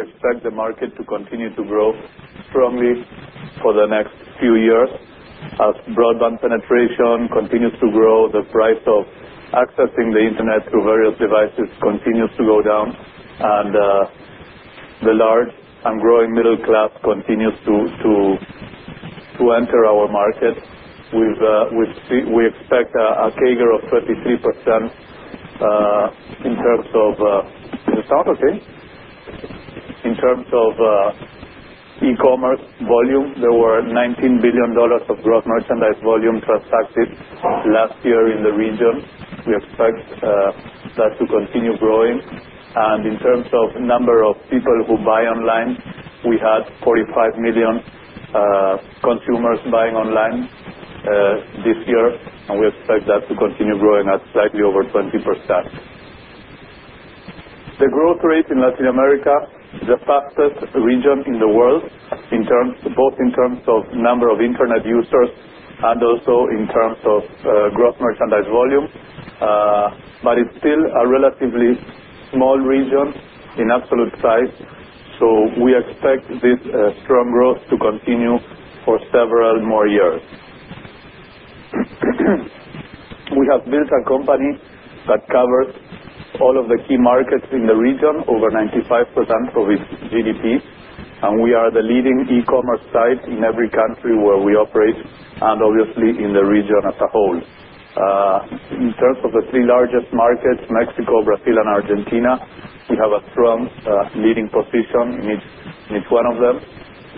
I expect the market to continue to grow strongly for the next few years. As broadband penetration continues to grow, the price of accessing the internet through various devices continues to go down. The large and growing middle class continues to enter our market. We expect a CAGR of 33% in terms of e-commerce volume. There were $19 billion of gross merchandise volume transacted last year in the region. We expect that to continue growing. In terms of the number of people who buy online, we had 45 million consumers buying online this year. We expect that to continue growing at slightly over 20%. The growth rate in Latin America is the fastest in the world, both in terms of number of internet users and also in terms of gross merchandise volume. It's still a relatively small region in absolute size. We expect this strong growth to continue for several more years. We have built a company that covers all of the key markets in the region, over 95% of its GDP. We are the leading e-commerce site in every country where we operate, and obviously in the region as a whole. In terms of the three largest markets, Mexico, Brazil, and Argentina, we have a strong leading position in each one of them.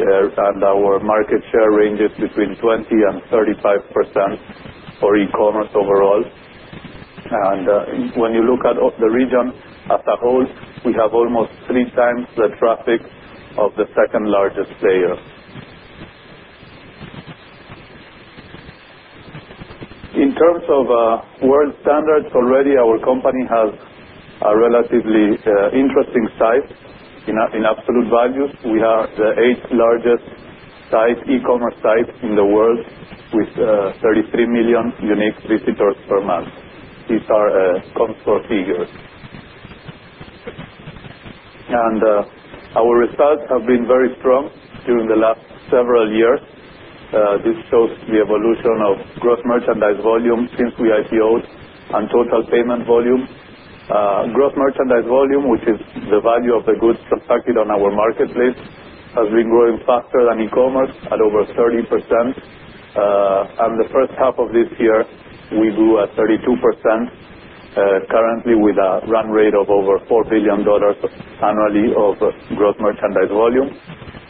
Our market share ranges between 20% and 35% for e-commerce overall. When you look at the region as a whole, we have almost three times the traffic of the second largest player. In terms of world standards, already our company has a relatively interesting size in absolute value. We are the eighth largest e-commerce site in the world with 33 million unique visitors per month. These are scores for figures. Our results have been very strong during the last several years. This shows the evolution of gross merchandise volume since we IPOed and total payment volume. Gross merchandise volume, which is the value of goods transacted on our Marketplace, has been growing faster than e-commerce at over 30%. In the first half of this year, we grew at 32%, currently with a run rate of over $4 billion annually of gross merchandise volume.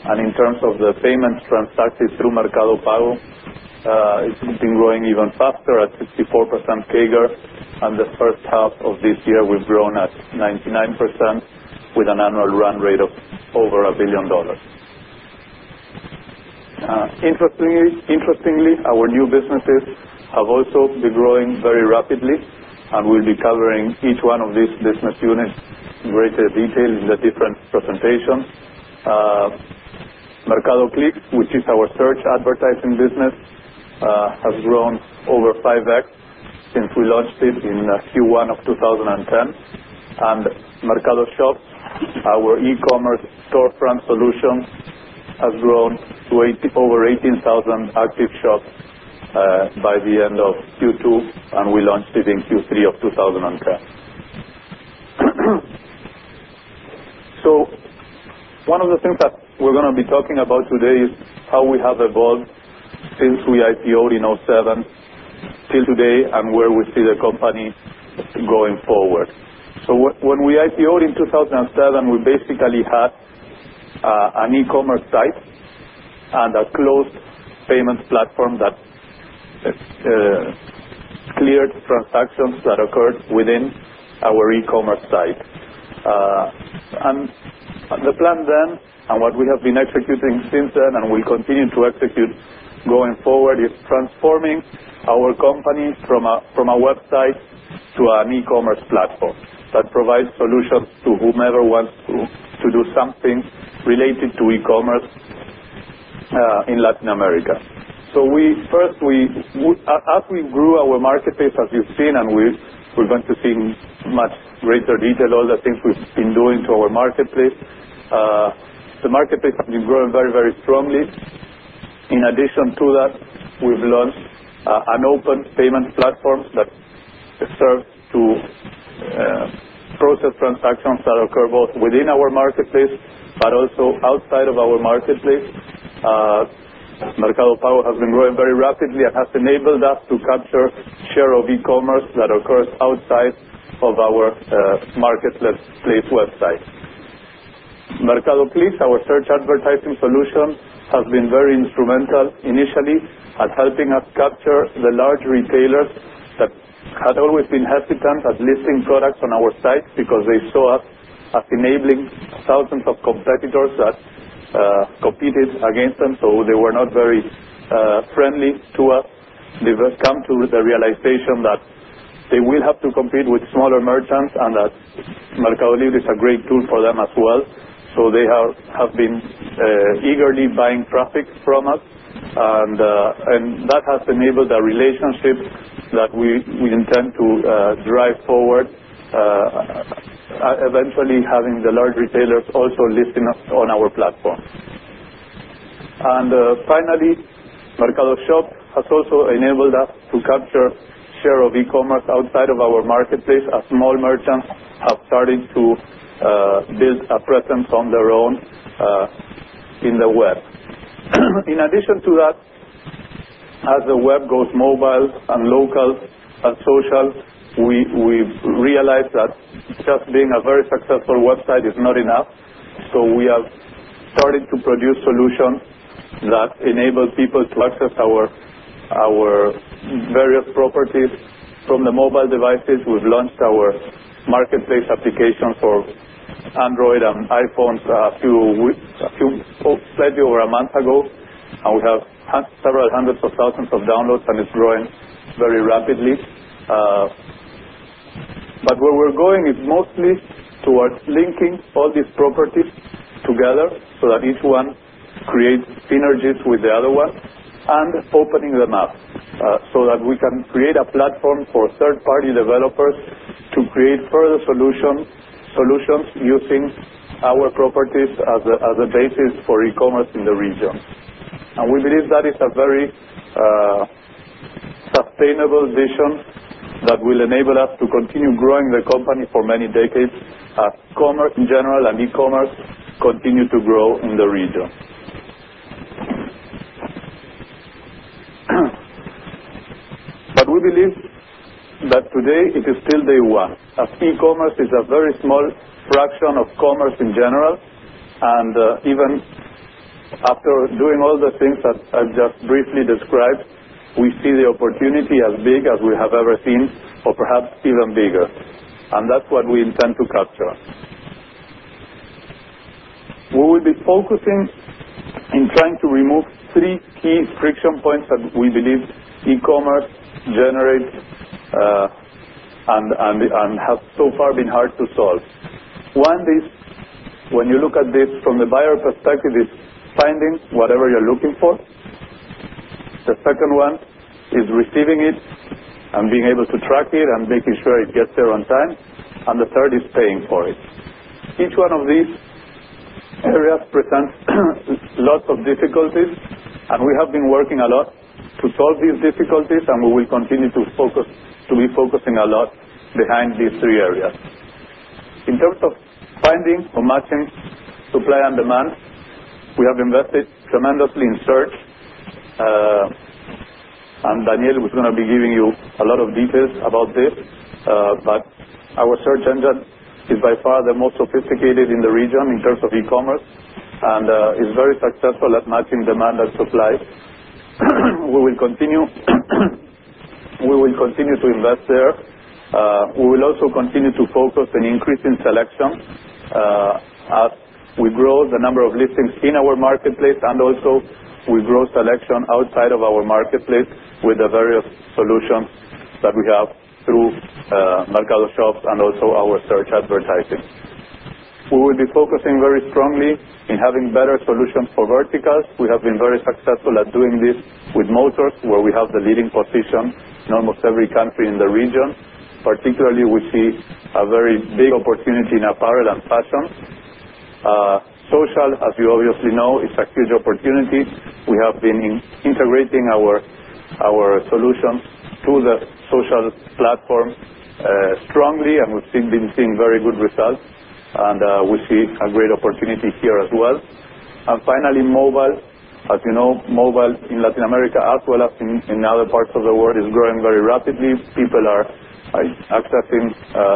In terms of the payments transacted through Mercado Pago, it's been growing even faster at 64% CAGR. In the first half of this year, we've grown at 99% with an annual run rate of over $1 billion. Interestingly, our new businesses have also been growing very rapidly. We'll be covering each one of these business units in greater detail in a different presentation. Mercado Clip, which is our search advertising business, has grown over 5x since we launched it in Q1 of 2010. Mercado Shop, our e-commerce storefront solution, has grown to over 18,000 active shops by the end of Q2. We launched it in Q3 of 2010. One of the things that we're going to be talking about today is how we have evolved since we IPOed in 2007 till today and where we see the company going forward. When we IPOed in 2007, we basically had an e-commerce site and a closed payment platform that cleared transactions that occurred within our e-commerce site. The plan then and what we have been executing since then and we continue to execute going forward is transforming our company from a website to an e-commerce platform that provides solutions to whomever wants to do something related to e-commerce in Latin America. First, as we grew our Marketplace, as you've seen, and we're going to see in much greater detail all the things we've been doing to our Marketplace, the Marketplace has been growing very, very strongly. In addition to that, we've launched an open payment platform that serves to process transactions that occur both within our Marketplace but also outside of our Marketplace. Mercado Pago has been growing very rapidly and has enabled us to capture share of e-commerce that occurs outside of our Marketplace website. Mercado Clip, our search advertising solution, has been very instrumental initially at helping us capture the large retailers that had always been hesitant at listing products on our site because they saw us enabling thousands of competitors that competed against them. They were not very friendly to us. They've come to the realization that they will have to compete with smaller merchants and that Mercado Libre is a great tool for them as well. They have been eagerly buying traffic from us. That has enabled the relationships that we intend to drive forward, eventually having the large retailers also listing us on our platform. Finally, Mercado Shop has also enabled us to capture share of e-commerce outside of our Marketplace as small merchants have started to build a presence on their own in the web. In addition to that, as the web goes mobile and local and social, we've realized that just being a very successful website is not enough. We have started to produce solutions that enable people to access our various properties from the mobile devices. We've launched our Marketplace application for Android and iPhones a few weeks ago, slightly over a month ago. We have several hundreds of thousands of downloads, and it's growing very rapidly. Where we're going is mostly towards linking all these properties together so that each one creates synergies with the other one and opening them up so that we can create a platform for third-party developers to create further solutions using our properties as a basis for e-commerce in the region. We believe that is a very sustainable vision that will enable us to continue growing the company for many decades as commerce in general and e-commerce continue to grow in the region. We believe that today it is still day one as e-commerce is a very small fraction of commerce in general. Even after doing all the things that I just briefly described, we see the opportunity as big as we have ever seen or perhaps even bigger. That's what we intend to capture. We will be focusing on trying to remove three key friction points that we believe e-commerce generates and has so far been hard to solve. One is when you look at this from the buyer perspective, it's finding whatever you're looking for. The second one is receiving it and being able to track it and making sure it gets there on time. The third is paying for it. Each one of these areas presents lots of difficulties. We have been working a lot to solve these difficulties. We will continue to be focusing a lot behind these three areas. In terms of finding or matching supply and demand, we have invested tremendously in search. Daniel was going to be giving you a lot of details about this. Our search engine is by far the most sophisticated in the region in terms of e-commerce and is very successful at matching demand and supply. We will continue to invest there. We will also continue to focus on increasing selection as we grow the number of listings in our Marketplace and also we grow selection outside of our Marketplace with the various solutions that we have through Mercado Shop and also our search advertising. We will be focusing very strongly on having better solutions for verticals. We have been very successful at doing this with motors, where we have the leading position in almost every country in the region, particularly which is a very big opportunity in apparel and fashion. Social, as you obviously know, is a huge opportunity. We have been integrating our solutions to the social platform strongly. We've been seeing very good results. We see a great opportunity here as well. Finally, mobile. As you know, mobile in Latin America, as well as in other parts of the world, is growing very rapidly. People are accessing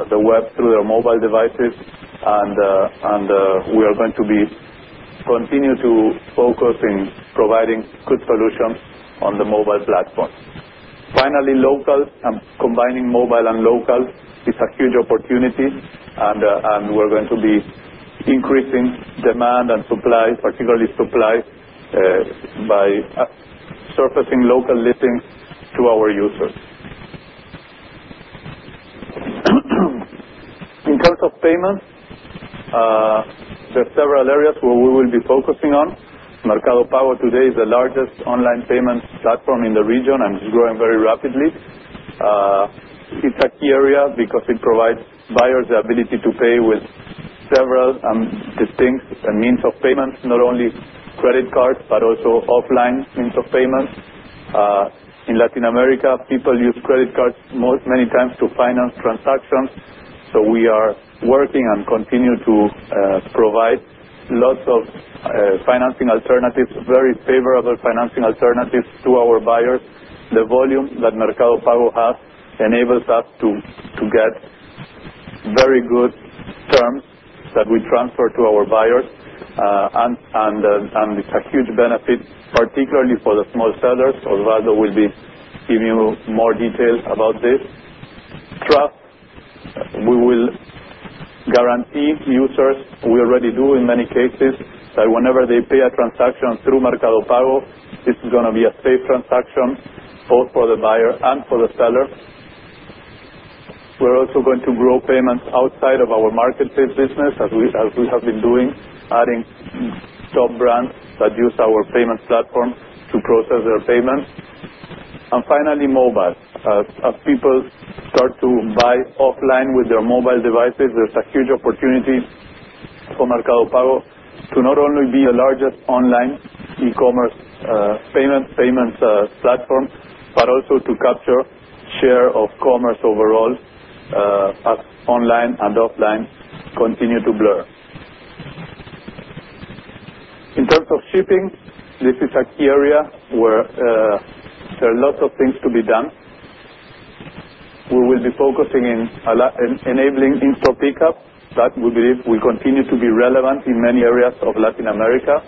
the web through their mobile devices. We are going to continue to focus on providing good solutions on the mobile platform. Finally, local. Combining mobile and local is a huge opportunity. We're going to be increasing demand and supply, particularly supply, by surfacing local listings to our users. In terms of payments, there are several areas where we will be focusing on. Mercado Pago today is the largest online payments platform in the region and is growing very rapidly. It's a key area because it provides buyers the ability to pay with several distinct means of payments, not only credit cards but also offline means of payments. In Latin America, people use credit cards many times to finance transactions. We are working and continue to provide lots of financing alternatives, very favorable financing alternatives to our buyers. The volume that Mercado Pago has enables us to get very good terms that we transfer to our buyers. It's a huge benefit, particularly for the small sellers. Osvaldo will be giving you more details about this. We will guarantee to users, we already do in many cases, that whenever they pay a transaction through Mercado Pago, it's going to be a safe transaction both for the buyer and for the seller. We're also going to grow payments outside of our Marketplace business, as we have been doing, adding sub-brands that use our payments platform to process their payments. Finally, mobile. As people start to buy offline with their mobile devices, there's a huge opportunity for Mercado Pago to not only be the largest online e-commerce payment platform but also to capture share of commerce overall as online and offline continue to grow. In terms of shipping, this is a key area where there are lots of things to be done. We will be focusing on enabling in-store pickup that we believe will continue to be relevant in many areas of Latin America.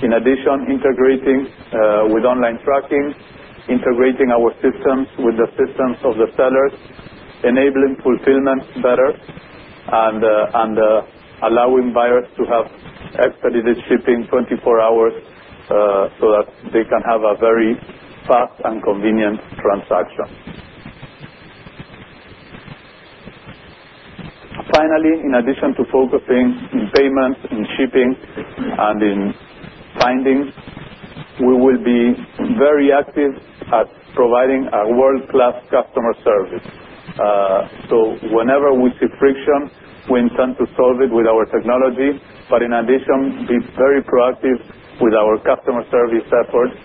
In addition, integrating with online tracking, integrating our systems with the systems of the sellers, enabling fulfillment better, and allowing buyers to have expedited shipping 24 hours so that they can have a very fast and convenient transaction. Finally, in addition to focusing on payments and shipping and in findings, we will be very active at providing a world-class customer service. Whenever we see friction, we intend to solve it with our technology. In addition, we will be very proactive with our customer service efforts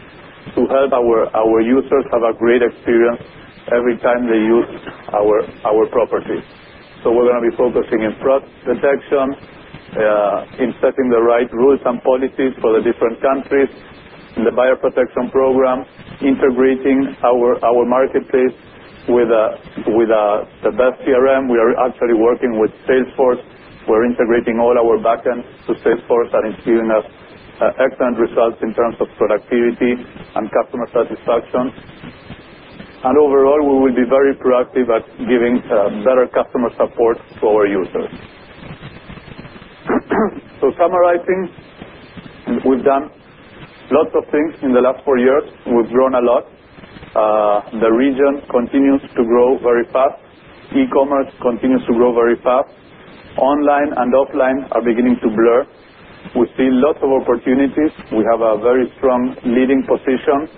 to help our users have a great experience every time they use our properties. We are going to be focusing on fraud detection, on setting the right rules and policies for the different countries, and the buyer protection program, integrating our Marketplace with the best CRM. We are actually working with Salesforce. We are integrating all our backend to Salesforce and ensuring excellent results in terms of productivity and customer satisfaction. Overall, we will be very proactive at giving better customer support to our users. Summarizing, we've done lots of things in the last four years. We've grown a lot. The region continues to grow very fast. E-commerce continues to grow very fast. Online and offline are beginning to blur. We see lots of opportunities. We have a very strong leading position.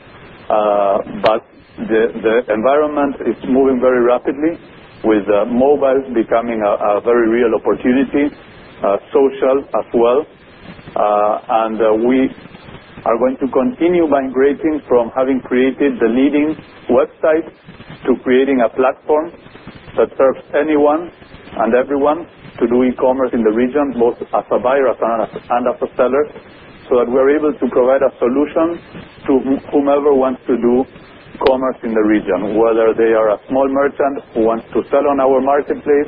The environment is moving very rapidly with mobile becoming a very real opportunity, social as well. We are going to continue migrating from having created the leading website to creating a platform that serves anyone and everyone to do e-commerce in the region, both as a buyer and as a seller, so that we are able to provide a solution to whomever wants to do commerce in the region, whether they are a small merchant who wants to sell on our Marketplace,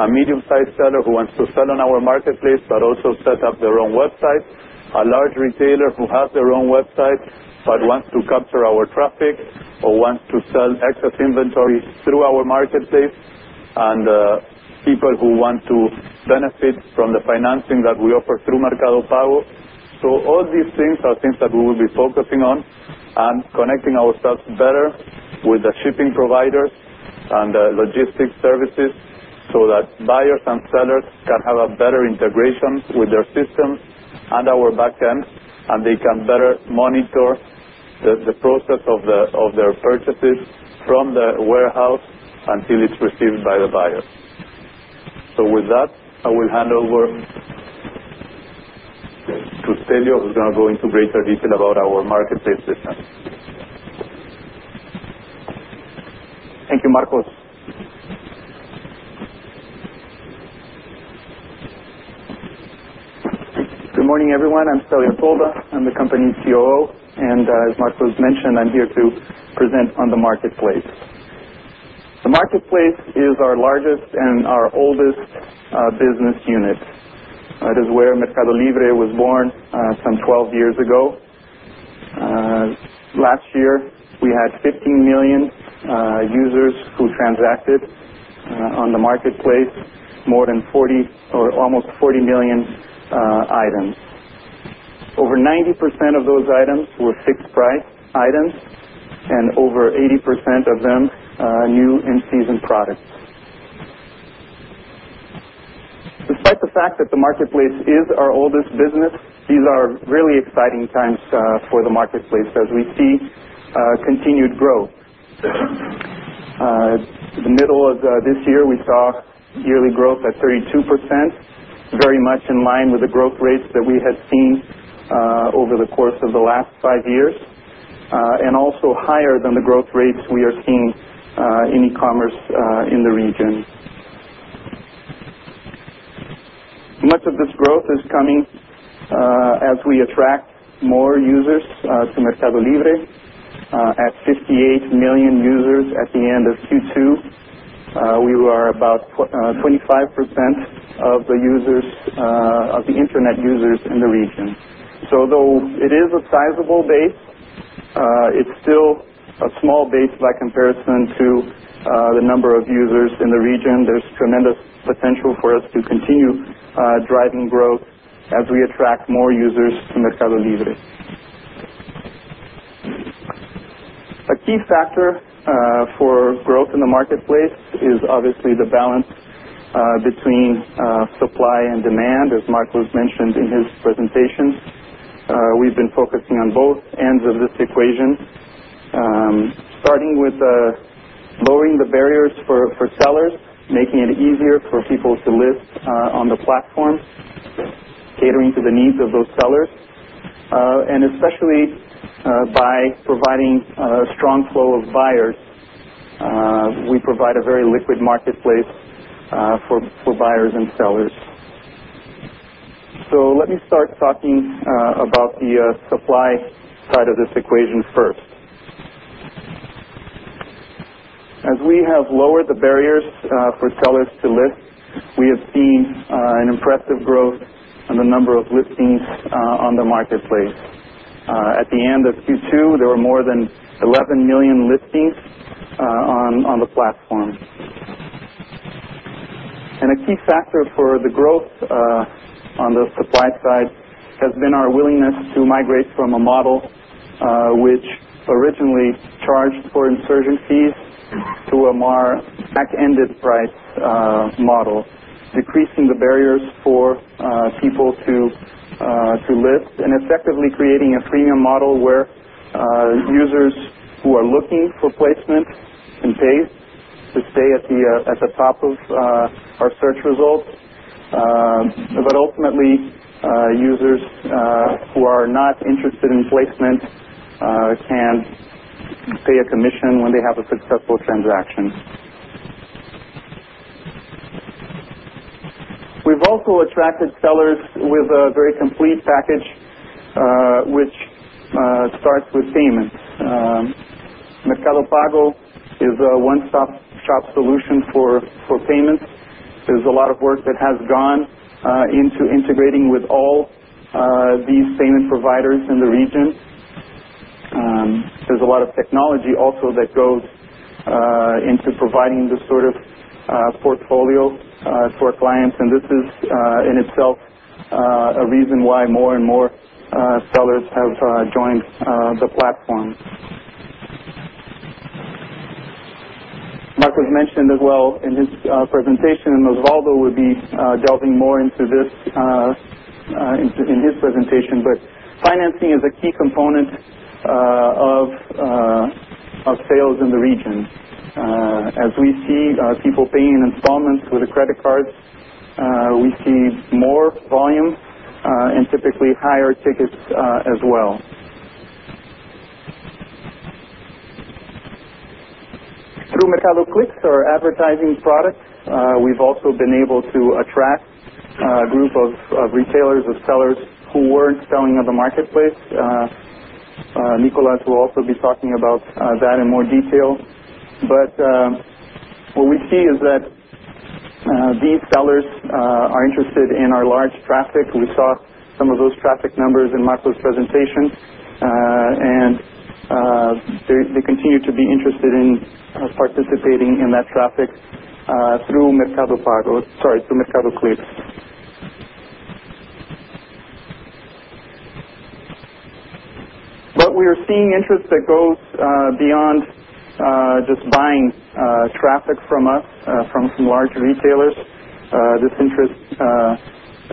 a medium-sized seller who wants to sell on our Marketplace but also set up their own website, a large retailer who has their own website but wants to capture our traffic or wants to sell excess inventory through our Marketplace, and people who want to benefit from the financing that we offer through Mercado Pago. All these things are things that we will be focusing on and connecting ourselves better with the shipping providers and the logistics services so that buyers and sellers can have better integrations with their systems and our backend. They can better monitor the process of their purchases from the warehouse until it's received by the buyer. With that, I will hand over to Stelleo, who's going to go into greater detail about our Marketplace system. Thank you, Marcos. Good morning, everyone. I'm Stelleo Tolda. I'm the company's COO. As Marcos mentioned, I'm here to present on the Marketplace. The Marketplace is our largest and our oldest business unit. It is where Mercado Libre was born some 12 years ago. Last year, we had 15 million users who transacted on the Marketplace, more than 40, or almost 40 million items. Over 90% of those items were fixed-price items. Over 80% of them were new in-season products. Despite the fact that the Marketplace is our oldest business, these are really exciting times for the Marketplace as we see continued growth. The middle of this year, we saw yearly growth at 32%, very much in line with the growth rates that we had seen over the course of the last five years, and also higher than the growth rates we are seeing in e-commerce in the region. Much of this growth is coming as we attract more users to Mercado Libre. At 58 million users at the end of Q2, we were about 25% of the internet users in the region. Though it is a sizable base, it's still a small base by comparison to the number of users in the region. There's tremendous potential for us to continue driving growth as we attract more users to Mercado Libre. A key factor for growth in the Marketplace is obviously the balance between supply and demand, as Marcos mentioned in his presentation. We've been focusing on both ends of this equation, starting with lowering the barriers for sellers, making it easier for people to list on the platform, catering to the needs of those sellers, especially by providing a strong flow of buyers. We provide a very liquid Marketplace for buyers and sellers. Let me start talking about the supply side of this equation first. As we have lowered the barriers for sellers to list, we have seen an impressive growth in the number of listings on the Marketplace. At the end of Q2, there were more than 11 million listings on the platform. A key factor for the growth on the supply side has been our willingness to migrate from a model which originally charged for insertion fees to a more back-ended price model, decreasing the barriers for people to list and effectively creating a freemium model where users who are looking for placements can pay to stay at the top of our search results. Ultimately, users who are not interested in placement can pay a commission when they have a successful transaction. We've also attracted sellers with a very complete package, which starts with payments. Mercado Pago is a one-stop shop solution for payments. There's a lot of work that has gone into integrating with all these payment providers in the region. There's a lot of technology also that goes into providing this sort of portfolio for clients. This is in itself a reason why more and more sellers have joined the platform. Marcos mentioned as well in his presentation, and Osvaldo will be delving more into this in his presentation. Financing is a key component of sales in the region. As we see people paying in installments with a credit card, we see more volume and typically higher tickets as well. Through Mercado Clip, our advertising product, we've also been able to attract a group of retailers or sellers who weren't selling on the Marketplace. Nicolas will also be talking about that in more detail. What we see is that these sellers are interested in our large traffic. We saw some of those traffic numbers in Marcos' presentation. They continue to be interested in participating in that traffic through Mercado Clip. We are seeing interest that goes beyond just buying traffic from us, from large retailers. This interest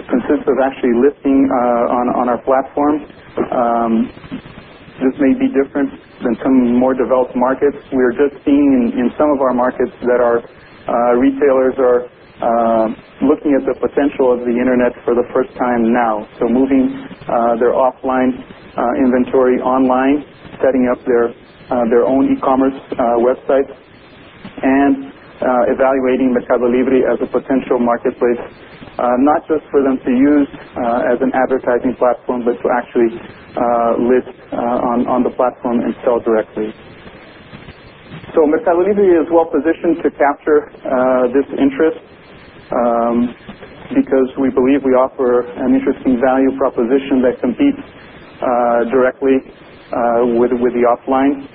consists of actually listing on our platforms. This may be different in some more developed markets. We are just seeing in some of our markets that our retailers are looking at the potential of the internet for the first time now, moving their offline inventory online, setting up their own e-commerce websites, and evaluating Mercado Libre as a potential Marketplace, not just for them to use as an advertising platform but to actually list on the platform and sell directly. Mercado Libre is well positioned to capture this interest because we believe we offer an interesting value proposition that competes directly with the offline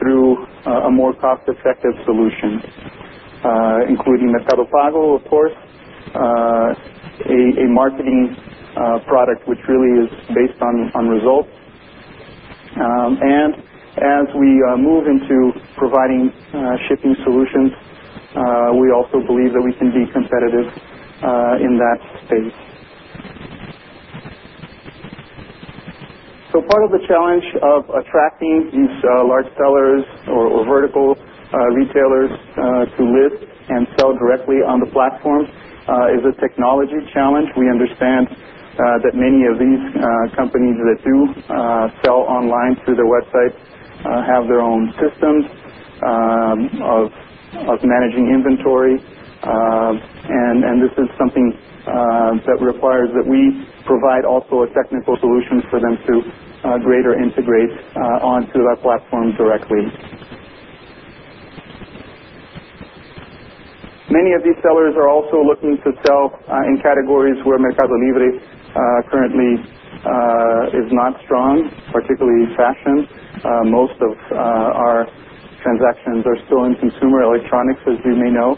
through a more cost-effective solution, including Mercado Pago, of course, a marketing product which really is based on results. As we move into providing shipping solutions, we also believe that we can be competitive in that space. Part of the challenge of attracting these large sellers or vertical retailers to list and sell directly on the platforms is a technology challenge. We understand that many of these companies that do sell online through their websites have their own systems of managing inventory. This is something that requires that we provide also a technical solution for them to integrate onto the platform directly. Many of these sellers are also looking to sell in categories where Mercado Libre currently is not strong, particularly fashion. Most of our transactions are still in consumer electronics, as you may know.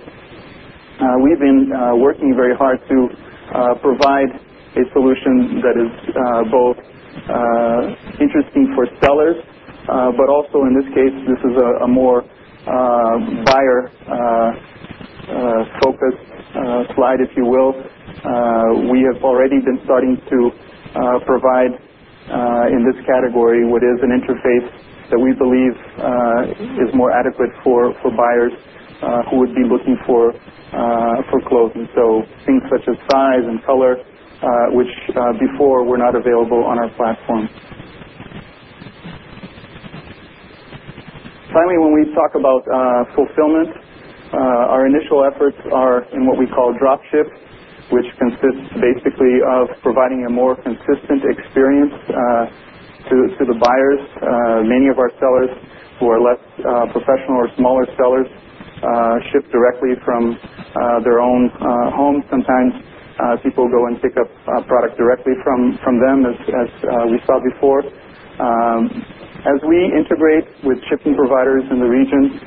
We've been working very hard to provide a solution that is both interesting for sellers but also, in this case, this is a more buyer-focused slide, if you will. We have already been starting to provide in this category what is an interface that we believe is more adequate for buyers who would be looking for clothing, so things such as size and color, which before were not available on our platform. Finally, when we talk about fulfillment, our initial efforts are in what we call dropship, which consists basically of providing a more consistent experience to the buyers. Many of our sellers who are less professional or smaller sellers ship directly from their own home. Sometimes people go and pick up a product directly from them, as we saw before. As we integrate with shipping providers in the region,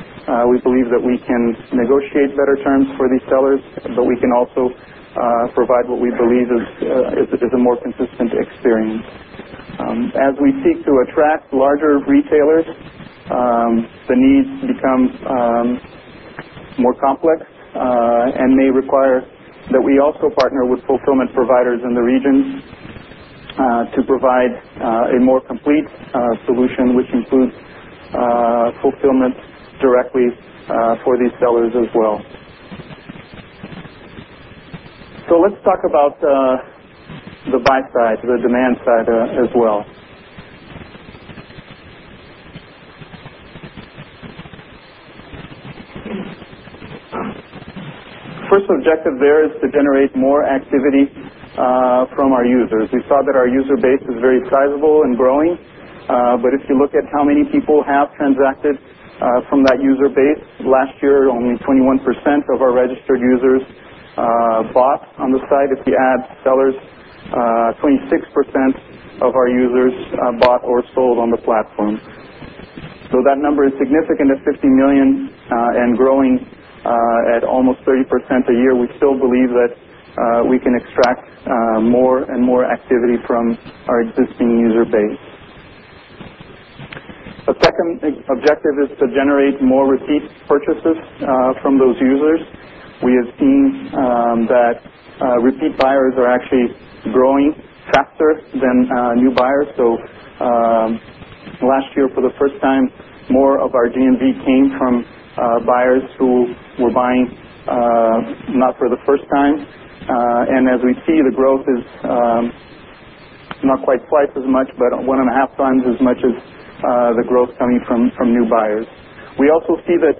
we believe that we can negotiate better terms for these sellers. We can also provide what we believe is a more consistent experience. As we seek to attract larger retailers, the needs become more complex and may require that we also partner with fulfillment providers in the regions to provide a more complete solution, which includes fulfillment directly for these sellers as well. Let's talk about the buy side, the demand side as well. First objective there is to generate more activity from our users. We saw that our user base is very sizable and growing. If you look at how many people have transacted from that user base, last year, only 21% of our registered users bought on the site. If you add sellers, 26% of our users bought or sold on the platforms. That number is significant at 50 million and growing at almost 30% a year. We still believe that we can extract more and more activity from our existing user base. The second objective is to generate more repeat purchases from those users. We have seen that repeat buyers are actually growing faster than new buyers. Last year, for the first time, more of our GMV came from buyers who were buying not for the first time. As we see, the growth is not quite twice as much, but one and a half times as much as the growth coming from new buyers. We also see that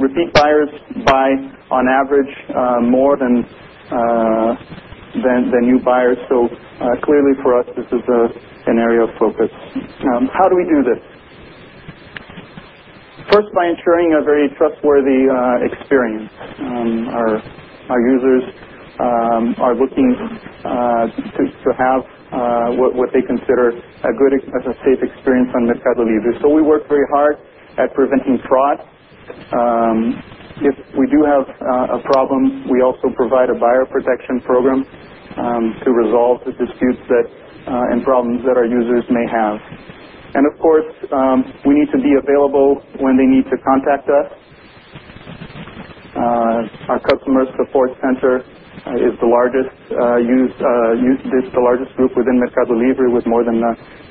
repeat buyers buy on average more than new buyers. Clearly, for us, this is an area of focus. How do we do this? First, by ensuring a very trustworthy experience. Our users are looking to have what they consider a good and safe experience on Mercado Libre. We work very hard at preventing fraud. If we do have a problem, we also provide a buyer protection program to resolve the disputes and problems that our users may have. Of course, we need to be available when they need to contact us. Our customer support center is the largest group within Mercado Libre, with more than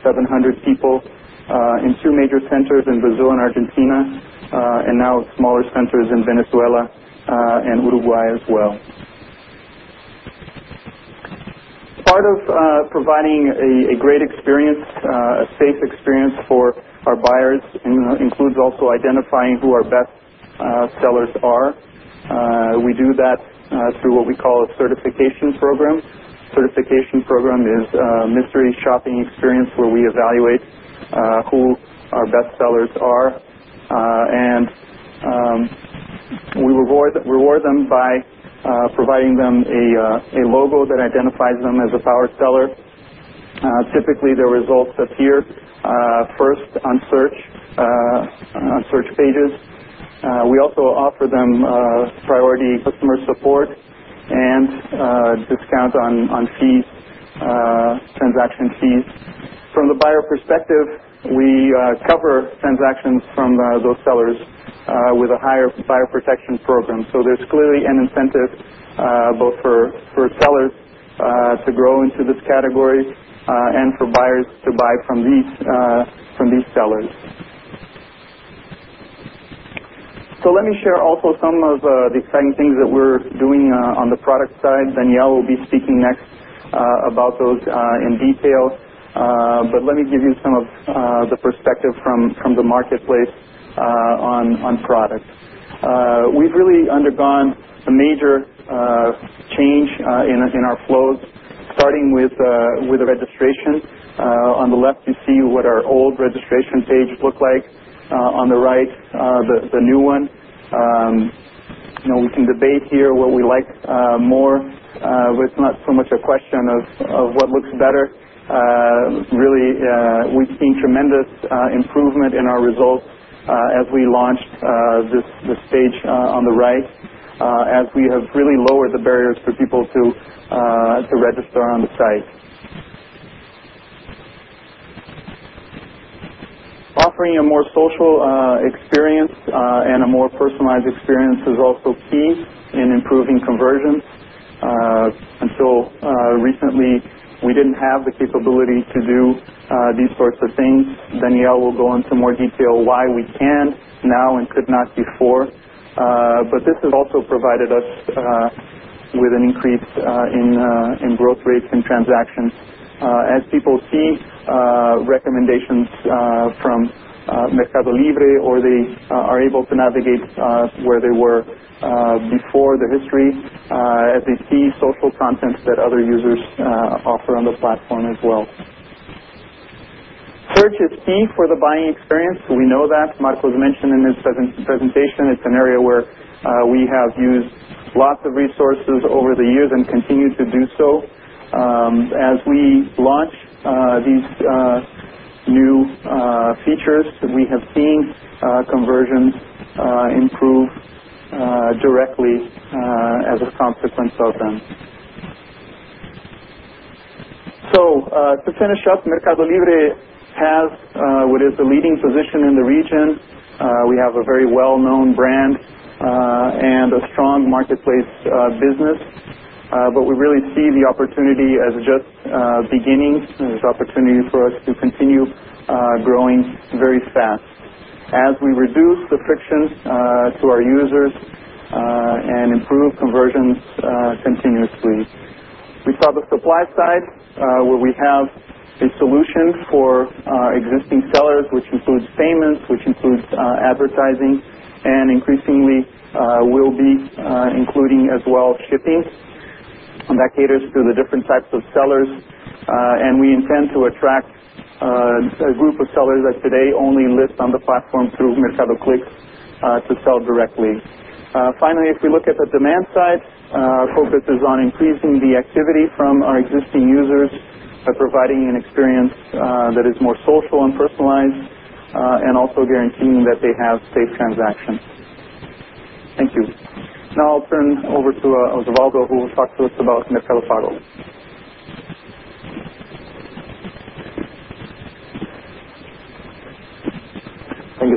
700 people in two major centers in Brazil and Argentina, and now smaller centers in Venezuela and Uruguay as well. Part of providing a great experience, a safe experience for our buyers, includes also identifying who our best sellers are. We do that through what we call a certification program. A certification program is a mystery shopping experience where we evaluate who our best sellers are. We reward them by providing them a logo that identifies them as a power seller. Typically, their results appear first on search pages. We also offer them priority customer support and discounts on transaction fees. From the buyer perspective, we cover transactions from those sellers with a higher buyer protection program. There is clearly an incentive both for sellers to grow into this category and for buyers to buy from these sellers. Let me share also some of the exciting things that we're doing on the product side. Daniel will be speaking next about those in detail. Let me give you some of the perspective from the Marketplace on products. We've really undergone a major change in our flow, starting with the registration. On the left, you see what our old registration page looked like. On the right, the new one. We can debate here what we like more. It's not so much a question of what looks better. Really, we've seen tremendous improvement in our results as we launched this stage on the right, as we have really lowered the barriers for people to register on site. Offering a more social experience and a more personalized experience is also key in improving conversion. Until recently, we didn't have the capability to do these sorts of things. Daniel will go into more detail why we can now and could not before. This has also provided us with an increase in growth rates and transactions. As people see recommendations from Mercado Libre, or they are able to navigate where they were before, the history, as they see social content that other users offer on the platform as well, search is key for the buying experience. We know that. Marcos mentioned in his presentation it's an area where we have used lots of resources over the years and continue to do so. As we launch these new features, we have seen conversion improve directly as a consequence of them. To finish up, Mercado Libre has what is the leading position in the region. We have a very well-known brand and a strong Marketplace business. We really see the opportunity as just beginning. There's opportunity for us to continue growing very fast as we reduce the friction to our users and improve conversions continuously. We've got the supply side, where we have a solution for our existing sellers, which includes payments, which includes advertising, and increasingly will be including as well shipping. That caters to the different types of sellers. We intend to attract a group of sellers that today only list on the platform through Mercado Clip to sell directly. Finally, if we look at the demand side, our focus is on increasing the activity from our existing users by providing an experience that is more social and personalized and also guaranteeing that they have safe transactions. Thank you. Now I'll turn over to Osvaldo, who will talk to us about Mercado Pago. Thank you, Stelleo.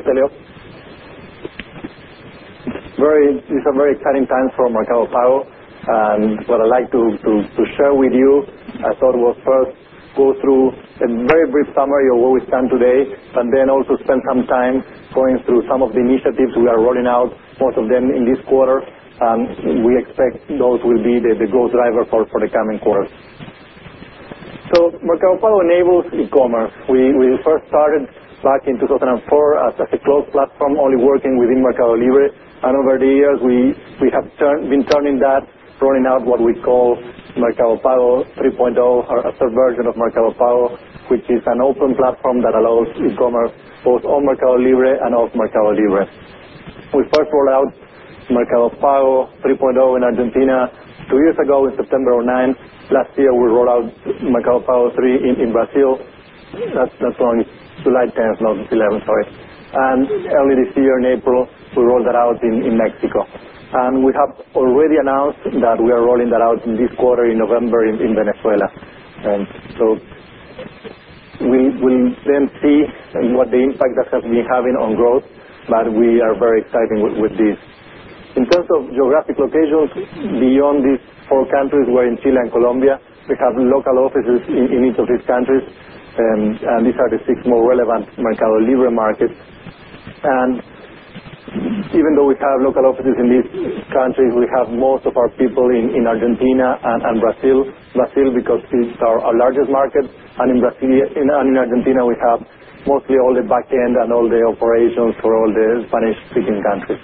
It's a very exciting time for Mercado Pago. What I'd like to share with you, I thought I would first go through a very brief summary of what we've done today, and then also spend some time going through some of the initiatives we are rolling out, most of them in this quarter. We expect those will be the growth driver for the coming quarter. Mercado Pago enables e-commerce. We first started back in 2004 as a closed platform only working within Mercado Libre. Over the years, we have been turning that, rolling out what we call Mercado Pago 3.0, or a subversion of Mercado Pago, which is an open platform that allows e-commerce both on Mercado Libre and off Mercado Libre. We first rolled out Mercado Pago 3.0 in Argentina two years ago in September 2009. Last year, we rolled out Mercado Pago 3 in Brazil. That's on July 10, 2011. Sorry. Earlier this year, in April, we rolled that out in Mexico. We have already announced that we are rolling that out in this quarter in November in Venezuela. We will then see what the impact that has been having on growth. We are very excited with this. In terms of geographic locations, beyond these four countries, we're in Chile and Colombia. We have local offices in each of these countries. These are the six more relevant Mercado Libre markets. Even though we have local offices in these countries, we have most of our people in Argentina and Brazil, Brazil because it's our largest market. In Argentina, we have mostly all the backend and all the operations for all the Spanish-speaking countries.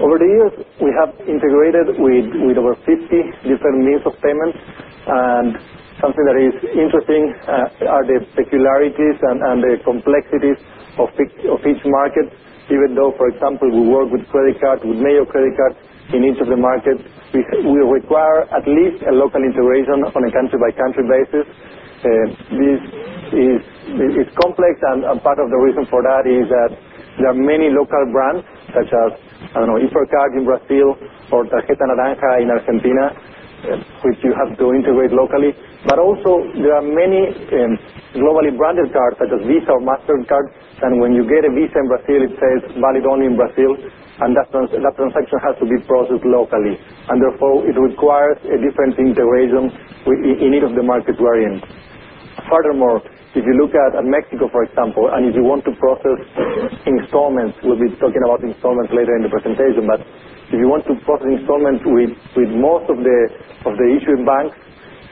Over the years, we have integrated with over 50 different means of payments. Something that is interesting are the peculiarities and the complexities of each market. Even though, for example, we work with credit cards, with major credit cards in each of the markets, we require at least a local integration on a country-by-country basis. It's complex. Part of the reason for that is that there are many local brands, such as, I don't know, Intercard in Brazil or Tarjeta Naranja in Argentina, which you have to integrate locally. There are also many globally branded cards, such as Visa or MasterCard. When you get a Visa in Brazil, it says valid only in Brazil. That transaction has to be processed locally, and therefore, it requires a different integration in each of the markets we're in. Furthermore, if you look at Mexico, for example, and if you want to process installments, we'll be talking about installments later in the presentation. If you want to process installments with most of the issuing banks,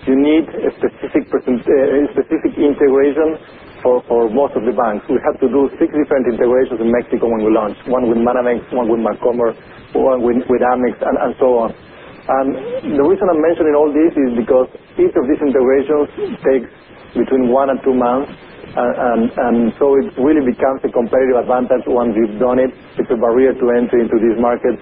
you need a specific integration for most of the banks. We had to do six different integrations in Mexico when we launched, one with Manamix, one with Mercomer, one with Amex, and so on. The reason I'm mentioning all this is because each of these integrations takes between one and two months. It really becomes a competitive advantage once you've done it. It's a barrier to entry into these markets.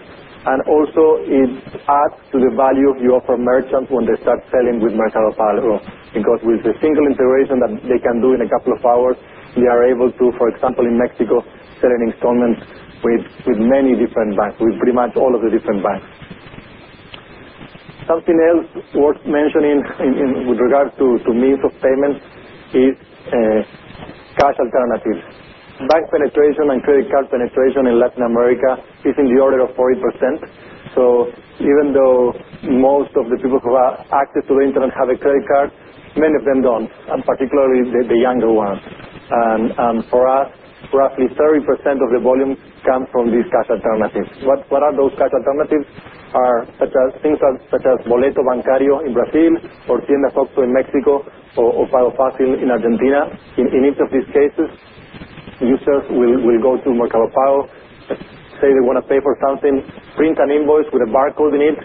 It also adds to the value you offer merchants when they start selling with Mercado Pago because with a single integration that they can do in a couple of hours, they are able to, for example, in Mexico, sell an installment with many different banks, with pretty much all of the different banks. Something else worth mentioning with regard to means of payment is cash alternatives. Bank penetration and credit card penetration in Latin America is in the order of 40%. Even though most of the people who have access to the internet have a credit card, many of them don't, and particularly the younger ones. For us, roughly 30% of the volume comes from these cash alternatives. What are those cash alternatives? Things such as boleto bancario in Brazil, portienda factura in Mexico, or pago fácil in Argentina. In each of these cases, users will go to Mercado Pago, say they want to pay for something, print an invoice with a barcode in it,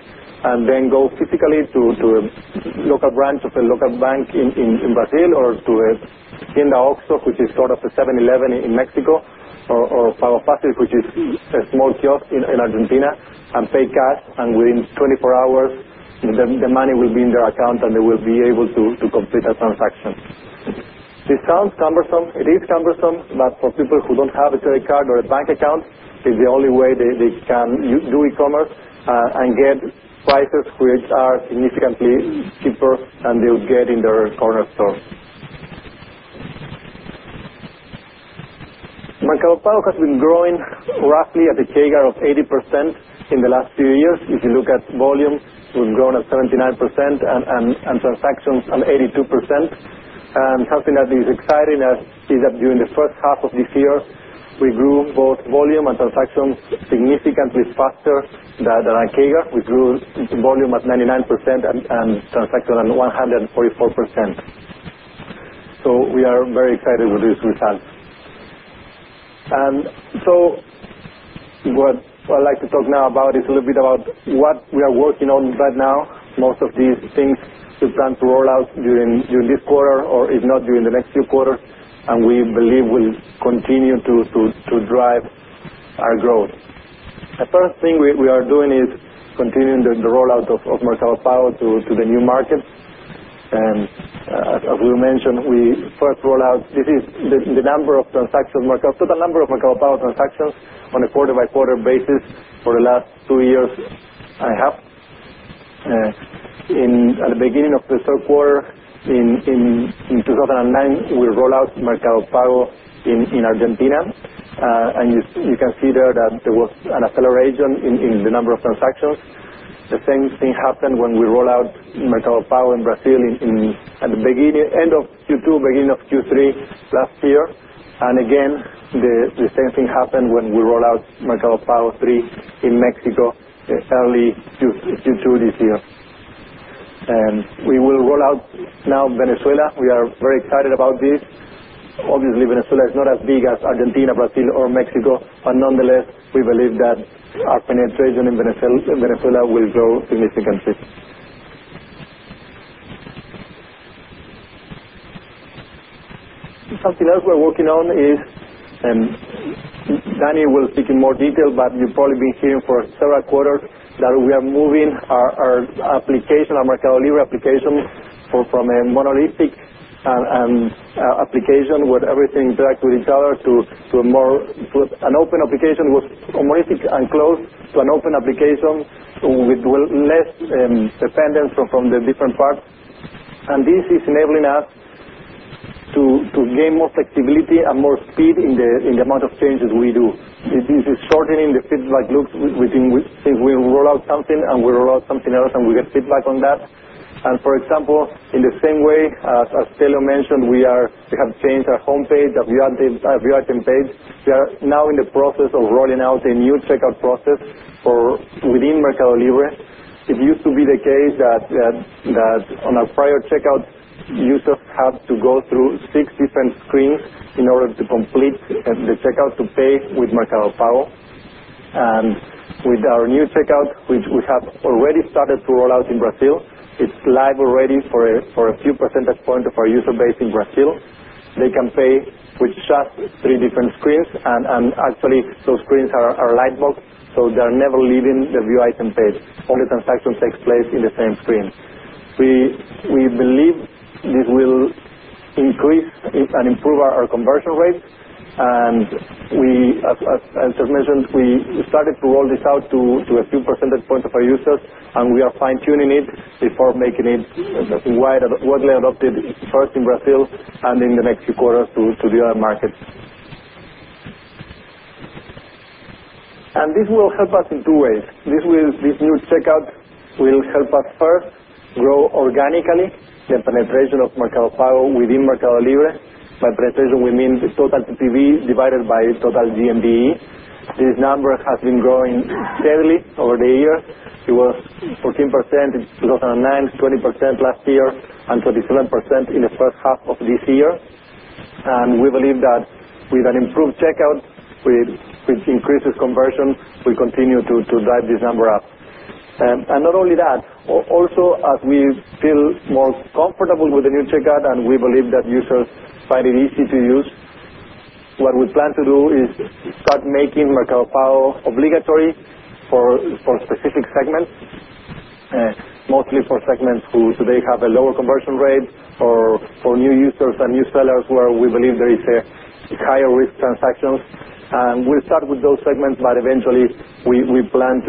and then go physically to a local branch, to a local bank in Brazil, or to a tienda Oxxo, which is sort of a 7-Eleven in Mexico, or pago fácil, which is a small kiosk in Argentina, and pay cash. Within 24 hours, the money will be in their account, and they will be able to complete that transaction. This sounds cumbersome. It is cumbersome. For people who don't have a credit card or a bank account, it's the only way they can do e-commerce and get prices which are significantly cheaper than they would get in their corner stores. Mercado Pago has been growing roughly at a CAGR of 80% in the last few years. If you look at volume, it's been growing at 79% and transactions at 82%. Something that is exciting is that during the first half of this year, we grew both volume and transactions significantly faster than our CAGR. We grew in volume at 99% and transactions at 144%. We are very excited with these results. What I'd like to talk now about is a little bit about what we are working on right now. Most of these things we plan to roll out during this quarter or if not during the next few quarters. We believe we'll continue to drive our growth. The first thing we are doing is continuing the rollout of Mercado Pago to the new markets. As we mentioned, we first rolled out this. This is the number of transactions, the total number of Mercado Pago transactions on a quarter-by-quarter basis for the last two years and a half. At the beginning of the third quarter in 2009, we rolled out Mercado Pago in Argentina. You can see there that there was an acceleration in the number of transactions. The same thing happened when we rolled out Mercado Pago in Brazil at the end of Q2, beginning of Q3 last year. The same thing happened when we rolled out Mercado Pago in Mexico in early Q2 this year. We will roll out now in Venezuela. We are very excited about this. Obviously, Venezuela is not as big as Argentina, Brazil, or Mexico. Nonetheless, we believe that our penetration in Venezuela will grow significantly. Something else we're working on is, and Daniel will speak in more detail, you've probably been hearing for several quarters that we are moving our application, our Mercado Libre application, from a monolithic application where everything interacts with each other to a more open application, with monolithic and closed to an open application with less dependence from the different parts. This is enabling us to gain more flexibility and more speed in the amount of changes we do. This is shortening the feedback loops. We think we'll roll out something, and we roll out something else, and we get feedback on that. For example, in the same way as Stelleo mentioned, we have changed our homepage, our view item page. We are now in the process of rolling out a new checkout process for within Mercado Libre. It used to be the case that on a prior checkout, you just have to go through six different screens in order to complete the checkout to pay with Mercado Pago. With our new checkout, which we have already started to roll out in Brazil, it's live already for a few percentage points of our user base in Brazil. They can pay with just three different screens. Actually, those screens are light bulbs, so they're never leaving the view item page. All the transactions take place in the same screen. We believe this will increase and improve our conversion rate. As I just mentioned, we started to roll this out to a few percentage points of our users, and we are fine-tuning it before making it widely adopted first in Brazil and in the next few quarters to the other markets. This will help us in two ways. This new checkout will help us first grow organically, the penetration of Mercado Pago within Mercado Libre. By penetration, we mean the total PPV divided by its total GMV. This number has been growing steadily over the years. It was 14% in 2009, 20% last year, and 27% in the first half of this year. We believe that with an improved checkout, with increasing conversion, we continue to drive this number up. Not only that, also, as we feel more comfortable with the new checkout, and we believe that users find it easy to use, what we plan to do is start making Mercado Pago obligatory for specific segments, mostly for segments who today have a lower conversion rate or for new users and new sellers where we believe there are higher risk transactions. We'll start with those segments. Eventually, we plan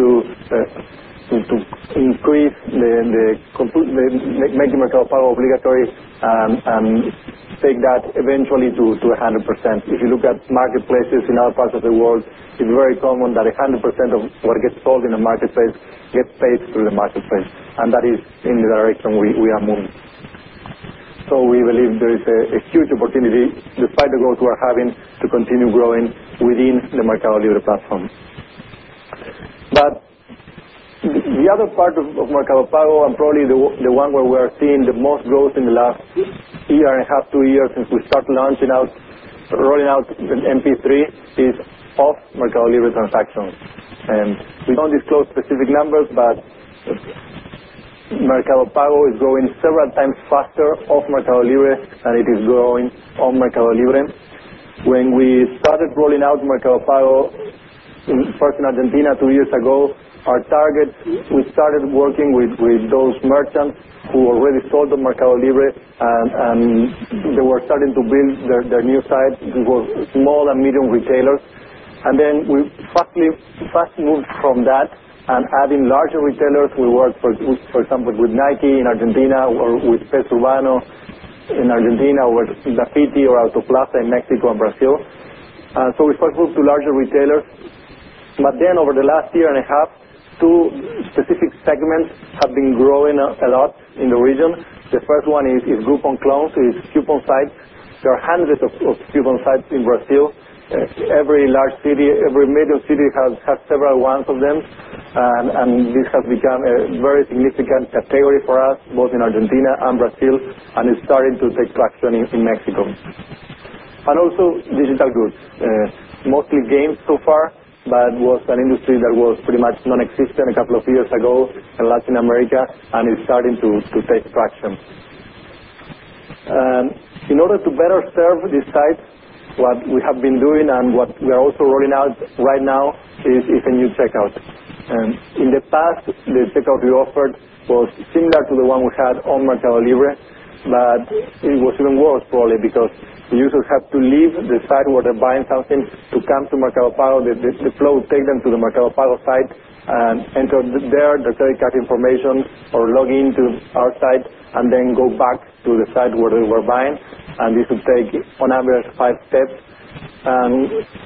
to increase making Mercado Pago obligatory and take that eventually to 100%. If you look at marketplaces in other parts of the world, it's very common that 100% of what gets sold in a marketplace gets paid through the marketplace. That is in the direction we are moving. We believe there is a huge opportunity, despite the growth we're having, to continue growing within the Mercado Libre platform. The other part of Mercado Pago, and probably the one where we are seeing the most growth in the last year and a half, two years since we started rolling out MP3, is off Mercado Libre transactions. We don't disclose specific numbers, but Mercado Pago is growing several times faster off Mercado Libre than it is growing on Mercado Libre. When we started rolling out Mercado Pago first in Argentina two years ago, our targets, we started working with those merchants who already sold on Mercado Libre. They were starting to build their new sites, small and medium retailers. Then we fast moved from that and added larger retailers. We worked, for example, with Nike in Argentina or with Pepe Urbano in Argentina or with Graffiti or Autoplaza in Mexico and Brazil. We started to move to larger retailers. Over the last year and a half, two specific segments have been growing a lot in the region. The first one is Groupon clones, which is a coupon site. There are hundreds of coupon sites in Brazil. Every large city, every major city has several ones of them. This has become a very significant category for us, both in Argentina and Brazil. It is starting to take traction in Mexico. Also, digital goods, mostly games so far, but it was an industry that was pretty much nonexistent a couple of years ago in Latin America. It is starting to take traction. In order to better serve this site, what we have been doing and what we are also rolling out right now is a new checkout. In the past, the checkout we offered was similar to the one we had on Mercado Libre, but it was even worse, probably because the users had to leave the site where they're buying something to come to Mercado Pago. The flow would take them to the Mercado Pago site, enter their credit card information or log in to our site, and then go back to the site where they were buying. This would take an average of five steps.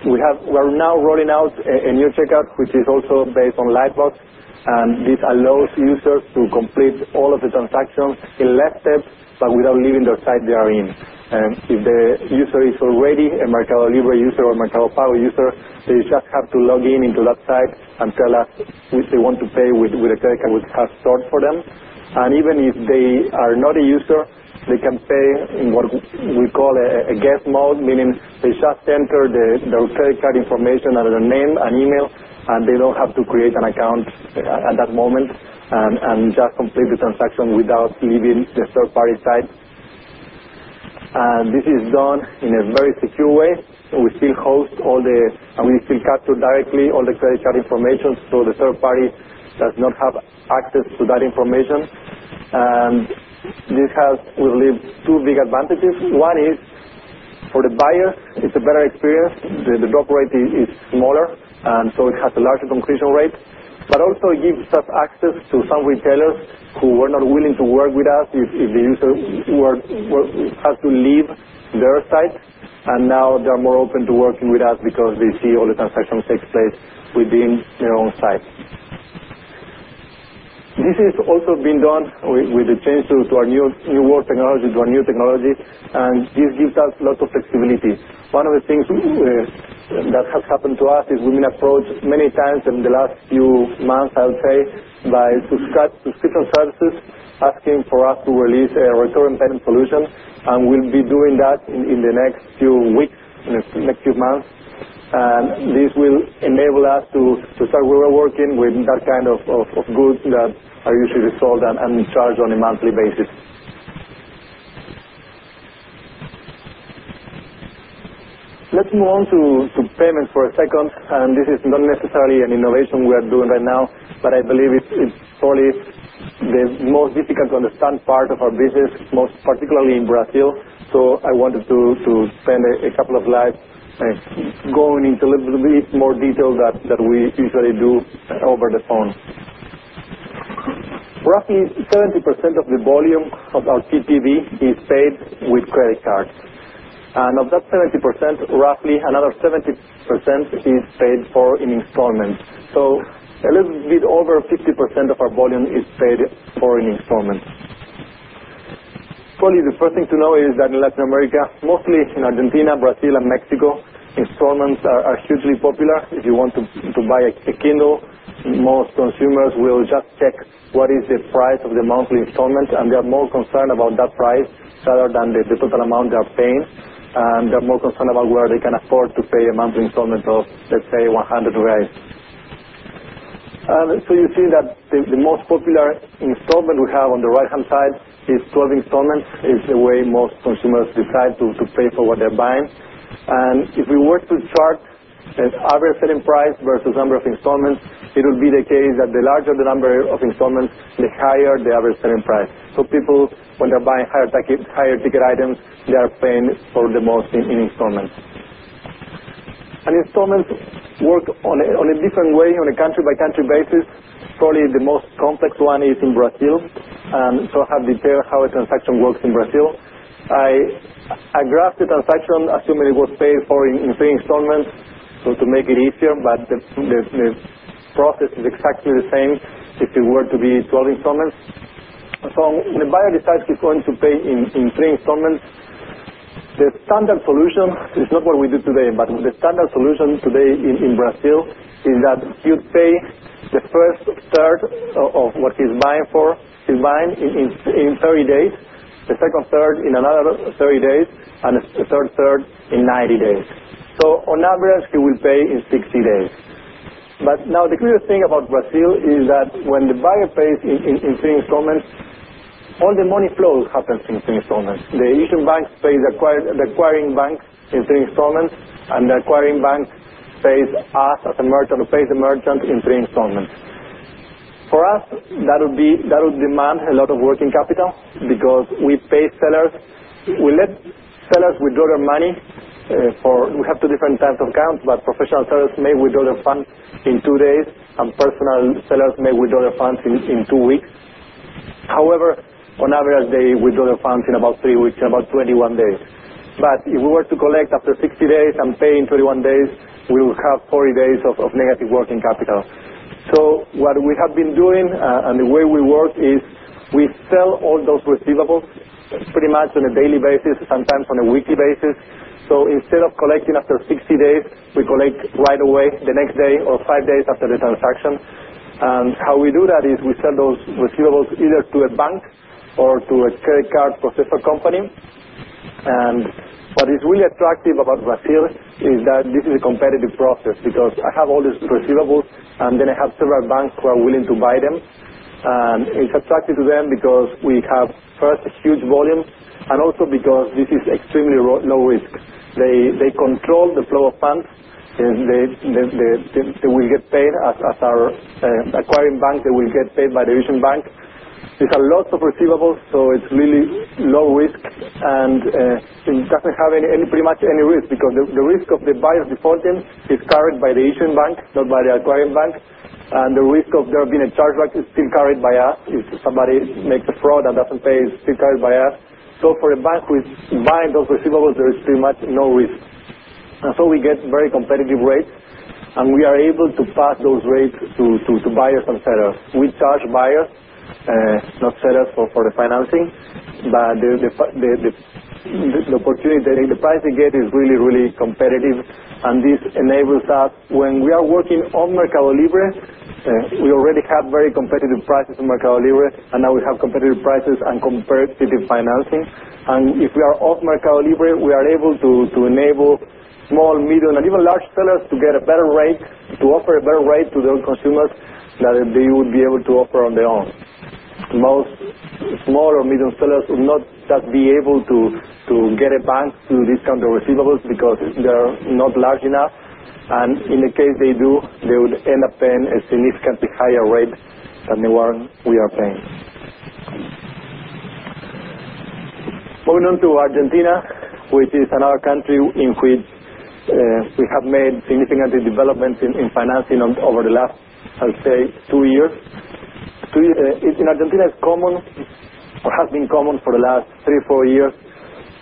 We are now rolling out a new checkout, which is also based on light bulbs. This allows users to complete all of the transactions in fewer steps, but without leaving the site they are in. If the user is already a Mercado Libre user or a Mercado Pago user, they just have to log in into that site and tell us if they want to pay with a credit card we have stored for them. Even if they are not a user, they can pay in what we call a guest mode, meaning they just enter their credit card information and their name and email. They don't have to create an account at that moment and just complete the transaction without leaving the third-party site. This is done in a very secure way. We still hold all the, and we still capture directly all the credit card information so the third party does not have access to that information. This has, we believe, two big advantages. One is for the buyer, it's a better experience. The drop rate is smaller, so it has a larger conclusion rate. It also gives us access to some retailers who were not willing to work with us if the user had to leave their site. Now they are more open to working with us because they see all the transactions take place within their own site. This has also been done with attention to our new technology. This gives us lots of flexibility. One of the things that has happened to us is we've been approached many times in the last few months, I would say, by subscription services asking for us to release a recurring payment solution. We'll be doing that in the next few weeks, in the next few months. This will enable us to start really working with that kind of good that our users are sold and charged on a monthly basis. Let's move on to payments for a second. This is not necessarily an innovation we are doing right now. I believe it's probably the most difficult to understand part of our business, most particularly in Brazil. I wanted to spend a couple of slides going into a little bit more detail than we usually do over the phone. Roughly 70% of the volume of our PPV is paid with credit cards. Of that 70%, roughly another 70% is paid for in installments. A little bit over 50% of our volume is paid for in installments. Probably the first thing to know is that in Latin America, mostly in Argentina, Brazil, and Mexico, installments are hugely popular. If you want to buy a chicken dough, most consumers will just check what is the price of the monthly installment. They are more concerned about that price rather than the total amount they are paying. They're more concerned about whether they can afford to pay a monthly installment of, let's say, 100 reais. You see that the most popular installment we have on the right-hand side is 12 installments. It's the way most consumers decide to pay for what they're buying. If we were to chart an average selling price versus the number of installments, it would be the case that the larger the number of installments, the higher the average selling price. People, when they're buying higher ticket items, are paying for the most in installments. Installments work in a different way on a country-by-country basis. Probably the most complex one is in Brazil. I have detailed how a transaction works in Brazil. I graphed the transaction, assuming it was paid for in three installments to make it easier. The process is exactly the same if it were to be 12 installments. The buyer decides he's going to pay in three installments. The standard solution is not what we do today. The standard solution today in Brazil is that you pay the first third of what he's buying for. He's buying in 30 days, the second third in another 30 days, and the third third in 90 days. On average, he will pay in 60 days. The clearest thing about Brazil is that when the buyer pays in three installments, all the money flow happens in three installments. The issuing bank pays the acquiring bank in three installments, and the acquiring bank pays us as a merchant or pays the merchant in three installments. For us, that would demand a lot of working capital because we pay sellers. We let sellers withdraw their money. We have two different types of accounts. Professional sellers may withdraw their funds in two days, and personal sellers may withdraw their funds in two weeks. However, on average, they withdraw their funds in about three weeks, in about 21 days. If we were to collect after 60 days and pay in 21 days, we would have 40 days of negative working capital. What we have been doing and the way we work is we sell all those receivables pretty much on a daily basis, sometimes on a weekly basis. Instead of collecting after 60 days, we collect right away the next day or five days after the transaction. How we do that is we sell those receivables either to a bank or to a credit card processor company. What is really attractive about Brazil is that this is a competitive process because I have all these receivables, and then I have several banks who are willing to buy them. It's attractive to them because we have first a huge volume and also because this is extremely low risk. They control the flow of funds. They will get paid as our acquiring bank. They will get paid by the issuing bank. There's a lot of receivables, so it's really low risk. It doesn't have pretty much any risk because the risk of the buyer defaulting is carried by the issuing bank, not by the acquiring bank. The risk of there being a charge back is still carried by us. If somebody makes a fraud and doesn't pay, it's still carried by us. For a bank, if it's buying those receivables, there is pretty much no risk. We get very competitive rates, and we are able to pass those rates to buyers and sellers. We charge buyers, not sellers, for the financing. The opportunity that the price they get is really, really competitive. This enables us when we are working on Mercado Libre. We already have very competitive prices on Mercado Libre, and now we have competitive prices and competitive financing. If we are off Mercado Libre, we are able to enable small, medium, and even large sellers to get a better rate, to offer a better rate to their consumers than they would be able to offer on their own. Most small or medium sellers would not be able to get a bank to discount their receivables because they're not large enough. In the case they do, they would end up paying a significantly higher rate than the one we are paying. Moving on to Argentina, which is another country in which we have made significant developments in financing over the last, I would say, two years. In Argentina, it's common or has been common for the last three or four years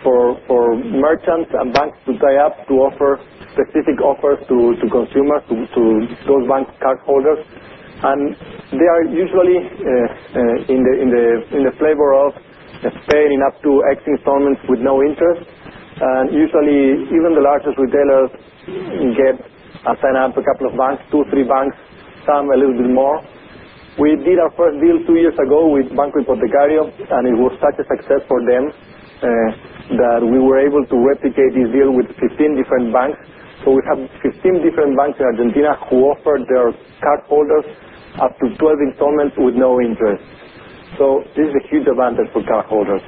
for merchants and banks to tie up to offer specific offers to consumers, to those bank cardholders. They are usually in the flavor of paying up to X installments with no interest. Usually, even the largest retailers get a sign-up to a couple of banks, two or three banks, some a little bit more. We did our first deal two years ago with Banco Hipotecario. It was such a success for them that we were able to replicate this deal with 15 different banks. We have 15 different banks in Argentina who offered their cardholders up to 12 installments with no interest. This is a huge advantage for cardholders.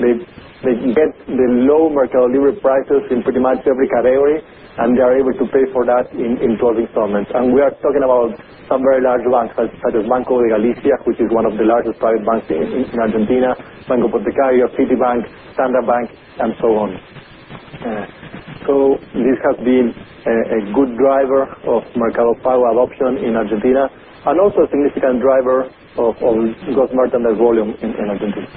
They can get the low Mercado Libre prices in pretty much every category, and they are able to pay for that in 12 installments. We are talking about some very large banks such as Banco Galicia, which is one of the largest private banks in Argentina, Banco Hipotecario, Citibank, Standard Bank, and so on. This has been a good driver of Mercado Pago adoption in Argentina and also a significant driver of growth market and volume in Argentina.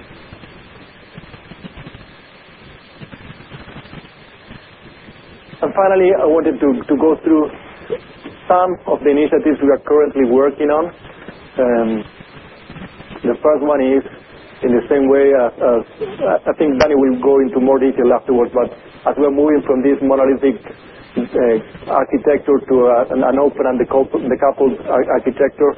Finally, I wanted to go through some of the initiatives we are currently working on. The first one is in the same way as I think Daniel will go into more detail afterwards. As we're moving from this monolithic architecture to an open and decoupled architecture,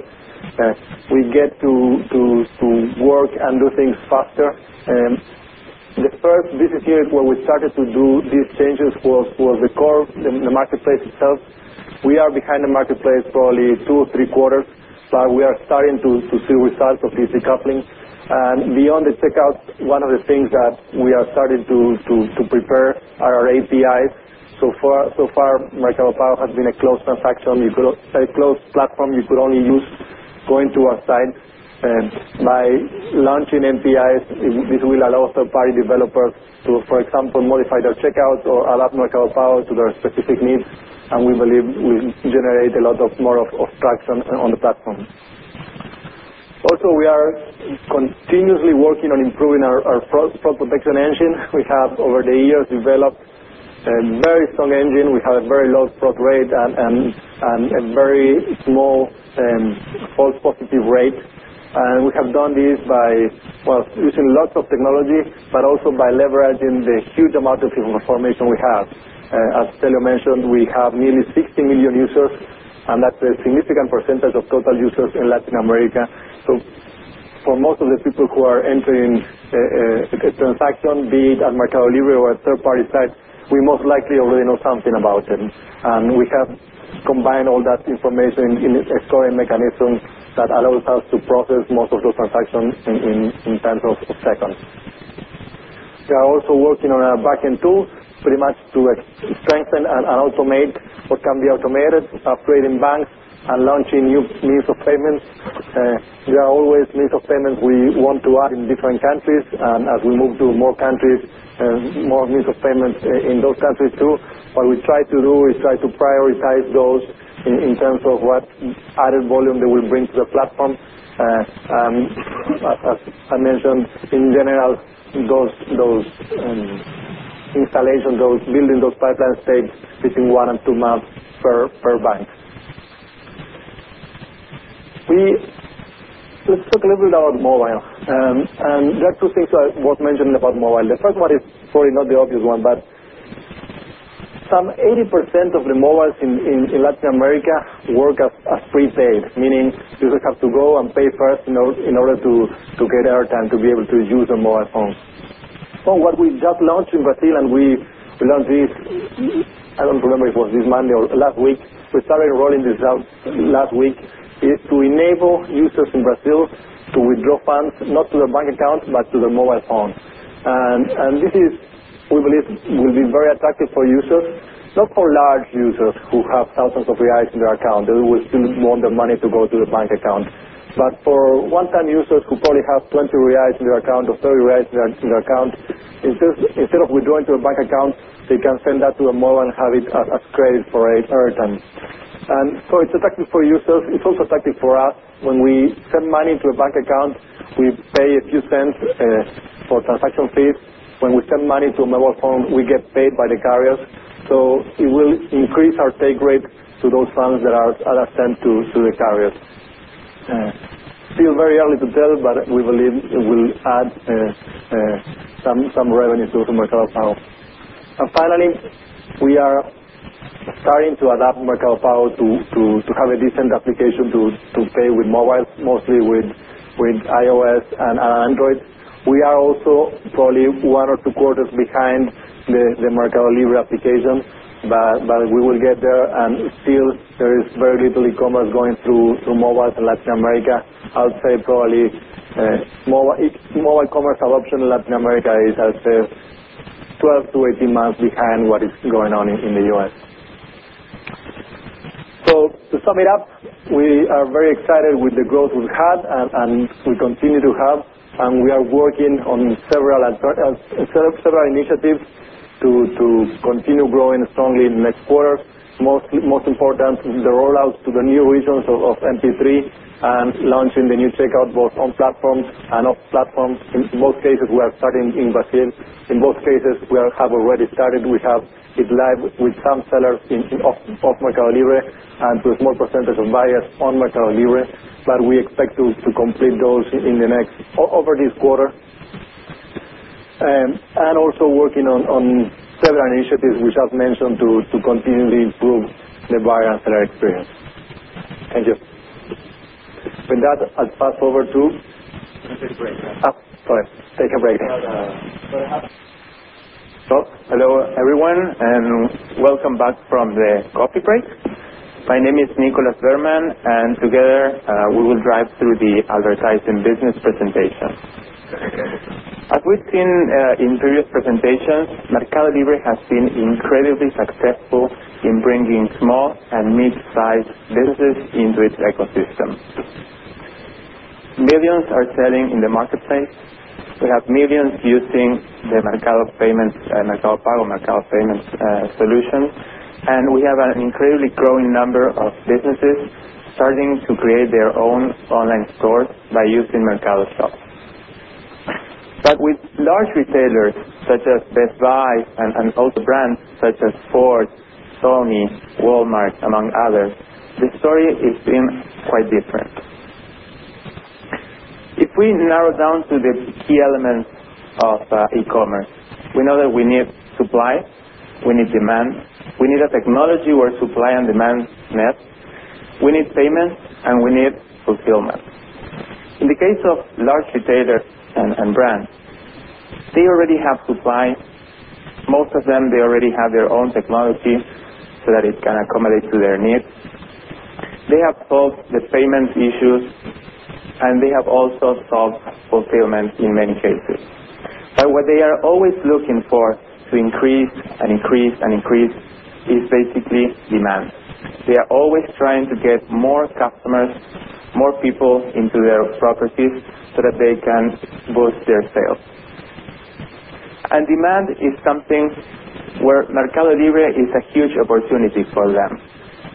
we get to work and do things faster. This is where we started to do these changes, with the core and the Marketplace itself. We are behind the Marketplace probably two or three quarters, so we are starting to see results of this decoupling. Beyond the checkout, one of the things that we are starting to prepare are our APIs. So far, Mercado Pago has been a closed transaction, a closed platform you could only use going to our site. By launching APIs, this will allow third-party developers to, for example, modify their checkout or allow Mercado Pago to their specific needs. We believe we generate a lot more traction on the platform. We are continuously working on improving our fraud protection engine. We have over the years developed a very strong engine. We have a very low fraud rate and a very small false positive rate. We have done this by using lots of technology, but also by leveraging the huge amount of information we have. As Stelleo mentioned, we have nearly 60 million users. That is a significant percentage of total users in Latin America. For most of the people who are entering a transaction, be it at Mercado Libre or a third-party site, we most likely already know something about them. We have combined all that information in a storing mechanism that allows us to process most of those transactions simply in times of seconds. We are also working on a backend tool pretty much to strengthen and automate what can be automated, upgrading banks and launching new means of payments. There are always means of payments we want to add in different countries. As we move to more countries, more means of payments in those countries too, what we try to do is try to prioritize those in terms of what added volume they will bring to the platform. I mentioned, in general, those installations, those building those pipeline stage between one and two months per bank. Let's talk a little bit about mobile. There are two things worth mentioning about mobile. The first one is probably not the obvious one. Some 80% of the mobiles in Latin America work as prepaid, meaning users have to go and pay first in order to get airtime to be able to use their mobile phones. What we just launched in Brazil, and we launched this, I don't remember if it was this Monday or last week. We started rolling this out last week, is to enable users in Brazil to withdraw funds not to their bank account but to their mobile phone. We believe it will be very attractive for users, not for large users who have thousands of reais in their account. They will still want the money to go to the bank account. For one-time users who probably have 20 reais in their account or 30 reais in their account, instead of withdrawing to a bank account, they can send that to a mobile and have it as credit for airtime. It is attractive for users. It is also attractive for us. When we send money to a bank account, we pay a few cents for transaction fees. When we send money to a mobile phone, we get paid by the carriers. It will increase our take rate to those funds that are sent to the carriers. It is still very early to tell, but we believe it will add some revenue to Mercado Pago. Finally, we are starting to adapt Mercado Pago to have a decent application to pay with mobiles, mostly with iOS and Android. We are also probably one or two quarters behind the Mercado Libre application, but we will get there. There is very little e-commerce going through mobiles in Latin America. I would say probably mobile e-commerce adoption in Latin America is 12-18 months behind what is going on in the U.S. To sum it up, we are very excited with the growth we've had and we continue to have. We are working on several initiatives to continue growing strongly in the next quarter. Most important, the rollout to the new regions of MP3 and launching the new checkout both on platforms and off platforms. In both cases, we are starting in Brazil. In both cases, we have already started. We have it live with some sellers off Mercado Libre and to a small percentage of buyers on Mercado Libre. We expect to complete those in the next over this quarter. We are also working on several initiatives we just mentioned to continue to improve the buyer and seller experience. Thank you. With that, I'll pass over to. Let's take a break. Sorry. Take a break. Hello, everyone. Welcome back from the coffee break. My name is Nicolas Berman. Together, we will drive through the advertising business presentation. As we've seen in previous presentations, Mercado Libre has been incredibly successful in bringing small and mid-sized businesses into its ecosystem. Millions are selling in the Marketplace. We have millions using the Mercado Pago solution. We have an incredibly growing number of businesses starting to create their own online store by using Mercado Shop. With large retailers such as Best Buy and also brands such as Ford, Sony, Walmart, among others, the story is quite different. If we narrow down to the key elements of e-commerce, we know that we need supply, we need demand, we need a technology where supply and demand match, we need payment, and we need fulfillment. In the case of large retailers and brands, they already have supply. Most of them already have their own technology so that it can accommodate to their needs. They have solved the payment issues, and they have also solved fulfillment in many cases. What they are always looking for to increase and increase and increase is basically demand. They are always trying to get more customers, more people into their properties so that they can boost their sales. Demand is something where Mercado Libre is a huge opportunity for them,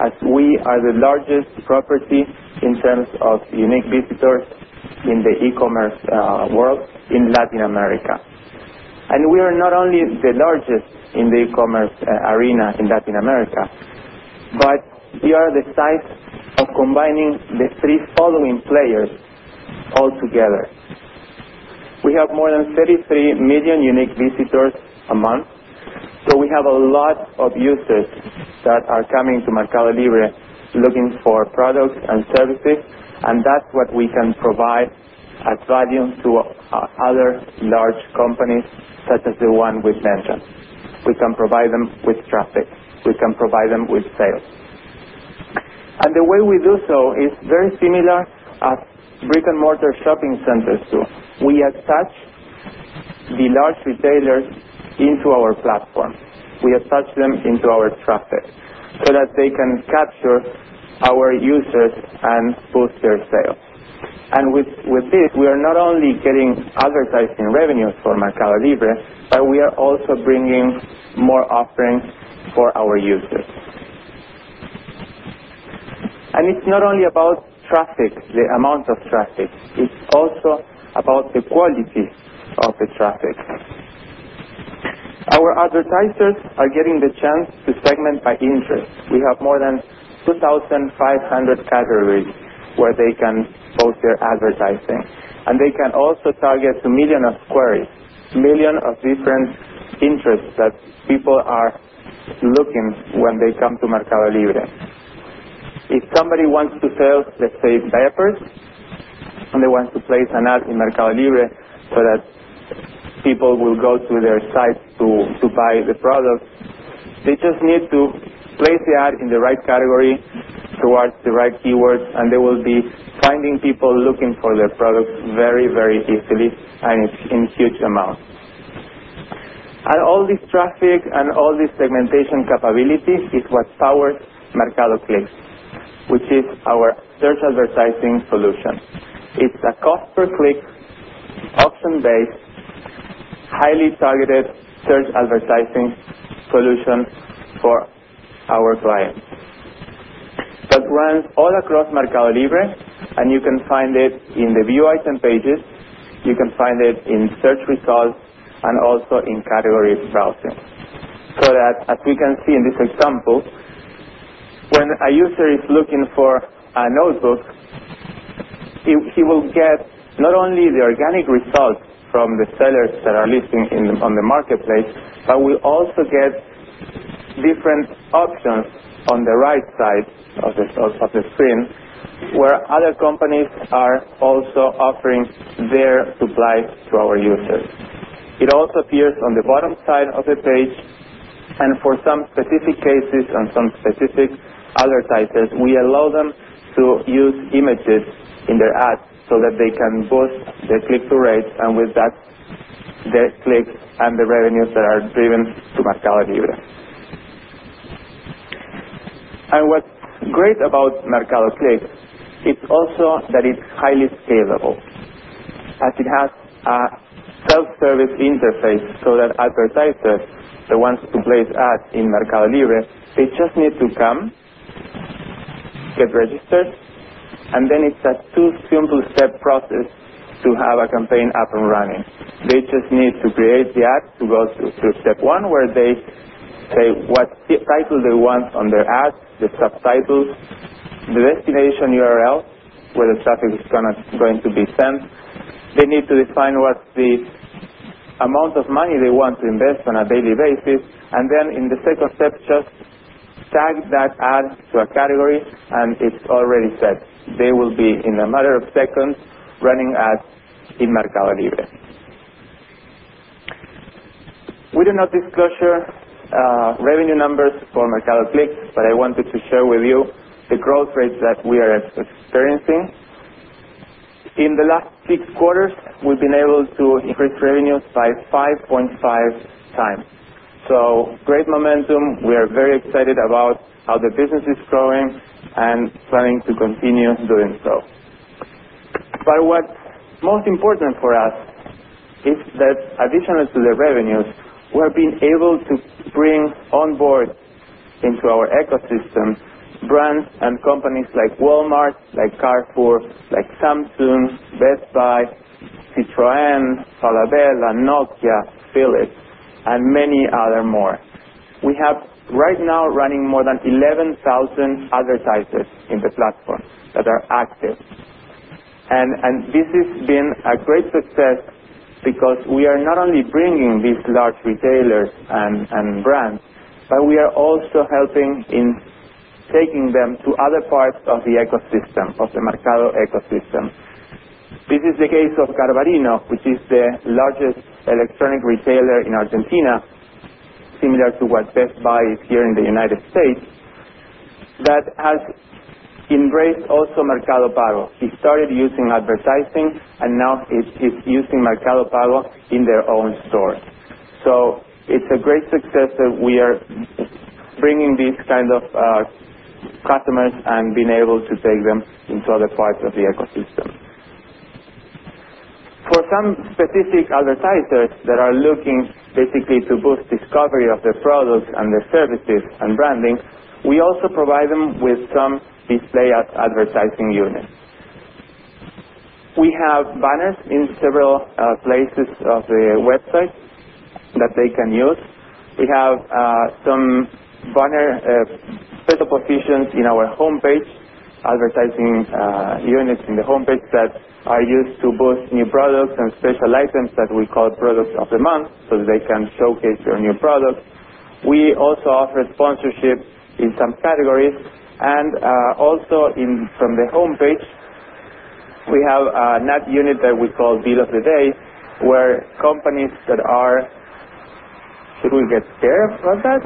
as we are the largest property in terms of unique visitors in the e-commerce world in Latin America. We are not only the largest in the e-commerce arena in Latin America, but we are the site of combining the three following players altogether. We have more than 33 million unique visitors a month. We have a lot of users that are coming to Mercado Libre looking for products and services. That's what we can provide at value to other large companies such as the ones we mentioned. We can provide them with traffic. We can provide them with sales. The way we do so is very similar as brick-and-mortar shopping centers do. We attach the large retailers into our platform. We attach them into our traffic so that they can capture our users and boost their sales. With this, we are not only getting advertising revenue for Mercado Libre, but we are also bringing more offerings for our users. It's not only about traffic, the amount of traffic. It's also about the quality of the traffic. Our advertisers are getting the chance to segment by interest. We have more than 2,500 categories where they can post their advertising. They can also target the millions of queries, the millions of different interests that people are looking for when they come to Mercado Libre. If somebody wants to sell, let's say, diapers, and they want to place an ad in Mercado Libre so that people will go to their sites to buy the product, they just need to place the ad in the right category and select the right keywords. They will be finding people looking for their product very, very easily and in a huge amount. This traffic and all this segmentation capabilities is what powers Mercado Clip, which is our search advertising solution. It's a cost-per-click, auction-based, highly targeted search advertising solution for our clients. The brand is all across Mercado Libre, and you can find it in the view item pages, you can find it in search results, and also in category browsing. As we can see in this example, when a user is looking for a notebook, he will get not only the organic results from the sellers that are listing on the Marketplace, but will also get different options on the right side of the screen, where other companies are also offering their supplies to our users. It also appears on the bottom side of the page, and for some specific cases and some specific other titles, we allow them to use images in their ads so that they can boost their click-through rate, and with that, their clicks and the revenues that are driven through Mercado Libre. What's great about Mercado Clip is also that it's highly scalable. It has a self-service interface so that advertisers, the ones who place ads in Mercado Libre, just need to come, get registered, and then it's a two simple step process to have a campaign up and running. They just need to create the ads to go through step one, where they say what title they want on their ads, the subtitle, the destination URL where the traffic is going to be sent. They need to define what the amount of money they want to invest on a daily basis, and then in the second step, just tag that ad to a category, and it's already set. They will be, in a matter of seconds, running ads in Mercado Libre. We do not disclose revenue numbers for Mercado Clip, but I wanted to share with you the growth rate that we are experiencing. In the last six quarters, we've been able to increase revenues by 5.5x. Great momentum. We are very excited about how the business is growing and planning to continue doing so. What's most important for us is that, additionally to the revenues, we've been able to bring on board into our ecosystem brands and companies like Walmart, like Carrefour, like Samsung, Best Buy, Citroën, Falabella, Nokia, Philips, and many other more. We have right now running more than 11,000 advertisers in the platform that are active. This has been a great success because we are not only bringing these large retailers and brands, but we are also helping in taking them to other parts of the ecosystem, of the Mercado Libre ecosystem. This is the case of Garbarino, which is the largest electronic retailer in Argentina, similar to what Best Buy is here in the United States, that has embraced also Mercado Pago. He started using advertising, and now he's using Mercado Pago in their own stores. It is a great success that we are bringing these kinds of customers and being able to take them into other parts of the ecosystem. For some specific advertisers that are looking specifically to boost discovery of the products and their services and branding, we also provide them with some display advertising units. We have banners in several places of the website that they can use. We have some banner special positions in our homepage, advertising units in the homepage that are used to boost new products and special items that we call Products of the Month so that they can showcase their new product. We also offer sponsorship in some categories. Also from the homepage, we have a net unit that we call Deal of the Day, where companies that are—can we get Sarah from that?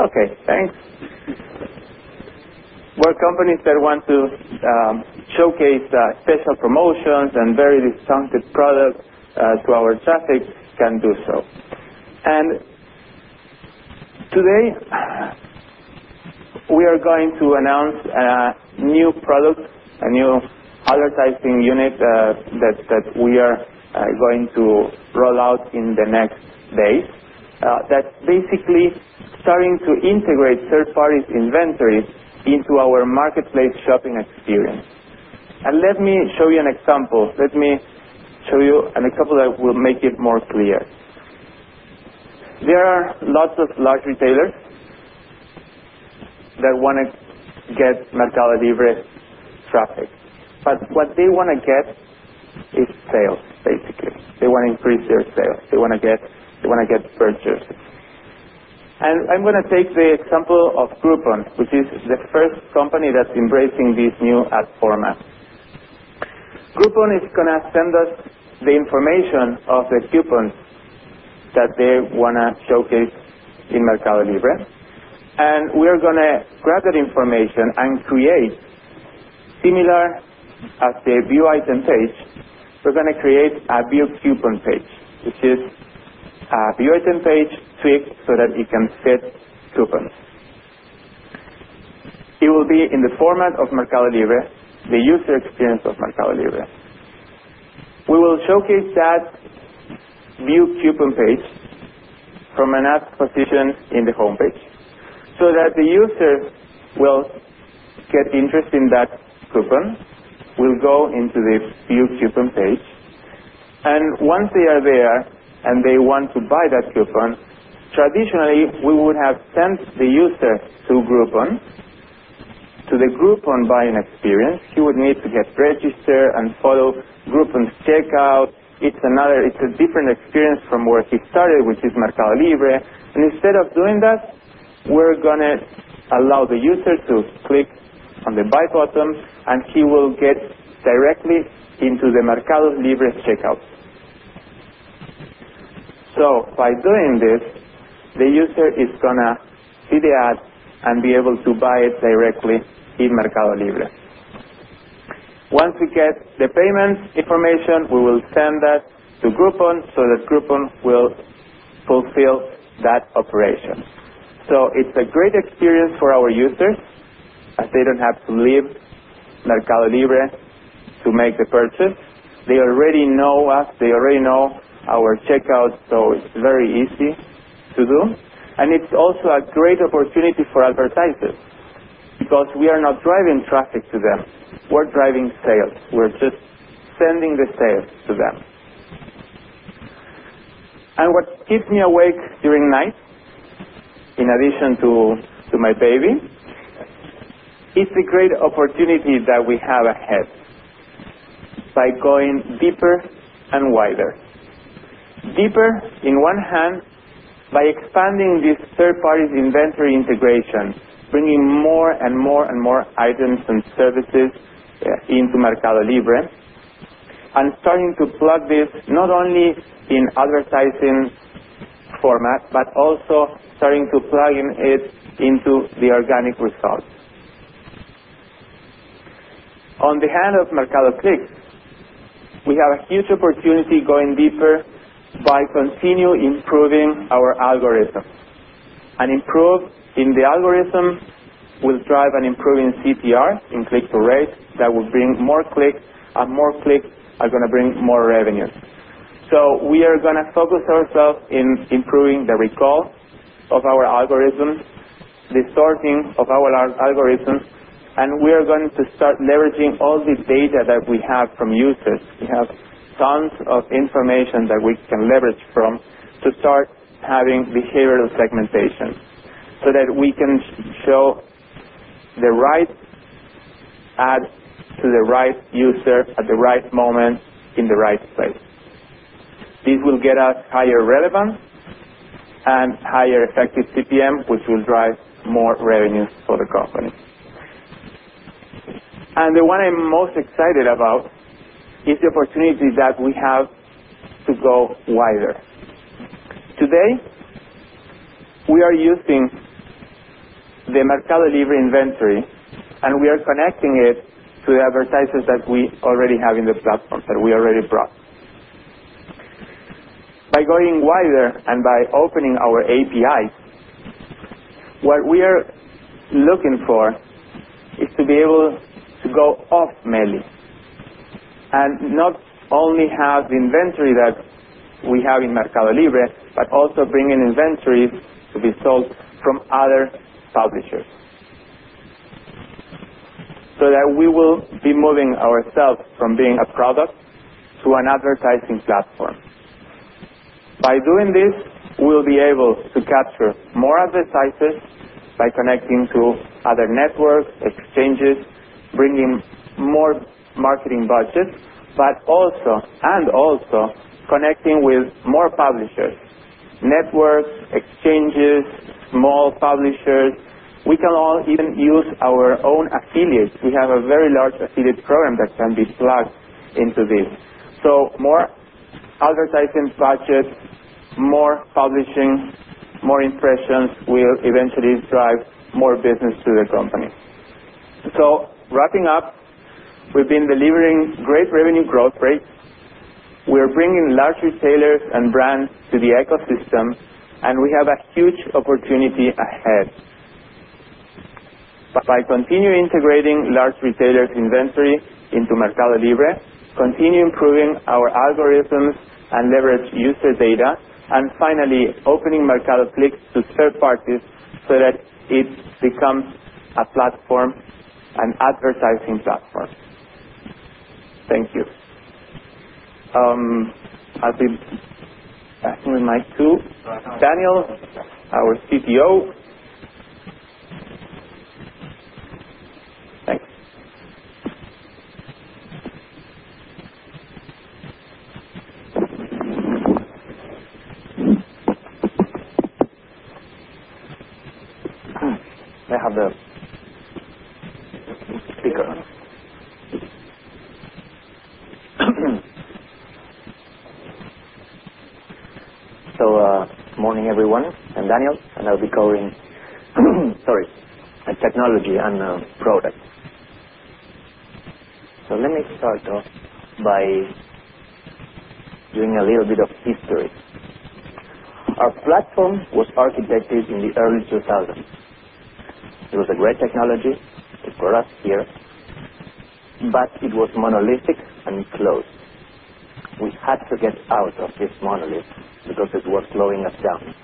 OK, thanks. Where companies that want to showcase special promotions and very discounted products to our traffic can do so. Today, we are going to announce a new product, a new advertising unit that we are going to roll out in the next days that's basically starting to integrate third-party inventory into our Marketplace shopping experience. Let me show you an example that will make it more clear. There are lots of large retailers that want to get Mercado Libre traffic. What they want to get is sales, basically. They want to increase their sales. They want to get purchases. I'm going to take the example of Groupon, which is the first company that's embracing this new ad format. Groupon is going to send us the information of the coupons that they want to showcase in Mercado Libre. We are going to grab that information and create, similar as the view item page, we're going to create a view coupon page. This is a view item page switch so that you can set coupons. It will be in the format of Mercado Libre, the user experience of Mercado Libre. We will showcase that view coupon page from an ad's recipient in the homepage so that the user will get interest in that coupon, will go into this view coupon page. Once they are there and they want to buy that coupon, traditionally, we would have sent the user through Groupon to the Groupon buying experience. He would need to get registered and follow Groupon checkout. It's a different experience from where he started, which is Mercado Libre. Instead of doing that, we're going to allow the user to click on the buy button, and he will get directly into the Mercado Libre checkout. By doing this, the user is going to see the ad and be able to buy it directly in Mercado Libre. Once we get the payments information, we will send that to Groupon so that Groupon will fulfill that operation. It's a great experience for our users as they don't have to leave Mercado Libre to make the purchase. They already know us. They already know our checkout. It's very easy to do. It's also a great opportunity for advertisers because we are not driving traffic to them. We're driving sales. We're just sending the sales to them. What keeps me awake during night, in addition to my baby, is the great opportunity that we have ahead by going deeper and wider. Deeper, in one hand, by expanding these third-party inventory integrations, bringing more and more and more items and services into Mercado Libre, and starting to plug this not only in advertising format, but also starting to plug it into the organic results. On the hand of Marketplace, we have a huge opportunity going deeper by continuing improving our algorithm. An improvement in the algorithm will drive an improving CTR in click-through rate that will bring more clicks, and more clicks are going to bring more revenues. We are going to focus ourselves on improving the recall of our algorithms, the sorting of our algorithms, and we are going to start leveraging all this data that we have from users. We have tons of information that we can leverage from to start having behavioral segmentation so that we can show the right ad to the right user at the right moment in the right place. This will get us higher relevance and higher effective CPM, which will drive more revenues for the company. The one I'm most excited about is the opportunity that we have to go wider. Today, we are using the Mercado Libre inventory, and we are connecting it to the advertisers that we already have in the platform that we already brought. By going wider and by opening our APIs, what we are looking for is to be able to go off MELI and not only have the inventory that we have in Mercado Libre, but also bring in inventories to be sold from other publishers so that we will be moving ourselves from being a product to an advertising platform. By doing this, we'll be able to capture more advertisers by connecting to other networks, exchanges, bringing more marketing budgets, and also connecting with more publishers, networks, exchanges, small publishers. We can all even use our own affiliates. We have a very large affiliate program that can be plugged into this. More advertising budget, more publishing, more impressions will eventually drive more business to the company. Wrapping up, we've been delivering great revenue growth rates. We're bringing large retailers and brands to the ecosystem, and we have a huge opportunity ahead. By continuing integrating large retailers' inventory into Mercado Libre, continue improving our algorithms and leverage user data, and finally, opening Marketplace to third parties so that it becomes a platform, an advertising platform. Thank you. I think we might too. Daniel, our CTO. Morning, everyone. I'm Daniel, and I'll be covering technology and product. Let me start by doing a little bit of history. Our platform was architected in the early 2000s. It was a great technology. It grew up here, but it was monolithic and closed. We had to get out of this monolith because it was slowing us down.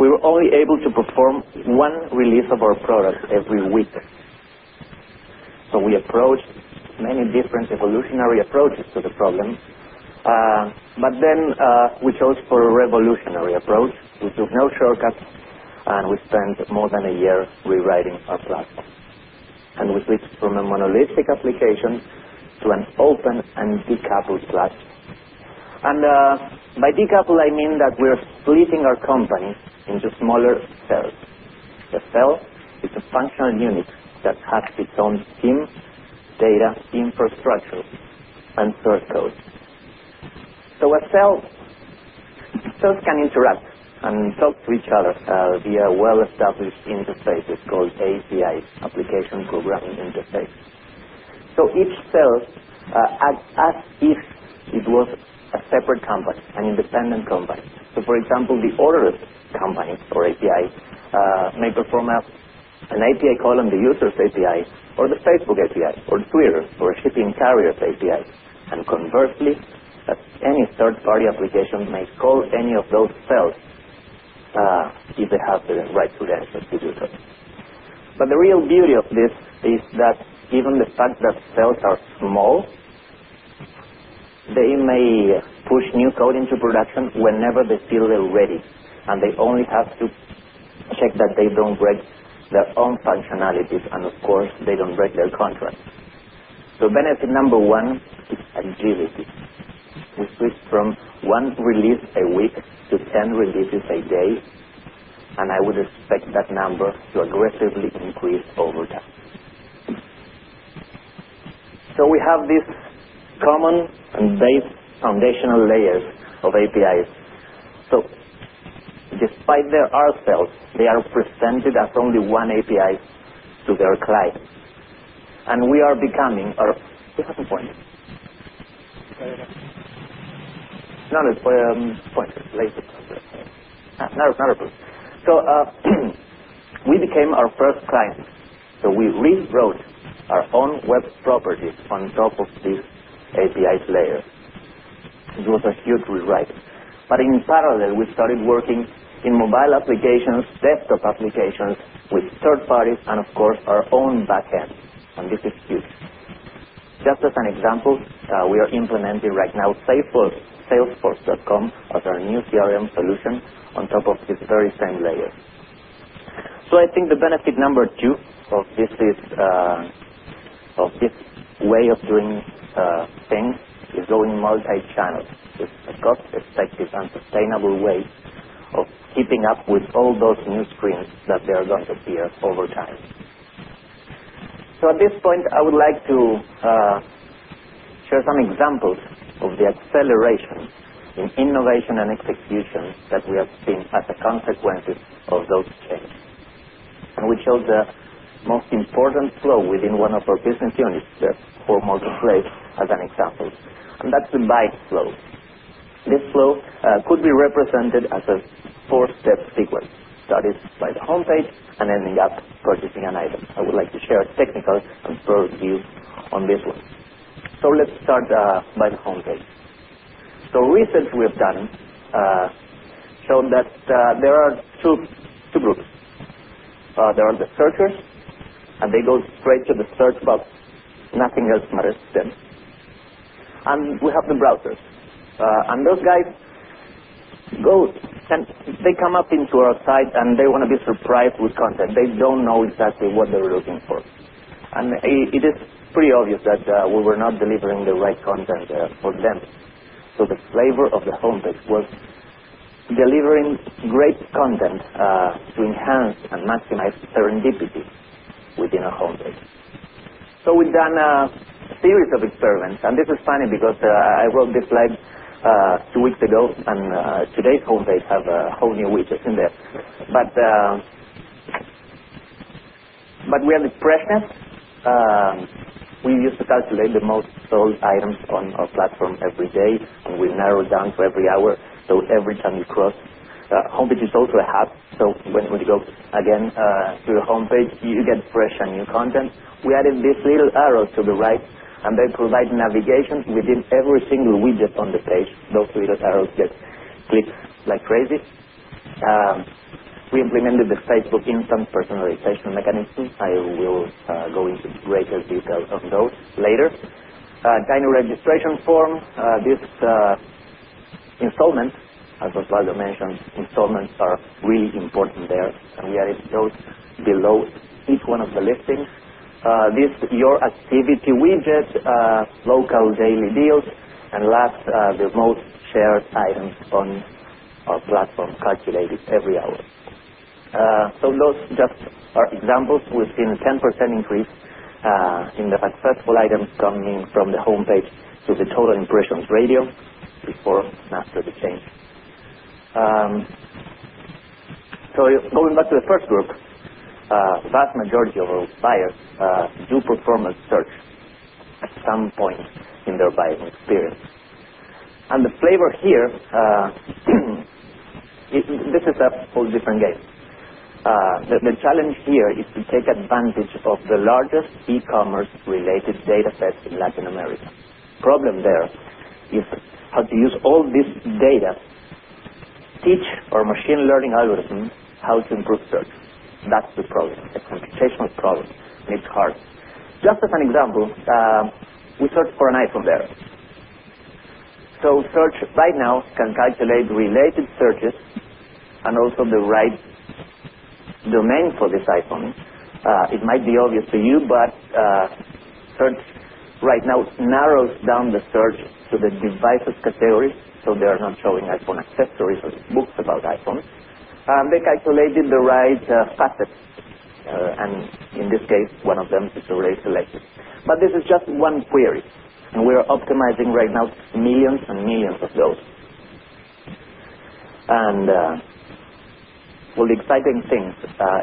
We were only able to perform one release of our product every week. We approached many different evolutionary approaches to the problem. Then we chose a revolutionary approach. We took no shortcuts, and we spent more than a year rewriting first class. We switched from a monolithic application to an open and decoupled class. By decoupled, I mean that we're splitting our company into smaller cells. The cell is a functional unit that has its own SIEM, data infrastructure, and source code. A cell can interact and talk to each other via well-established interfaces called APIs, application programming interface. Each cell acts as if it was a separate company, an independent company. For example, the order companies for APIs may perform as an API call on the user's API or the Facebook API or Twitter or its interior API. Conversely, any third-party application may call any of those cells if they have the right to access to do that. The real beauty of this is that given the fact that cells are small, they may push new code into production whenever they feel they're ready. They only have to check that they don't break their own functionalities, and of course, they don't break their contract. Benefit number one, agility. We switched from one release a week to 10 releases a day. I would expect that number to aggressively increase over time. We have these common and base foundational layers of APIs. Despite there are cells, they are presented as only one API to their clients. We are becoming our second point. No, no, no. We became our first client. We rewrote our own web properties on top of these API layers. It was a huge rewrite. In parallel, we started working in mobile applications, desktop applications with third parties, and of course, our own back end. This is huge. Just as an example, we are implementing right now Salesforce.com as our new CRM solution on top of this very same layer. I think the benefit number two of this way of doing things is going multi-channel. It's got to check these unsustainable ways of keeping up with all those new screens that are going to appear over time. At this point, I would like to share some examples of the acceleration in innovation and execution that we have seen as a consequence of those changes. We showed the most important flow within one of our business units for multiple rates as an example, and that's the buy flow. This flow could be represented as a four-step sequence starting by the homepage and ending up purchasing an item. I would like to share a technical and short view on this one. Let's start by the homepage. Recently, we have shown that there are two groups. There are the searchers, and they go straight to the search box. Nothing else matters to them. We have the browsers, and those guys come up into our site, and they want to be surprised with content. They don't know exactly what they're looking for. It is pretty obvious that we were not delivering the right content for them. The flavor of the homepage was delivering great content to enhance and maximize serendipity within a homepage. We've done a series of experiments. This is funny because I wrote this slide two weeks ago, and today's homepage has a whole new widget in there. We are the present. We used to calculate the most sold items on our platform every day, and we narrowed down to every hour. Every time you cross, the homepage is also a hub. When we go again to your homepage, you get fresh and new content. We added this little arrow to the right, and that provides navigation within every single widget on the page. Those little arrows get clicked like crazy. We implemented the Facebook instance personalization mechanisms. I will go into greater detail on those later. A diner registration form. This installment, as Osvaldo mentioned, installments are really important there. We added those below each one of the listings. This your activity widget, local daily deals, and last, the most shared items on our platform calculated every hour. Those just are examples. We've seen a 10% increase in the successful items coming from the homepage to the total impressions rating before after the change. Going back to the first group, the vast majority of those buyers do perform a search at some point in their buying experience. The flavor here, this is a full different game. The challenge here is to take advantage of the largest e-commerce-related data sets in Latin America. The problem there is how to use all this data, teach our machine learning algorithms how to improve search. That's the problem. It's a Facebook problem. It's hard. Just as an example, we search for an iPhone there. Search right now can calculate related searches and also the right domain for this iPhone. It might be obvious to you, but search right now narrows down the search to the devices category. They are not showing iPhone accessories or books about iPhone. They calculated the right assets. In this case, one of them is already selected. This is just one query. We are optimizing right now millions and millions of those. The exciting thing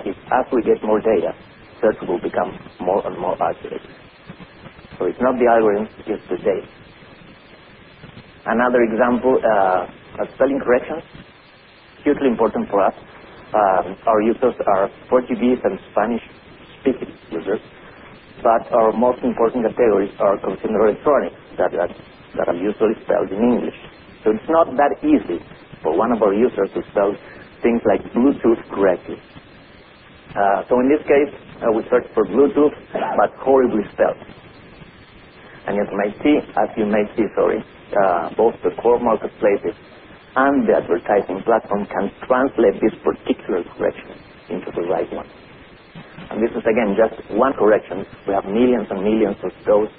is as we get more data, search will become more and more accurate. It's not the algorithms. It's the data. Another example, spelling corrections, hugely important for us. Our users are Portuguese and Spanish-speaking users. Our most important categories are consumer electronics that are usually spelled in English. It's not that easy for one of our users to spell things like Bluetooth correctly. In this case, we search for Bluetooth, but horribly spelled. As you may see, both the formal perspective and the advertising platform can translate this particular correction into the right one. This is, again, just one correction. We have millions and millions of those.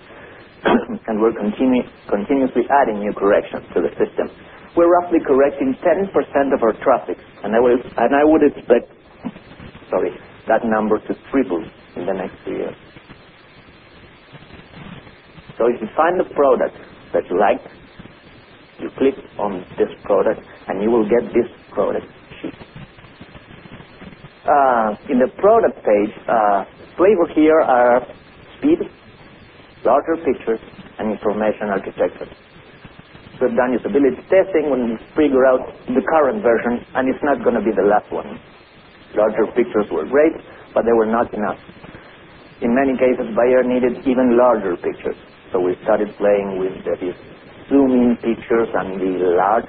We're continuously adding new corrections to the system. We're roughly correcting 7% of our traffic. I would expect that number to triple in the next few years. If you find a product that you like, you click on this product, and you will get this product. In the product page, flavors here are speed, larger pictures, and information architectures. We've done usability testing and figured out the current version, and it's not going to be the last one. Larger pictures were great, but they were not enough. In many cases, buyers needed even larger pictures. We started playing with these zoom-in pictures and the large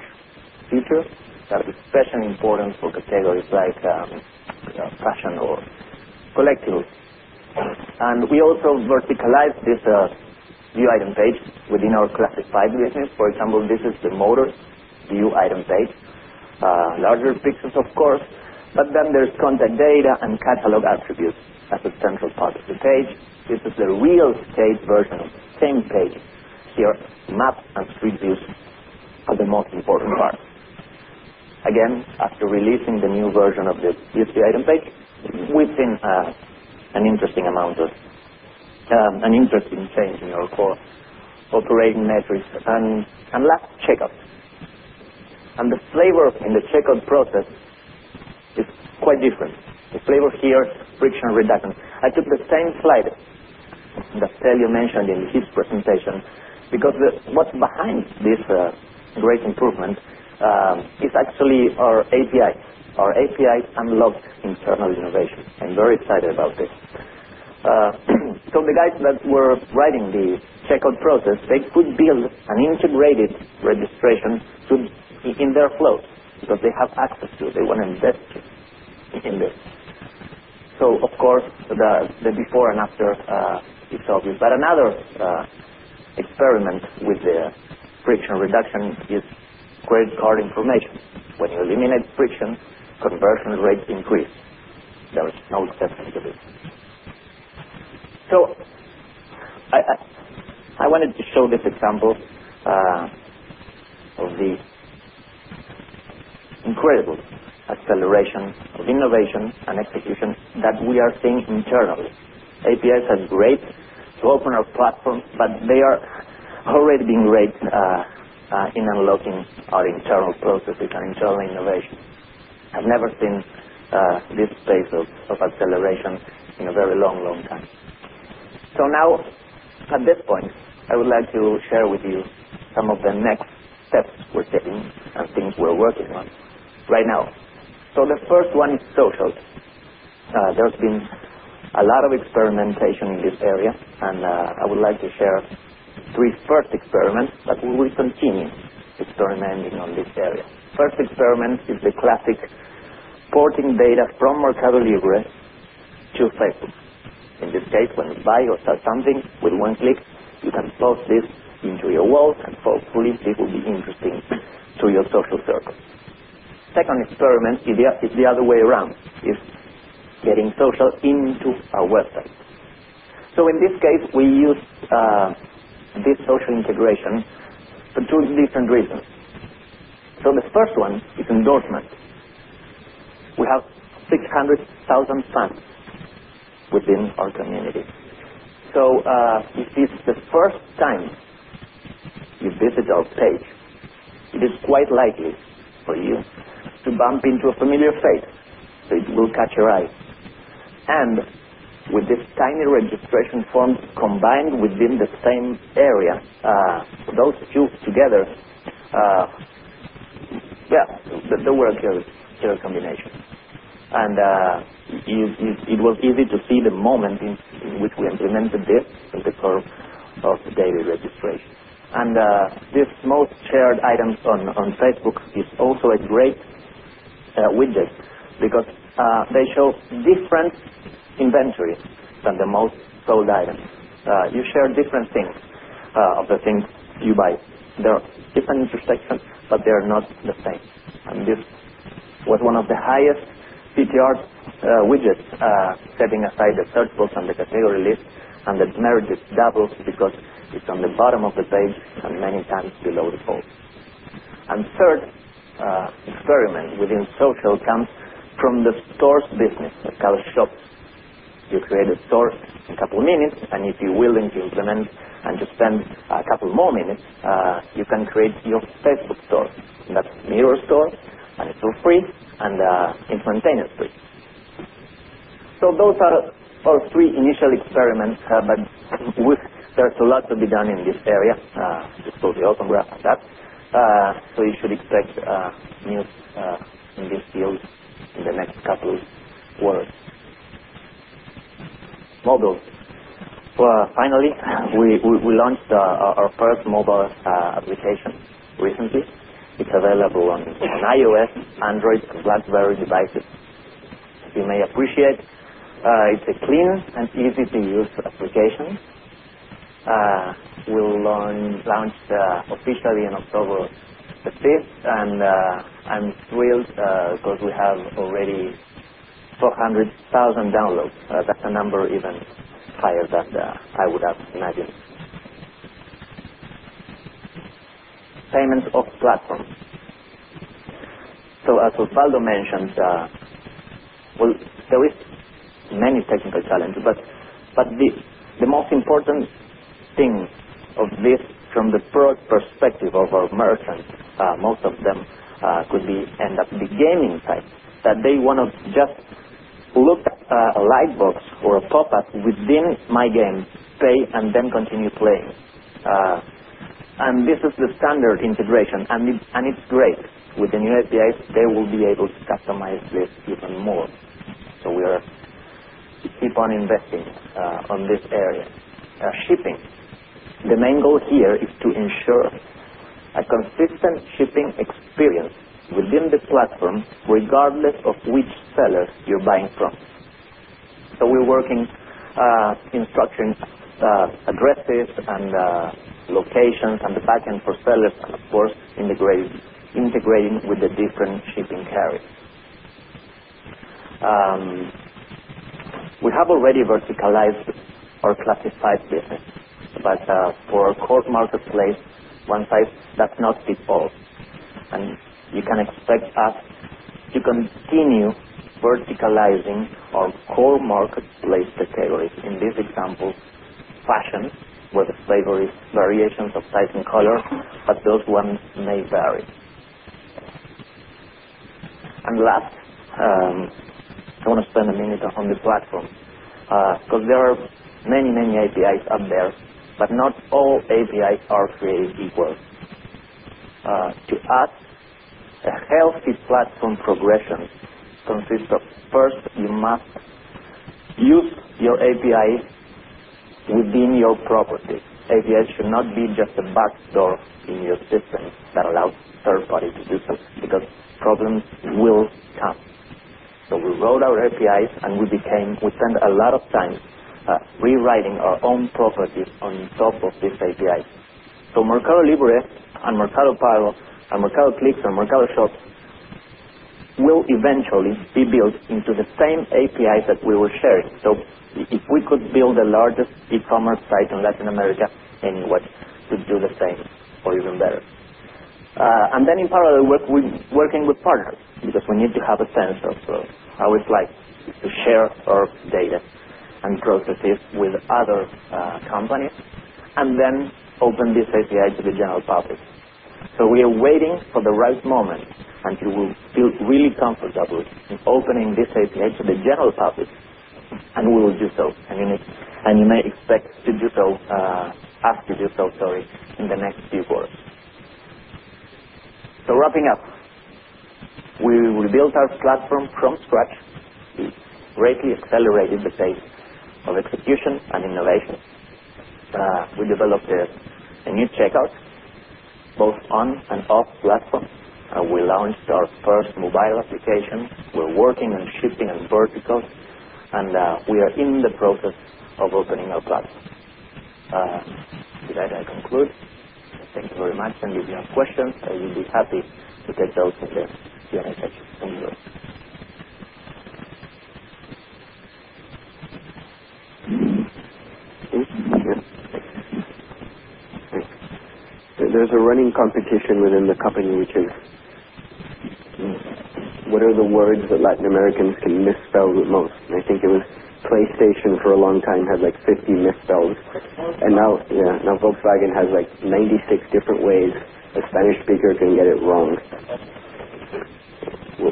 pictures that are especially important for categories like fashion or collective. We also verticalized this view item page within our classified widgets. For example, this is the motor view item page, larger pixels, of course. Then there's contact data and catalog attributes as a central part of the page. This is a real estate version of the same page here. Maps and previews are the most important part. Again, after releasing the new version of this view item page, we have seen an interesting change in our core operating metrics and last checkout. The flavor in the checkout process is quite different. The flavor here is friction reduction. I took the same slide that Sally mentioned in the HIP's presentation because what's behind this great improvement is actually our APIs. Our APIs unlocked internal innovation. I'm very excited about this. The guys that were writing the checkout process could build an integrated registration in their flow that they have access to. They want to invest in this. The before and after is obvious. Another experiment with the friction reduction is credit card information. When you eliminate friction, conversion rates increase. There is no exception to this. I wanted to show this example of the incredible acceleration of innovation and execution that we are seeing internally. APIs are great to open our platform, but they are already being great in unlocking our internal processes and internal innovation. I've never seen this pace of acceleration in a very long, long time. At this point, I would like to share with you some of the next steps we're taking and things we're working on right now. The first one is social. There's been a lot of experimentation in this area. I would like to share three first experiments. We will continue experimenting in this area. The first experiment is the classic porting data from Mercado Libre to Facebook. In this case, when a buyer says something with one click, you can post this into your walls, and hopefully, it will be interesting to your social circle. The second experiment is the other way around. It's getting social into our website. In this case, we use this social integration for two different reasons. The first one is endorsement. We have 600,000 signs within our community. If it's the first time you visit our page, it is quite likely for you to bump into a familiar face. It will catch your eyes. With this tiny registration form combined within the same area, those two together, it's a two-work here combination. It was easy to see the moment in which we implemented this with the form of the daily registration. This most shared item on Facebook is also a great widget because they show different inventories than the most sold items. You share different things of the things you buy. There are different sections, but they are not the same. This was one of the highest CTR widgets, setting aside the search posts and the category lists. The merit is double because it's on the bottom of the page and many times below the fold. A third experiment within social comes from the store business, the shops. You create a store in a couple of minutes, and if you're willing to implement and to spend a couple more minutes, you can create your Facebook store. That's a mirror store, and it's for free, and infotainment free. Those are our three initial experiments, but we've shared a lot to be done in this area, just for the autograph. You should expect news in this field in the next couple of words. Finally, we launched our first mobile application recently. It's available on iOS, Android, and BlackBerry devices. You may appreciate it's a clean and easy-to-use application. We'll launch officially on October 6. I'm thrilled because we have already 400,000 downloads. That's a number even higher than I would have imagined. Payment of platform. As Osvaldo mentioned, we'll face many technical challenges. The most important thing of this from the product perspective of our merchants, most of them could end up in the gaming type, that they want to just look at a light box or a pop-up within my game, say, and then continue playing. This is the standard integration, and it's great. With the new APIs, they will be able to customize this even more. We are to keep on investing in this area. Shipping. The main goal here is to ensure a consistent shipping experience within the platform, regardless of which seller you're buying from. We're working in structuring addresses and locations and the back end for sellers, and of course, integrating with the different shipping carriers. We have already verticalized our classified business. For our core Marketplace, one size does not fit all. You can expect us to continue verticalizing our core Marketplace categories. In this example, fashion, where the flavor is variations of size and color, but those ones may vary. Last, I want to spend a minute on the platform because there are many, many APIs out there, but not all APIs are created equal. To pass a healthy platform progression consists of first, you must use your API within your property. APIs should not be just a backdoor in your system that allows third-party decisions because problems will come. We wrote our APIs, and we spent a lot of time rewriting our own properties on top of these APIs. Mercado Libre and Mercado Pago and Mercado Clip and Mercado Shop will eventually be built into the same APIs that we were sharing. If we could build the largest e-commerce site in Latin America, anyone could do the same or even better. In parallel work, we're working with partners because we need to have a sense of how it's like to share our data and processes with other companies and then open this API to the general public. We are waiting for the right moment, and you will feel really comfortable in opening this API to the general public. We will do so. You may expect to do so after this episode, sorry, in the next few words. Wrapping up, we rebuilt our platform from scratch, greatly accelerated the phase of execution and innovation. We developed a new checkout, both on and off platforms. We launched our first mobile application. We're working on shifting on vertical. We are in the process of opening up class. That concludes. Thank you very much. If you have questions, I will be happy to take those if you're here. There's a running competition within the company. What are the words that Latin Americans can misspell the most? I think it was PlayStation for a long time, had like 50 misspells. Now Volkswagen has like 96 different ways a Spanish speaker can get it wrong.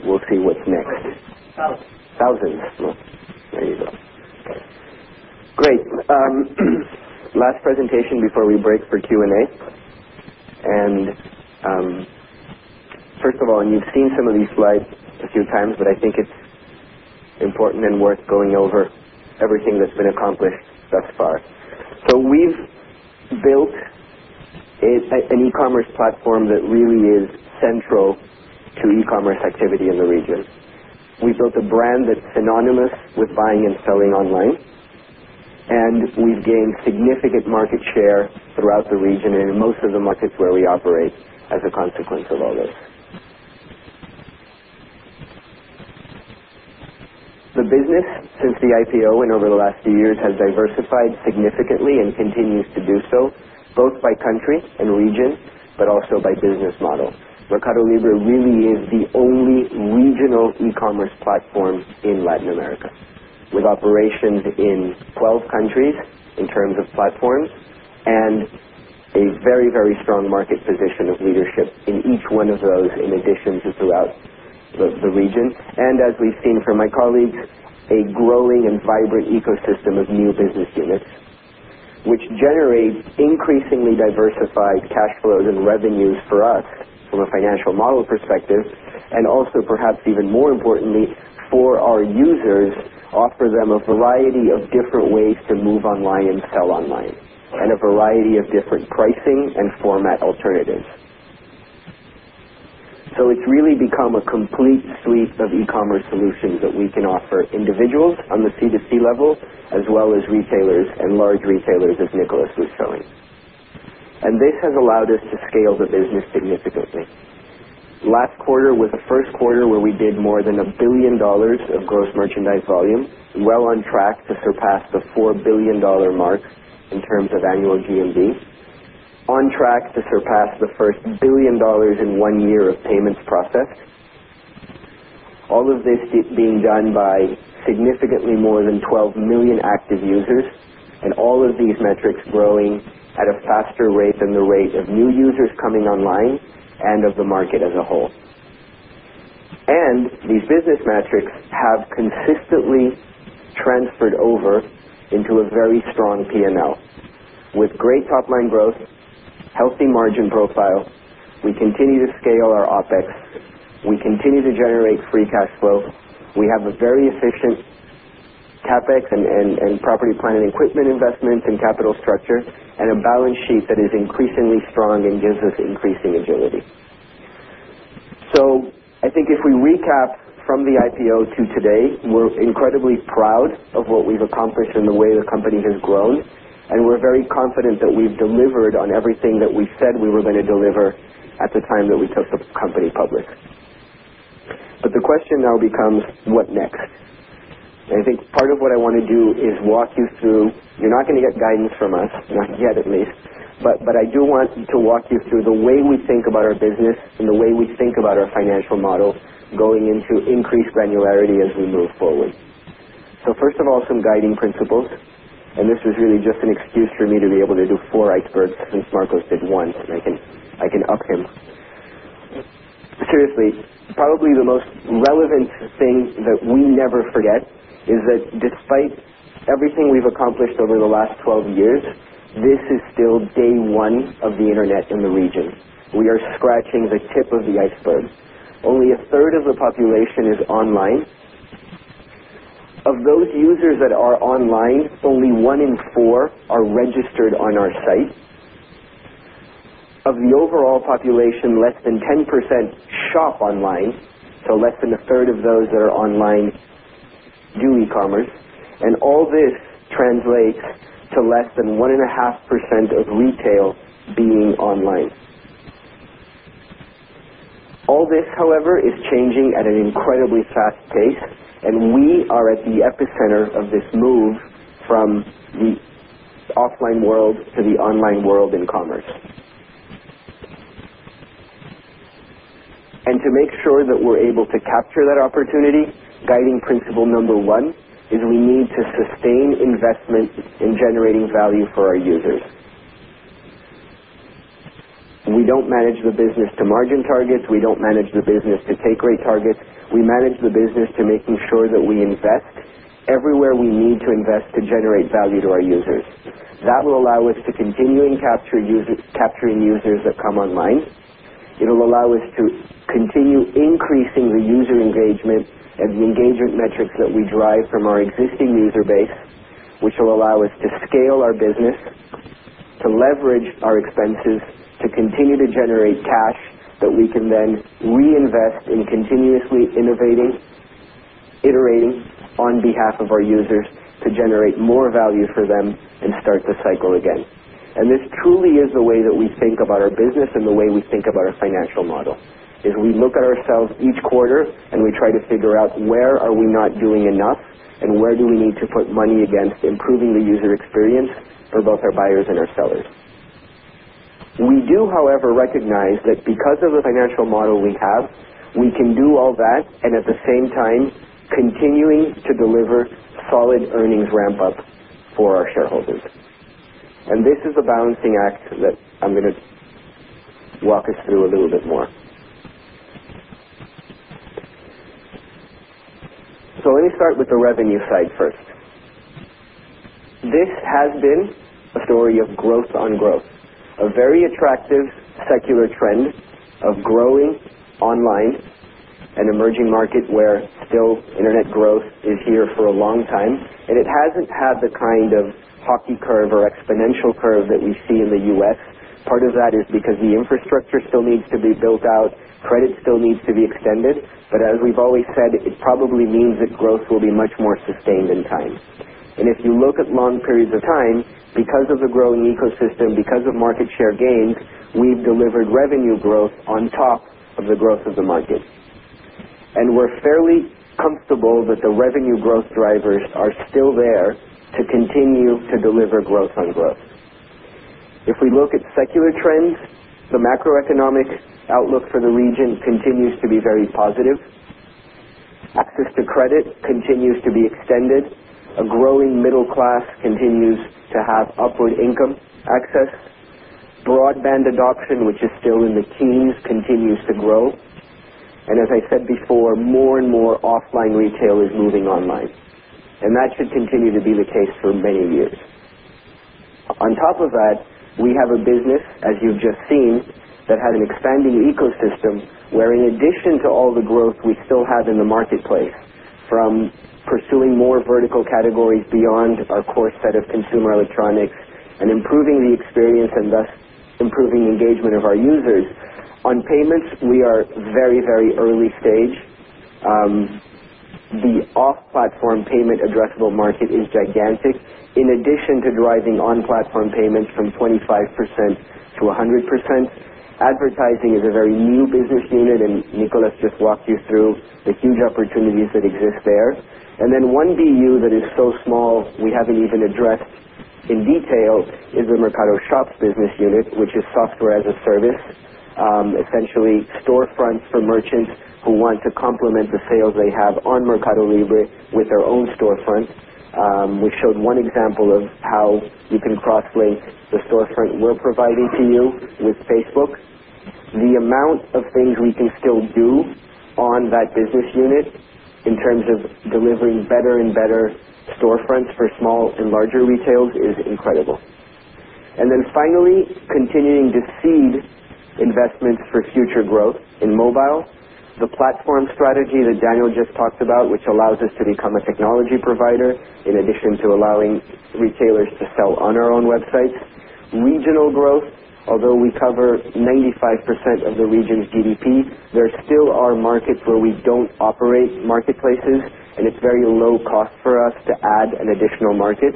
We'll see what's next. Great. Last presentation before we break for Q&A. First of all, you've seen some of these slides just a few times, but I think it's important and worth going over everything that's been accomplished thus far. We've built an e-commerce platform that really is central to e-commerce activity in the region. We've built a brand that's synonymous with buying and selling online. We've gained significant market share throughout the region and in most of the markets where we operate as a consequence of all this. The business, since the IPO and over the last few years, has diversified significantly and continues to do so, both by country and region, but also by business model. Mercado Libre really is the only regional e-commerce platform in Latin America, with operations in 12 countries in terms of platforms and a very, very strong market position of leadership in each one of those, in addition to throughout the region. As we've seen from my colleagues, a growing and vibrant ecosystem of new business units generates increasingly diversified cash flows and revenues for us from a financial model perspective, and also, perhaps even more importantly, for our users, offer them a variety of different ways to move online and sell online and a variety of different pricing and format alternatives. It's really become a complete suite of e-commerce solutions that we can offer individuals on the C2C level, as well as retailers and large retailers, as Nicolas was showing. This has allowed us to scale the business significantly. The last quarter was the first quarter where we did more than $1 billion of gross merchandise volume, on track to surpass the $4 billion mark in terms of annual GMV, on track to surpass the first $1 billion in one year of payments processed, all of this being done by significantly more than 12 million active users, and all of these metrics growing at a faster rate than the rate of new users coming online and of the market as a whole. These business metrics have consistently transferred over into a very strong P&L with great top line growth, healthy margin profile. We continue to scale our OpEx. We continue to generate free cash flow. We have a very efficient CapEx and property planning equipment investments and capital structure, and a balance sheet that is increasingly strong and gives us increasing agility. I think if we recap from the IPO to today, we're incredibly proud of what we've accomplished and the way the company has grown. We're very confident that we've delivered on everything that we said we were going to deliver at the time that we took the company public. The question now becomes, what next? I think part of what I want to do is walk you through. You're not going to get guidance from us, not yet at least. I do want to walk you through the way we think about our business and the way we think about our financial model going into increased granularity as we move forward. First of all, some guiding principles. This was really just an excuse for me to be able to do four icebergs since Marcos did once, and I can up him. Seriously, probably the most relevant thing that we never forget is that despite everything we've accomplished over the last 12 years, this is still day one of the internet in the region. We are scratching the tip of the iceberg. Only a third of the population is online. Of those users that are online, only one in four are registered on our site. Of the overall population, less than 10% shop online. Less than a third of those that are online do e-commerce. All this translates to less than 1.5% of retail being online. All this, however, is changing at an incredibly fast pace. We are at the epicenter of this move from the offline world to the online world in commerce. To make sure that we're able to capture that opportunity, guiding principle number one is we need to sustain investment in generating value for our users. We don't manage the business to margin targets. We don't manage the business to take rate targets. We manage the business to making sure that we invest everywhere we need to invest to generate value to our users. That will allow us to continue capturing users that come online. It will allow us to continue increasing the user engagement and the engagement metrics that we drive from our existing user base, which will allow us to scale our business, to leverage our expenses, to continue to generate cash that we can then reinvest in continuously innovating, iterating on behalf of our users to generate more value for them and start the cycle again. This truly is the way that we think about our business and the way we think about our financial model. We look at ourselves each quarter, and we try to figure out where are we not doing enough and where do we need to put money against improving the user experience for both our buyers and our sellers. We do, however, recognize that because of the financial model we have, we can do all that and at the same time continue to deliver solid earnings ramp-up for our shareholders. This is a balancing act that I'm going to walk us through a little bit more. Let me start with the revenue side first. This has been a story of growth on growth, a very attractive secular trend of growing online, an emerging market where still internet growth is here for a long time. It hasn't had the kind of hockey curve or exponential curve that we see in the U.S. Part of that is because the infrastructure still needs to be built out. Credit still needs to be extended. As we've always said, it probably means that growth will be much more sustained in time. If you look at long periods of time, because of the growing ecosystem, because of market share gains, we've delivered revenue growth on top of the growth of the market. We're fairly comfortable that the revenue growth drivers are still there to continue to deliver growth on growth. If we look at secular trends, the macroeconomic outlook for the region continues to be very positive. Access to credit continues to be extended. A growing middle class continues to have upward income access. Broadband adoption, which is still in the teens, continues to grow. As I said before, more and more offline retail is moving online. That should continue to be the case for many years. On top of that, we have a business, as you've just seen, that had an expanding ecosystem where, in addition to all the growth we still have in the Marketplace, from pursuing more vertical categories beyond our core set of consumer electronics and improving the experience and thus improving engagement of our users. On payments, we are very, very early stage. The off-platform payment addressable market is gigantic. In addition to driving on-platform payments from 25%-100%, advertising is a very new business unit. Nicolas just walked you through the huge opportunities that exist there. One BU that is so small we haven't even addressed in detail is the Mercado Shop business unit, which is software as a service, essentially storefronts for merchants who want to complement the sales they have on Mercado Libre with their own storefront. We showed one example of how you can cross-link the storefront we're providing to you with Facebook. The amount of things we can still do on that business unit in terms of delivering better and better storefronts for small and larger retailers is incredible. Finally, continuing to seed investments for future growth in mobile, the platform strategy that Daniel just talked about, which allows us to become a technology provider in addition to allowing retailers to sell on our own websites. Regional growth, although we cover 95% of the region's GDP, there still are markets where we don't operate marketplaces. It is very low cost for us to add an additional market.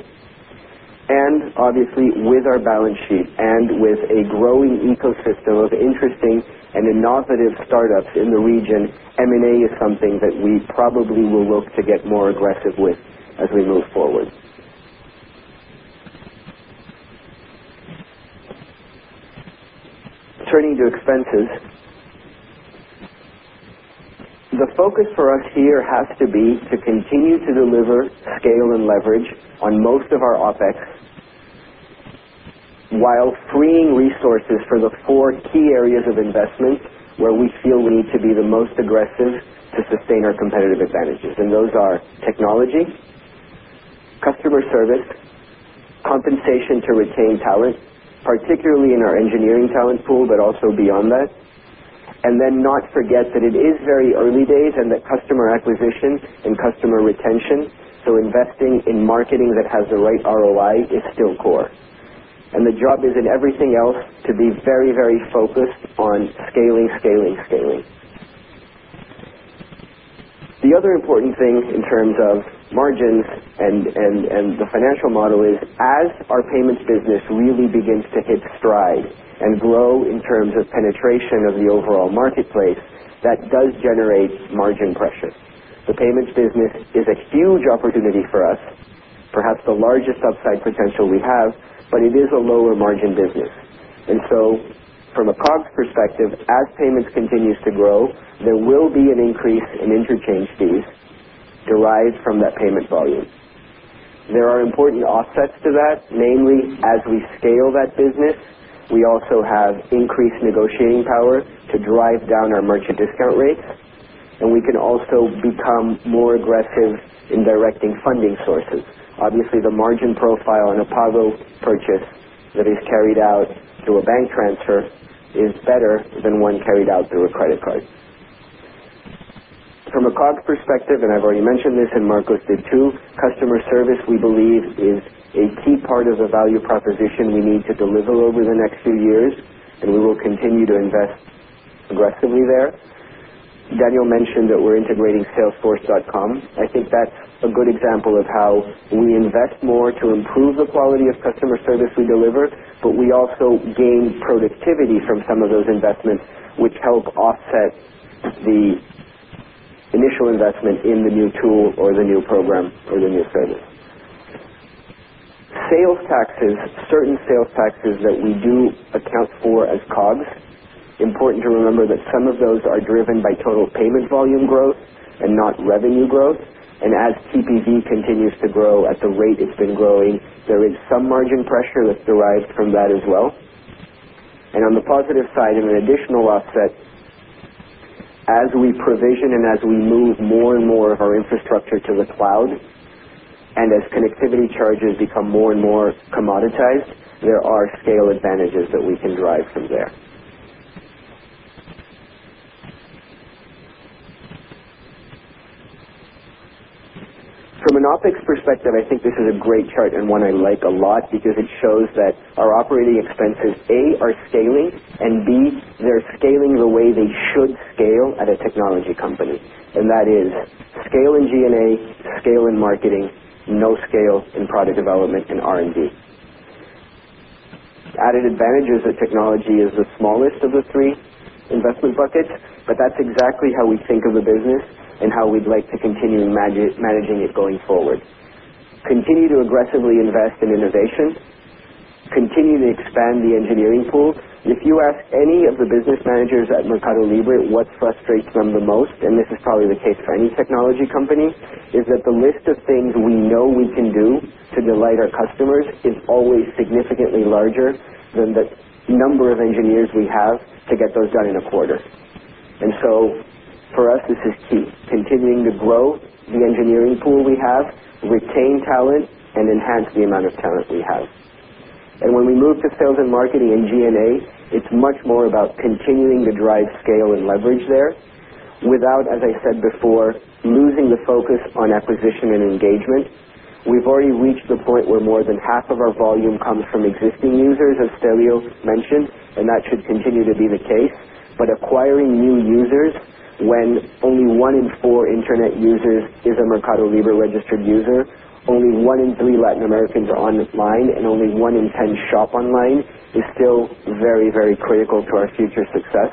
Obviously, with our balance sheet and with a growing ecosystem of interesting and innovative startups in the region, M&A is something that we probably will look to get more aggressive with as we move forward. Turning to expenses, the focus for us here has to be to continue to deliver, scale, and leverage on most of our OpEx while freeing resources for the four key areas of investment where we feel we need to be the most aggressive to sustain our competitive advantages. Those are technology, customer service, compensation to retain talent, particularly in our engineering talent pool, but also beyond that. Do not forget that it is very early days and that customer acquisition and customer retention, so investing in marketing that has the right ROI, is still core. The job is in everything else to be very, very focused on scaling, scaling, scaling. The other important thing in terms of margins and the financial model is as our payments business really begins to hit stride and grow in terms of penetration of the overall Marketplace, that does generate margin pressure. The payments business is a huge opportunity for us, perhaps the largest upside potential we have, but it is a lower margin business. From a COGS perspective, as payments continue to grow, there will be an increase in interchange fees derived from that payment volume. There are important offsets to that, namely as we scale that business, we also have increased negotiating power to drive down our merchant discount rates. We can also become more aggressive in directing funding sources. Obviously, the margin profile on a Mercado Pago purchase that is carried out through a bank transfer is better than one carried out through a credit card. From a COGS perspective, and I've already mentioned this and Marcos did too, customer service, we believe, is a key part of the value proposition we need to deliver over the next few years. We will continue to invest aggressively there. Daniel mentioned that we're integrating Salesforce.com. I think that's a good example of how we invest more to improve the quality of customer service we deliver, but we also gain productivity from some of those investments, which help offset the initial investment in the new tool or the new program or the new service. Sales taxes, certain sales taxes that we do account for as COGS, are important to remember that some of those are driven by total payment volume growth and not revenue growth. As CPV continues to grow at the rate it's been growing, there is some margin pressure that's derived from that as well. On the positive side, an additional offset, as we provision and as we move more and more of our infrastructure to the cloud, and as connectivity charges become more and more commoditized, there are scale advantages that we can drive from there. From an OpEx perspective, I think this is a great chart and one I like a lot because it shows that our operating expenses, A, are scaling, and B, they're scaling the way they should scale at a technology company. That is scale in G&A and scale in marketing, no scale in product development and R&D. Added advantages that technology is the smallest of the three investment buckets, but that's exactly how we think of the business and how we'd like to continue managing it going forward. Continue to aggressively invest in innovation. Continue to expand the engineering pool. If you ask any of the business managers at Mercado Libre what frustrates them the most, and this is probably the case for any technology company, is that the list of things we know we can do to delight our customers is always significantly larger than the number of engineers we have to get those done in a quarter. For us, this is key. Continuing to grow the engineering pool we have, retain talent, and enhance the amount of talent we have. When we move to sales and marketing and G&A, it's much more about continuing to drive scale and leverage there without, as I said before, losing the focus on acquisition and engagement. We've already reached the point where more than half of our volume comes from existing users, as Stelleo mentioned. That should continue to be the case. Acquiring new users, when only one in four internet users is a Mercado Libre registered user, only one in three Latin Americans are online, and only one in 10 shop online, is still very, very critical to our future success.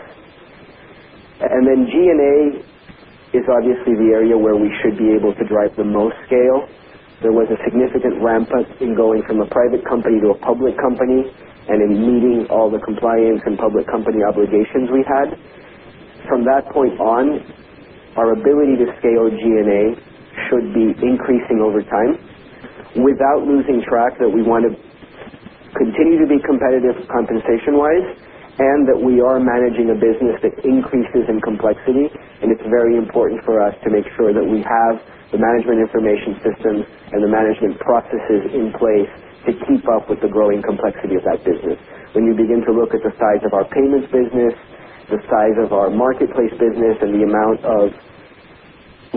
G&A is obviously the area where we should be able to drive the most scale. There was a significant ramp-up in going from a private company to a public company and in meeting all the compliance and public company obligations we had. From that point on, our ability to scale G&A should be increasing over time without losing track that we want to continue to be competitive compensation-wise and that we are managing a business that increases in complexity. It is very important for us to make sure that we have the management information system and the management processes in place to keep up with the growing complexity of that business. When you begin to look at the size of our payments business, the size of our Marketplace business, and the amount of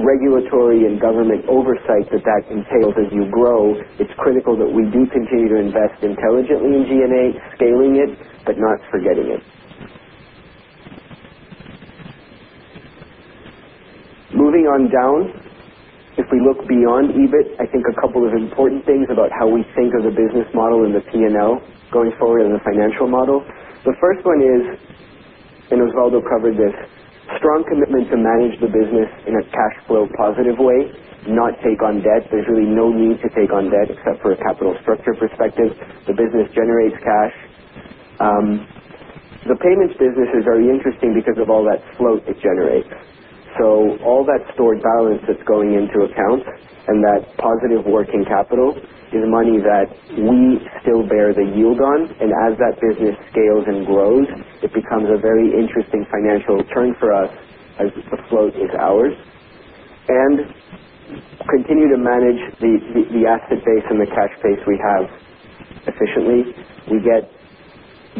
regulatory and government oversight that that entails as you grow, it's critical that we do continue to invest intelligently in G&A, scaling it, but not forgetting it. Moving on down, if we look beyond EBIT, I think a couple of important things about how we think of the business model and the P&L going forward in the financial model. The first one is, and Osvaldo covered this, strong commitment to manage the business in a cash flow positive way, not take on debt. There's really no need to take on debt except for a capital structure perspective. The business generates cash. The payments business is very interesting because of all that float it generates. All that stored balance that's going into accounts and that positive working capital is money that we still bear the yield on. As that business scales and grows, it becomes a very interesting financial turn for us. The float is ours. Continue to manage the asset base and the cash base we have efficiently. You get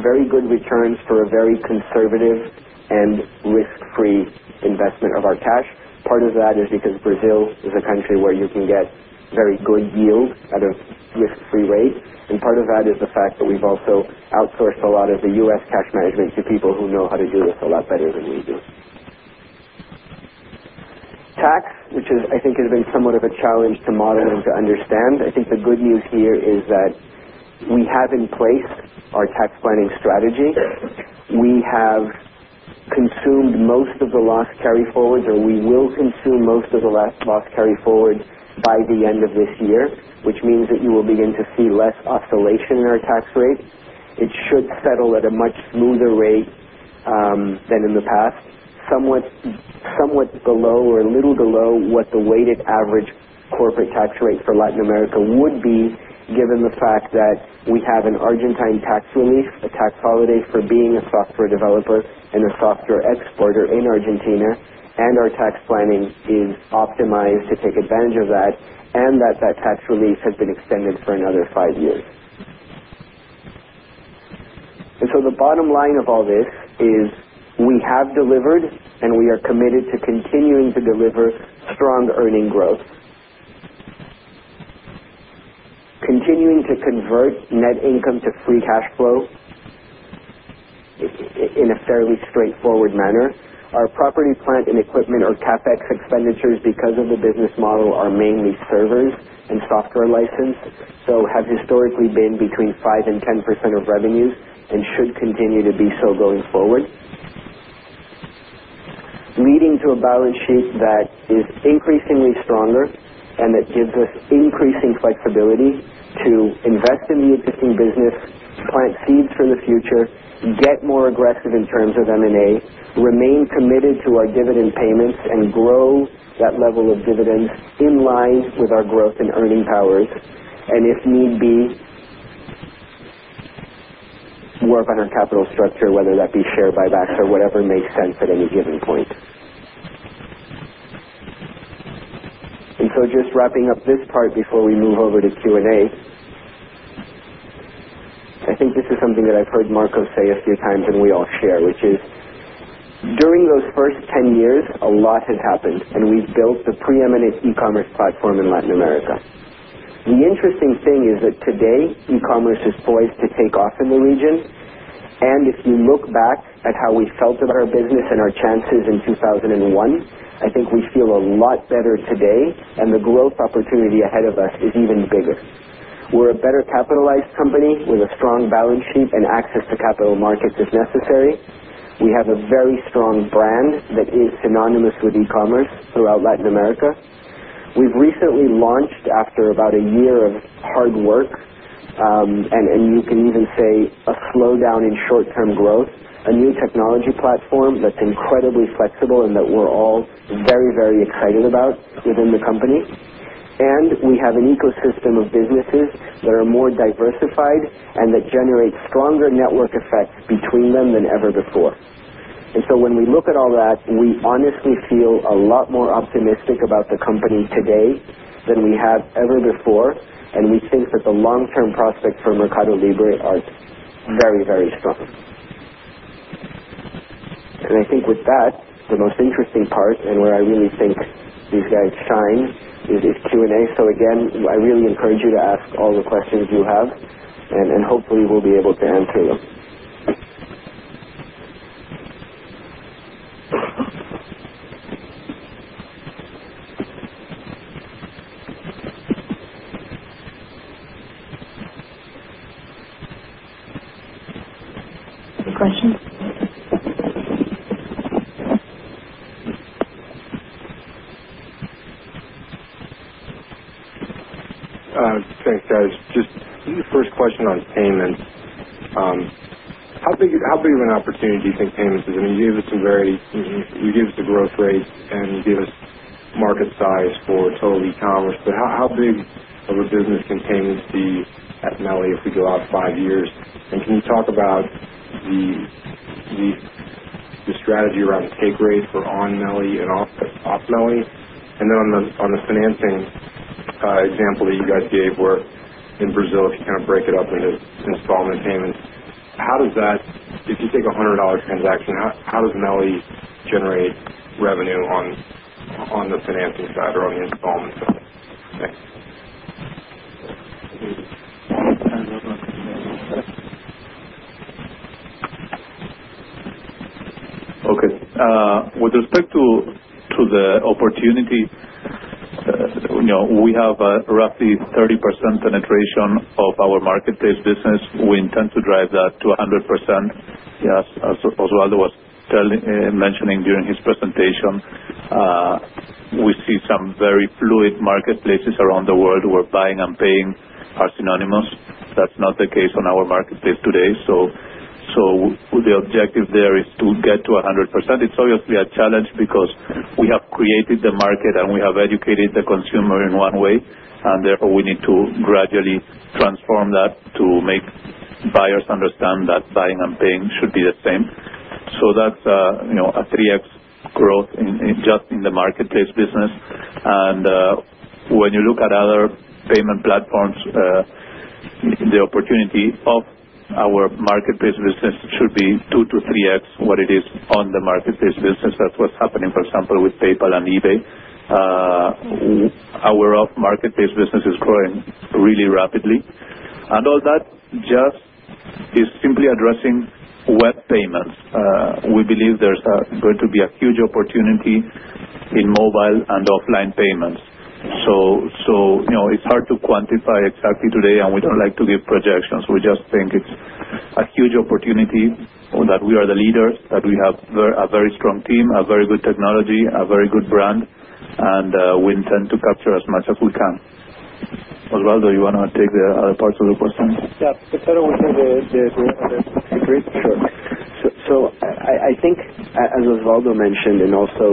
very good returns for a very conservative and risk-free investment of our cash. Part of that is because Brazil is a country where you can get very good yield at a risk-free rate. Part of that is the fact that we've also outsourced a lot of the U.S. cash management to people who know how to do this a lot better than we do. Tax, which I think has been somewhat of a challenge to model and to understand. I think the good news here is that we have in place our tax planning strategy. We have consumed most of the loss carry forwards, or we will consume most of the loss carry forwards by the end of this year, which means that you will begin to see less oscillation in our tax rate. It should settle at a much smoother rate than in the past, somewhat below or a little below what the weighted average corporate tax rates for Latin America would be, given the fact that we have an Argentine tax relief, a tax holiday for being a software developer and a software exporter in Argentina, and our tax planning team optimized to take advantage of that. That tax relief has been extended for another five years. The bottom line of all this is we have delivered, and we are committed to continuing to deliver strong earning growth, continuing to convert net income to free cash flow in a fairly straightforward manner. Our property, plant, and equipment or CapEx expenditures, because of the business model, are mainly servers and software licenses, so have historically been between 5% and 10% of revenue and should continue to be so going forward, leading to a balance sheet that is increasingly stronger and that gives us increasing flexibility to invest in the existing business, plant seeds for the future, get more aggressive in terms of M&A, remain committed to our dividend payments, and grow that level of dividends in line with our growth and earning powers. If need be, work on our capital structure, whether that be share buybacks or whatever makes sense at any given point. Just wrapping up this part before we move over to Q&A, I think this is something that I've heard Marcos say a few times, and we all share, which is during those first 10 years, a lot has happened. We've built the preeminent e-commerce platform in Latin America. The interesting thing is that today, e-commerce is poised to take off in the region. If you look back at how we felt about our business and our chances in 2001, I think we feel a lot better today. The growth opportunity ahead of us is even bigger. We're a better capitalized company with a strong balance sheet and access to capital markets as necessary. We have a very strong brand that is synonymous with e-commerce throughout Latin America. We've recently launched, after about a year of hard work, and you can even say a slowdown in short-term growth, a new technology platform that's incredibly flexible and that we're all very, very excited about within the company. We have an ecosystem of businesses that are more diversified and that generate stronger network effects between them than ever before. When we look at all that, we honestly feel a lot more optimistic about the company today than we have ever before. We think that the long-term prospects for Mercado Libre are very, very strong. I think with that, the most interesting part and where I really think these guys shine is Q&A. I really encourage you to ask all the questions you have. Hopefully, we'll be able to answer them. Any questions? Thanks, guys. Just the first question on payments. How big of an opportunity do you think payments is? I mean, you gave us a growth rate, and you gave us market size for total e-commerce. How big of a business continues to be at Mercado Libre if we go out five years? Can you talk about the strategy around the take rate for on Mercado Libre and off Mercado Libre? On the financing example that you guys gave where in Brazil, if you can't break it up into installment payments, if you take a $100 transaction, how does Mercado Libre generate revenue on the financing side or on the installment side? Okay. With respect to the opportunity, we have a roughly 30% penetration of our Marketplace business. We intend to drive that to 100%. As Osvaldo was mentioning during his presentation, we see some very fluid marketplaces around the world where buying and paying are synonymous. That's not the case on our Marketplace today. The objective there is to get to 100%. It's obviously a challenge because we have created the market, and we have educated the consumer in one way. Therefore, we need to gradually transform that to make buyers understand that buying and paying should be the same. That's a 3x growth just in the Marketplace business. When you look at other payment platforms, the opportunity of our Marketplace business should be 2x-3x what it is on the Marketplace business. That's what's happening, for example, with PayPal and eBay. Our Marketplace business is growing really rapidly, and all that is simply addressing web payments. We believe there's going to be a huge opportunity in mobile and offline payments. It's hard to quantify exactly today, and we don't like to give projections. We just think it's a huge opportunity that we are the leader, that we have a very strong team, a very good technology, a very good brand, and we intend to capture as much as we can. Osvaldo, you want to take the other parts of the question? Yeah, if I don't want to say the answer, [if we have a less secret]. Sure. I think, as Osvaldo mentioned and also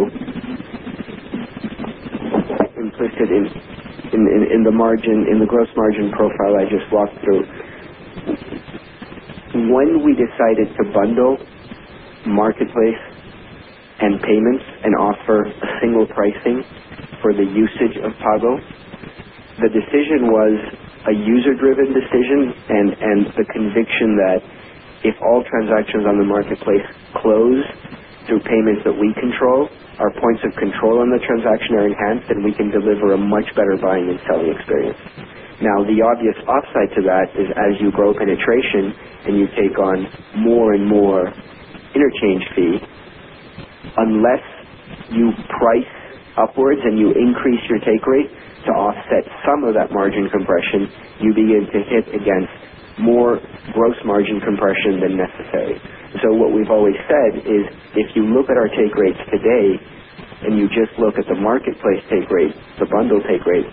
implicit in the gross margin profile I just walked through, when we decided to bundle Marketplace and payments and offer single pricing for the usage of Mercado Pago, the decision was a user-driven decision and the conviction that if all transactions on the Marketplace close through payments that we control, our points of control on the transaction are enhanced, and we can deliver a much better buying and selling experience. The obvious offside to that is as you grow penetration and you take on more and more interchange fees, unless you price upwards and you increase your take rate to offset some of that margin compression, you begin to hit against more gross margin compression than necessary. What we've always said is if you look at our take rates today and you just look at the Marketplace take rate, the bundle take rate,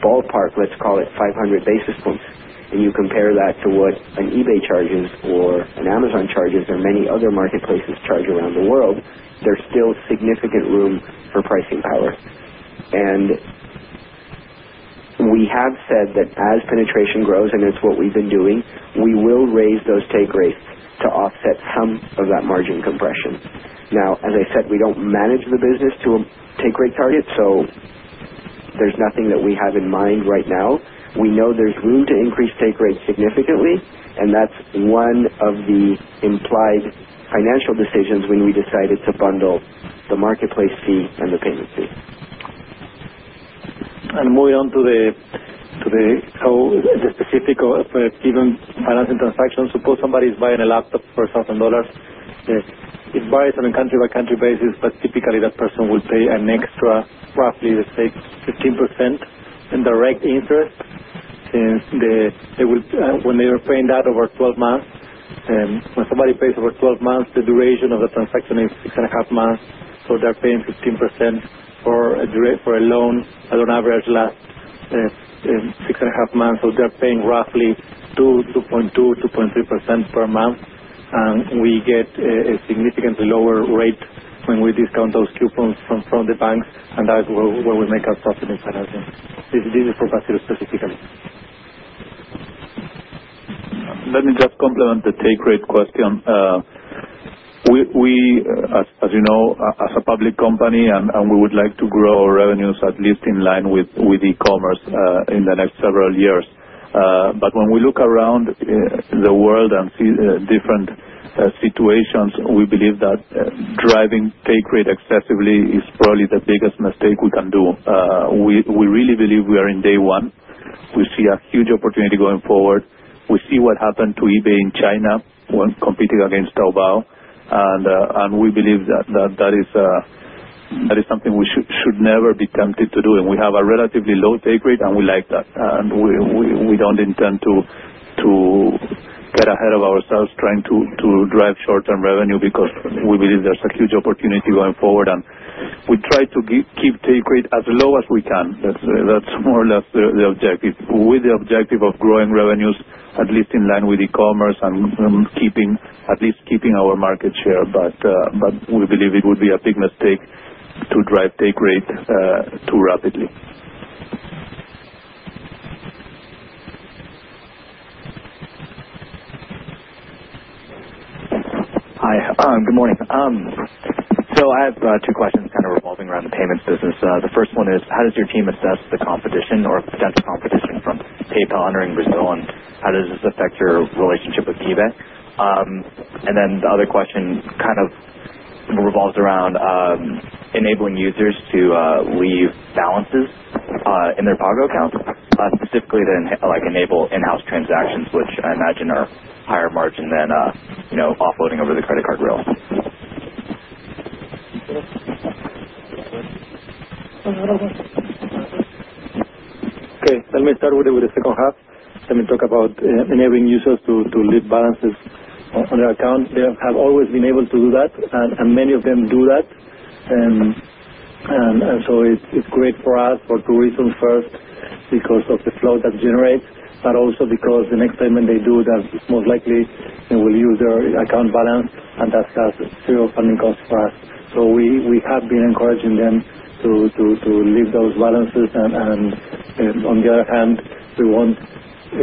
ballpark, let's call it 500 basis points, and you compare that to what an eBay charges or an Amazon charges or many other marketplaces charge around the world, there's still significant room for pricing power. We have said that as penetration grows, and it's what we've been doing, we will raise those take rates to offset some of that margin compression. As I said, we don't manage the business to take rate targets, so there's nothing that we have in mind right now. We know there's room to increase take rates significantly. That's one of the implied financial decisions when we decided to bundle the Marketplace fee and the payment fee. Moving on to the specific of even balancing transactions, suppose somebody is buying a laptop for $1,000. If you buy it on a country-by-country basis, but typically that person will pay an extra, roughly, let's say 15% in direct interest since they will, when they are paying that over 12 months, and when somebody pays over 12 months, the duration of the transaction is six and a half months, so they're paying 15%. Or for a loan, on an average last six and a half months, so they're paying roughly 2%, 2.2%, 2.3% per month. We get a significantly lower rate when we discount those coupons from the banks, and that's where we make our profit in financing. This is for buying specifically. Let me just complement the take rate question. We, as you know, are a public company, and we would like to grow our revenues at least in line with e-commerce in the next several years. When we look around the world and see different situations, we believe that driving take rate excessively is probably the biggest mistake we can do. We really believe we are in day one. We see a huge opportunity going forward. We see what happened to eBay in China when competing against Taobao. We believe that that is something we should never be tempted to do. We have a relatively low take rate, and we like that. We don't intend to get ahead of ourselves trying to drive short-term revenue because we believe there's a huge opportunity going forward. We try to keep take rate as low as we can. That's more or less the objective, with the objective of growing revenues at least in line with e-commerce and at least keeping our market share. We believe it would be a big mistake to drive take rate so rapidly. Hi. Good morning. I have two questions kind of revolving around the payments business. The first one is, how does your team assess the competition or potential competition from PayPal entering Brazil? How does this affect your relationship with eBay? The other question kind of revolves around enabling users to leave balances in their Mercado Pago account, specifically to enable in-house transactions, which I imagine are higher margin than offloading over the credit card rail. Okay. Let me start with the second half. Let me talk about enabling users to leave balances on their account. They have always been able to do that, and many of them do that. It's great for us, for tourism first, because of the flow that generates, but also because the next payment they do, most likely they will use their account balance, and that's a zero funding cost for us. We have been encouraging them to leave those balances. On the other hand,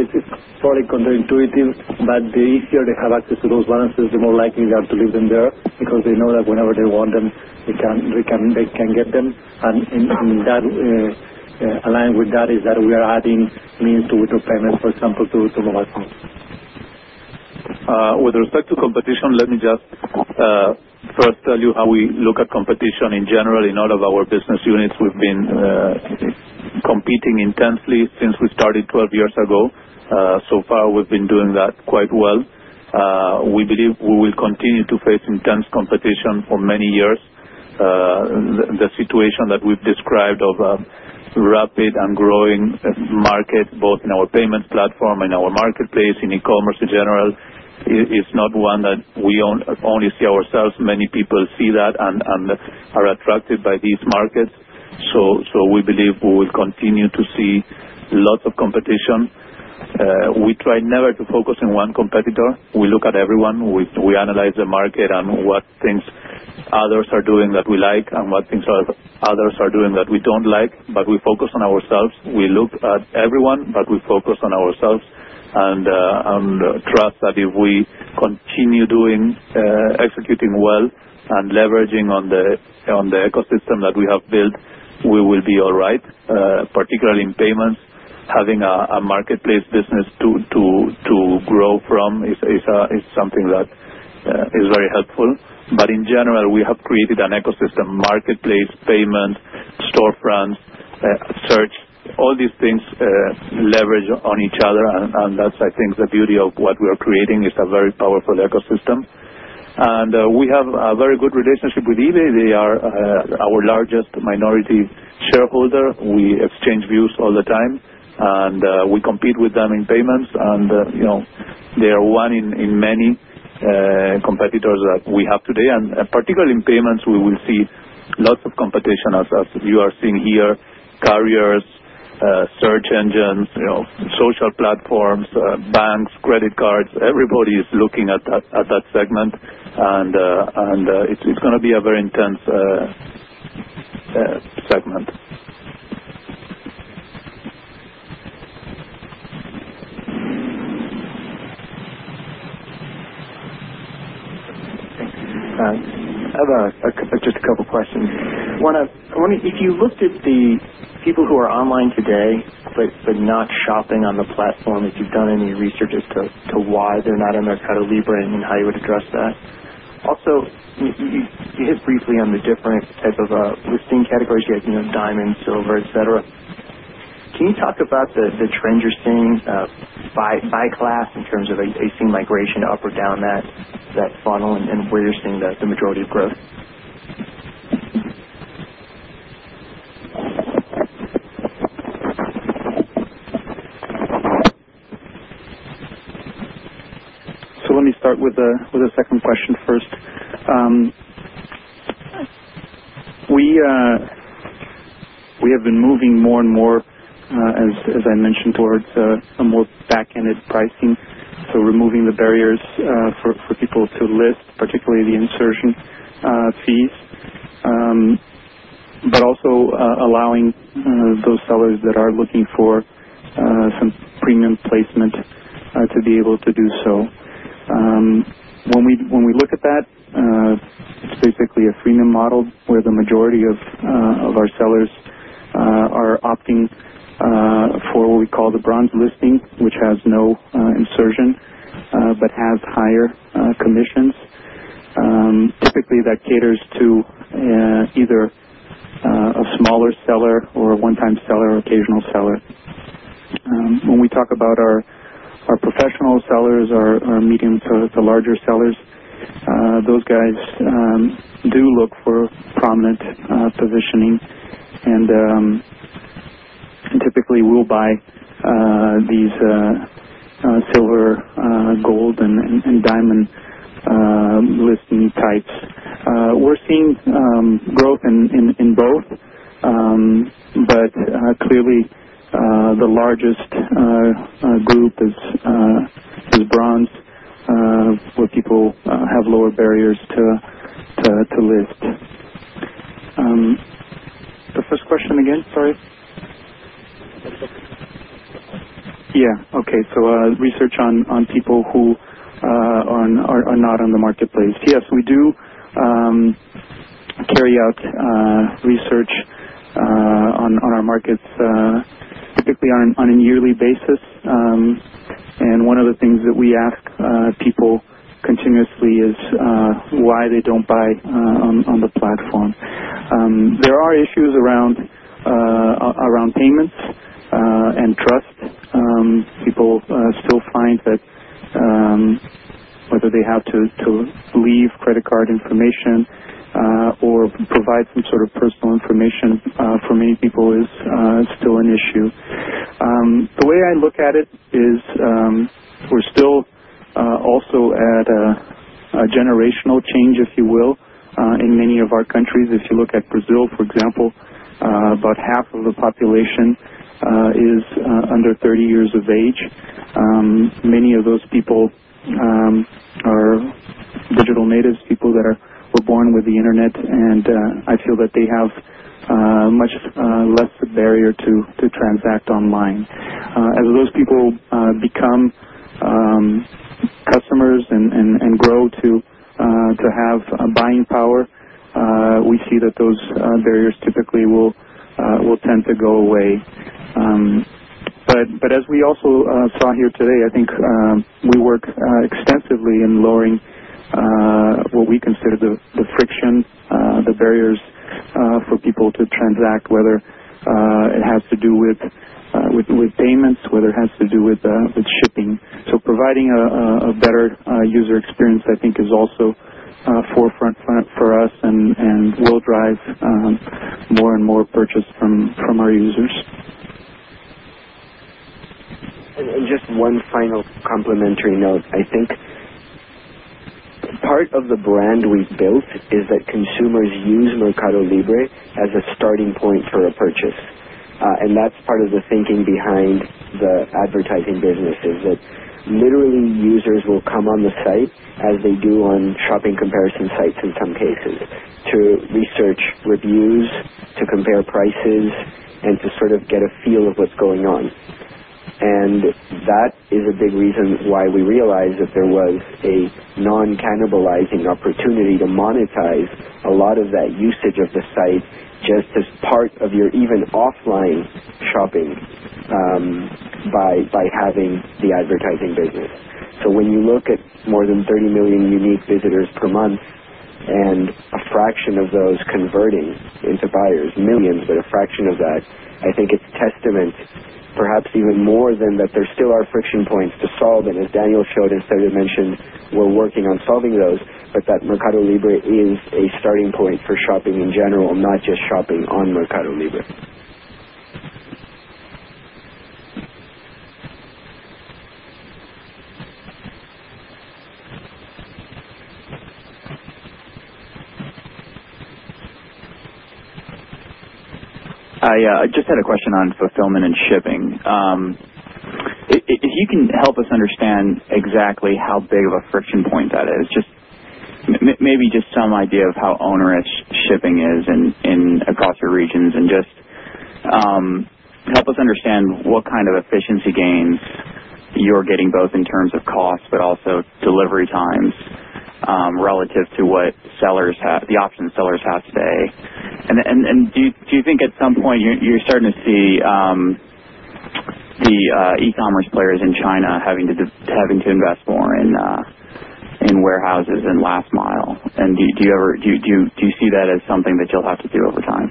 it's probably counterintuitive, but the easier they have access to those balances, the more likely they have to leave them there because they know that whenever they want them, they can get them. In that aligned with that is that we are adding means to withdraw payments, for example, to mobile phones. With respect to competition, let me just first tell you how we look at competition in general in all of our business units. We've been competing intensely since we started 12 years ago. So far, we've been doing that quite well. We believe we will continue to face intense competition for many years. The situation that we've described of a rapid and growing market, both in our payments platform and our marketplace in e-commerce in general, is not one that we only see ourselves. Many people see that and are attracted by these markets. We believe we will continue to see lots of competition. We try never to focus on one competitor. We look at everyone. We analyze the market and what things others are doing that we like and what things others are doing that we don't like. We focus on ourselves. We look at everyone, but we focus on ourselves and trust that if we continue executing well, and leveraging on the ecosystem that we have built, we will be all right. Particularly in payments, having a marketplace business to grow from is something that is very helpful. In general, we have created an ecosystem: marketplace, payment, storefronts, search, all these things leverage on each other. I think the beauty of what we are creating is a very powerful ecosystem. We have a very good relationship with eBay. They are our largest minority shareholder. We exchange views all the time. We compete with them in payments. You know they are one in many competitors that we have today. Particularly in payments, we will see lots of competition, as you are seeing here: carriers, search engines, social platforms, banks, credit cards. Everybody is looking at that segment. It's going to be a very intense segment. Thank you, Mr. Schatz. I have just a couple of questions. I wonder, if you looked at the people who are online today for not shopping on the platform, if you've done any research as to why they're not in Mercado Libre and how you would address that. Also, you hit briefly on the difference as of listing categories you guys know: diamond, silver, et cetera. Can you talk about the trends you're seeing by class in terms of, are you seeing migration up or down that funnel? Where you're seeing the majority of growth? Let me start with the second question first. We have been moving more and more, as I mentioned, towards some more back-ended pricing, removing the barriers for people to list, particularly the insertion fees, but also allowing those sellers that are looking for some freemium placement to be able to do so. When we look at that, it's basically a freemium model where the majority of our sellers are opting for what we call the bronze listing, which has no insertion but has higher commissions. Typically, that caters to either a smaller seller, a one-time seller, or an occasional seller. When we talk about our professional sellers, our medium to larger sellers, those guys do look for prominent positioning. Typically, we'll buy these silver, gold, and diamond listing types. We're seeing growth in both, but clearly, the largest group is bronze, where people have lower barriers to list. The first question again? Sorry. Yeah. Okay. Research on people who are not in the Marketplace. Yes, we do carry out research on our markets, typically on a yearly basis. One of the things that we ask people continuously is why they don't buy on the platform. There are issues around payments and trust. People still find that whether they have to leave credit card information or provide some sort of personal information, for many people, is still an issue. The way I look at it is we're still also at a generational change, if you will, in many of our countries. If you look at Brazil, for example, about half of the population is under 30 years of age. Many of those people are digital natives, people that were born with the Internet, and I feel that they have much less of a barrier to transact online. As those people become customers and grow to have buying power, we see that those barriers typically will tend to go away. As we also saw here today, I think we work extensively in lowering what we consider the frictions, the barriers, for people to transact, whether it has to do with payments or with the shipping. Providing a better user experience, I think, is also forefront for us and will drive more and more purchase from our users. Just one final complimentary note. I think part of the brand we've built is that consumers use Mercado Libre as a starting point for a purchase, and that's part of the thinking behind the advertising business, is that literally, users will come on the site, as they do on shopping comparison sites in some cases, to research reviews, to compare prices, and to sort of get a feel of what's going on. That is a big reason why we realized that there was a non-cannibalizing opportunity to monetize a lot of that usage of the site just as part of your even offline shopping, by having the advertising business. When you look at more than 30 million unique visitors per month and a fraction of those converting into buyers, millions, but a fraction of that, I think it's testament, perhaps even more than that there still are friction points to solve. As Daniel Rabinovich showed in third dimension, we're working on solving those, but that Mercado Libre is a starting point for shopping in general, not just shopping on Mercado Libre. Hi. I just had a question on fulfillment and shipping. If you can help us understand exactly how big of a friction point that is, maybe just some idea of how onerous shipping is in aggressive regions and just help us understand what kind of efficiency gain you're getting both in terms of cost but also delivery times, relative to what sellers have the option sellers have today. Do you think at some point you're starting to see e-commerce players in China having to invest more in warehouses and last mile? Do you see that as something that you'll have to do over time?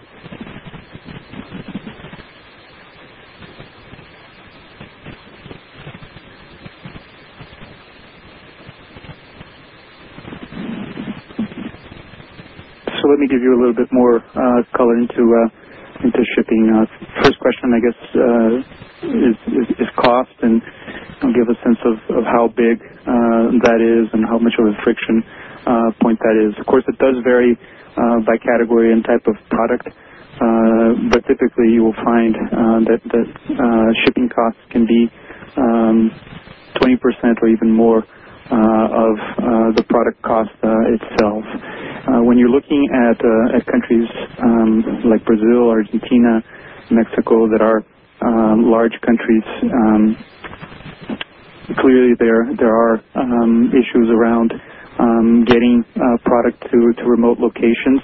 Let me give you a little bit more color into shipping. First question, I guess, is cost, and we'll give a sense of how big that is and how much of a friction point that is. Of course, it does vary by category and type of product, but typically, you will find that shipping costs can be 20% or even more of the product cost itself. When you're looking at countries like Brazil, Argentina, Mexico, that are large countries, clearly there are issues around getting product to remote locations.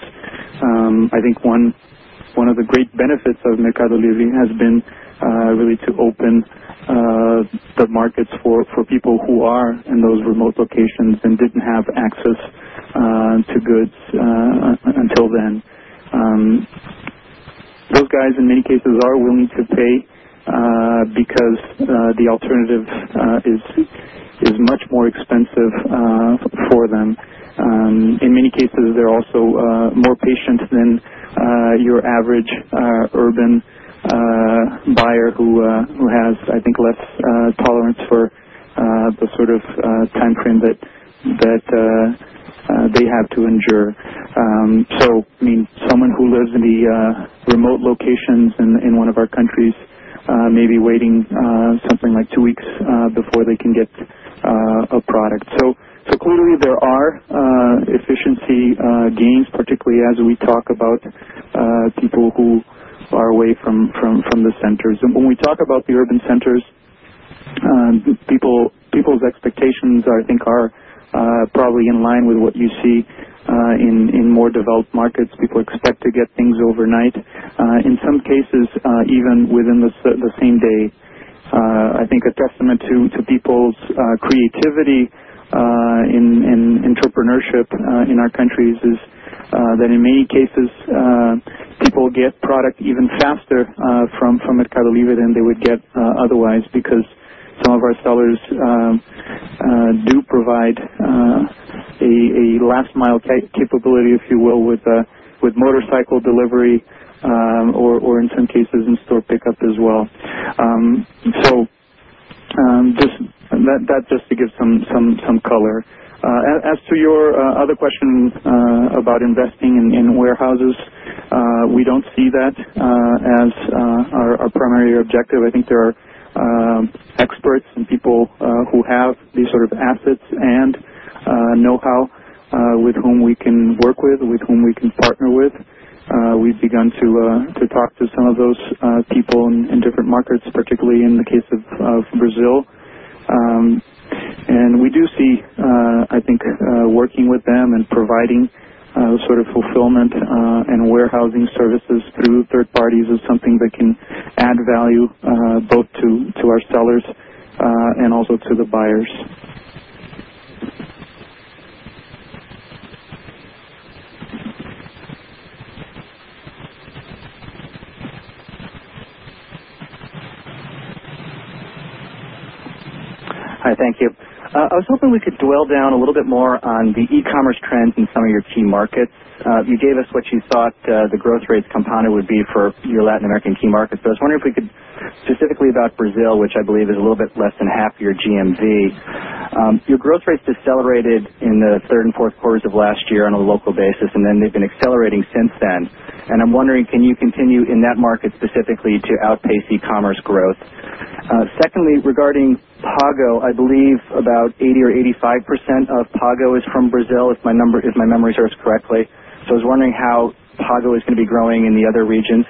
I think one of the great benefits of Mercado Libre has been really to open the markets for people who are in those remote locations and didn't have access to goods until then. Those guys, in many cases, are willing to pay because the alternative is much more expensive for them. In many cases, they're also more patient than your average urban buyer who has, I think, less tolerance for the sort of time frame that they have to endure. I mean, someone who lives in the remote locations in one of our countries may be waiting something like two weeks before they can get a product. Clearly, there are efficiency gains, particularly as we talk about people who are away from the centers. When we talk about the urban centers, people's expectations are, I think, probably in line with what you see in more developed markets. People expect to get things overnight, in some cases even within the same day. I think a testament to people's creativity in entrepreneurship in our countries is that in many cases, people get product even faster from Mercado Libre than they would get otherwise because some of our sellers do provide a last mile capability, if you will, with motorcycle delivery or in some cases, in-store pickup as well. This is just to give some color. As to your other question about investing in warehouses, we don't see that as our primary objective. I think there are experts and people who have these sort of assets and know-how with whom we can work, with whom we can partner. We've begun to talk to some of those people in different markets, particularly in the case of Brazil, and we do see working with them and providing fulfillment and warehousing services through third parties is something that can add value both to our sellers and also to the buyers. Hi. Thank you. I was hoping we could dwell down a little bit more on the e-commerce trend in some of your key markets. You gave us what you thought the growth rates compounded would be for your Latin American key markets, but I was wondering if we could specifically about Brazil, which I believe is a little bit less than half your GMV. Your growth rates decelerated in the third and fourth quarters of last year on a local basis, and then they've been accelerating since then. I'm wondering, can you continue in that market specifically to outpace e-commerce growth? Secondly, regarding Pago, I believe about 80% or 85% of Pago is from Brazil, if my numbers, if my memory serves correctly. I was wondering how Pago is going to be growing in the other regions.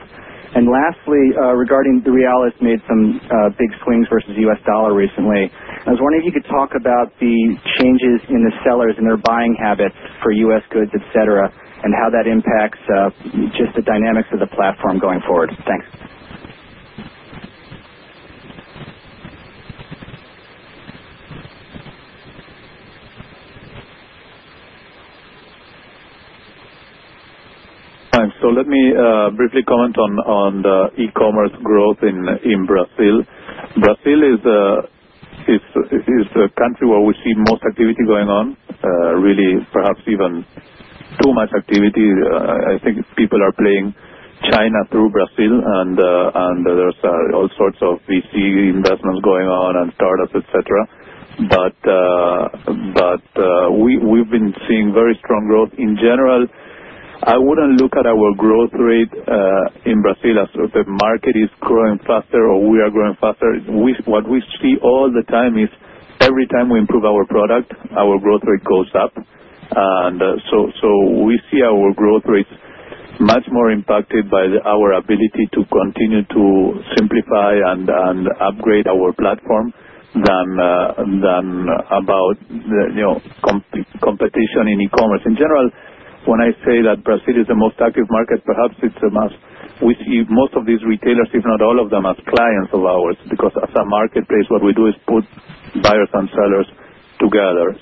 Lastly, regarding the real, it's made some big swings versus the U.S. dollar recently. I was wondering if you could talk about the changes in the sellers and their buying habits for U.S. goods, etc., and how that impacts just the dynamics of the platform going forward. Thanks. Hi. Let me briefly comment on the e-commerce growth in Brazil. Brazil is a country where we see most activity going on, really, perhaps even too much activity. I think people are playing China through Brazil, and there's all sorts of VC investments going on and startups, etc. We've been seeing very strong growth. In general, I wouldn't look at our growth rate in Brazil as if the market is growing faster or we are growing faster. What we see all the time is every time we improve our product, our growth rate goes up. We see our growth rates much more impacted by our ability to continue to simplify and upgrade our platform than about the competition in e-commerce. In general, when I say that Brazil is the most active market, perhaps it's a must. We see most of these retailers, if not all of them, as clients of ours because as a Marketplace, what we do is put buyers and sellers together.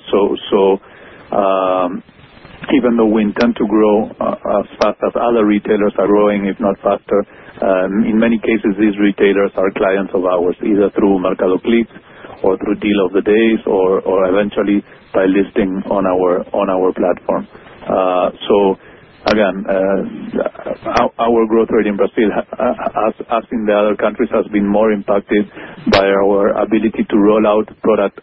Even though we intend to grow as fast as other retailers are growing, if not faster, in many cases, these retailers are clients of ours either through Marketplace or through deal of the days or eventually by listing on our platform. Again, our growth rate in Brazil, as in the other countries, has been more impacted by our ability to roll out product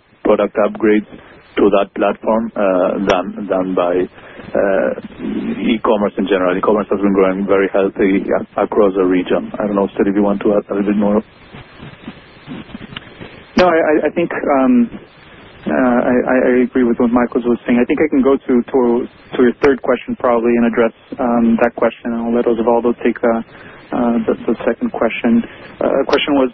upgrades to that platform than by e-commerce in general. E-commerce has been growing very healthy across the region. I don't know, Stelleo, do you want to add a little bit more? I think I agree with what Michael was saying. I think I can go to your third question probably and address that question, and I'll let Osvaldo take the second question. The question was,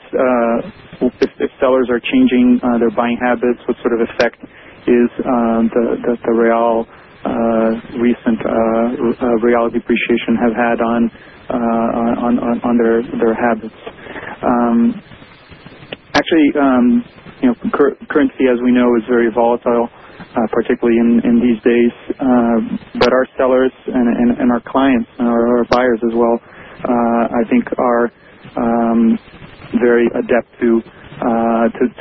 if sellers are changing their buying habits, what sort of effect has the recent real appreciation had on their habits? Actually, you know, currency, as we know, is very volatile, particularly in these days. Our sellers and our clients and our buyers as well, I think, are very adept to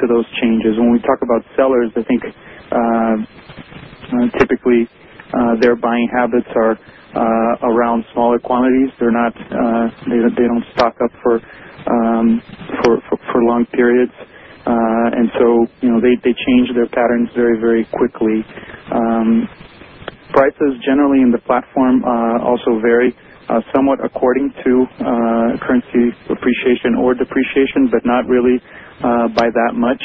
those changes. When we talk about sellers, I think typically their buying habits are around smaller quantities. They don't stock up for long periods, and they change their patterns very quickly. Prices generally in the platform also vary somewhat according to currency appreciation or depreciation, but not really by that much.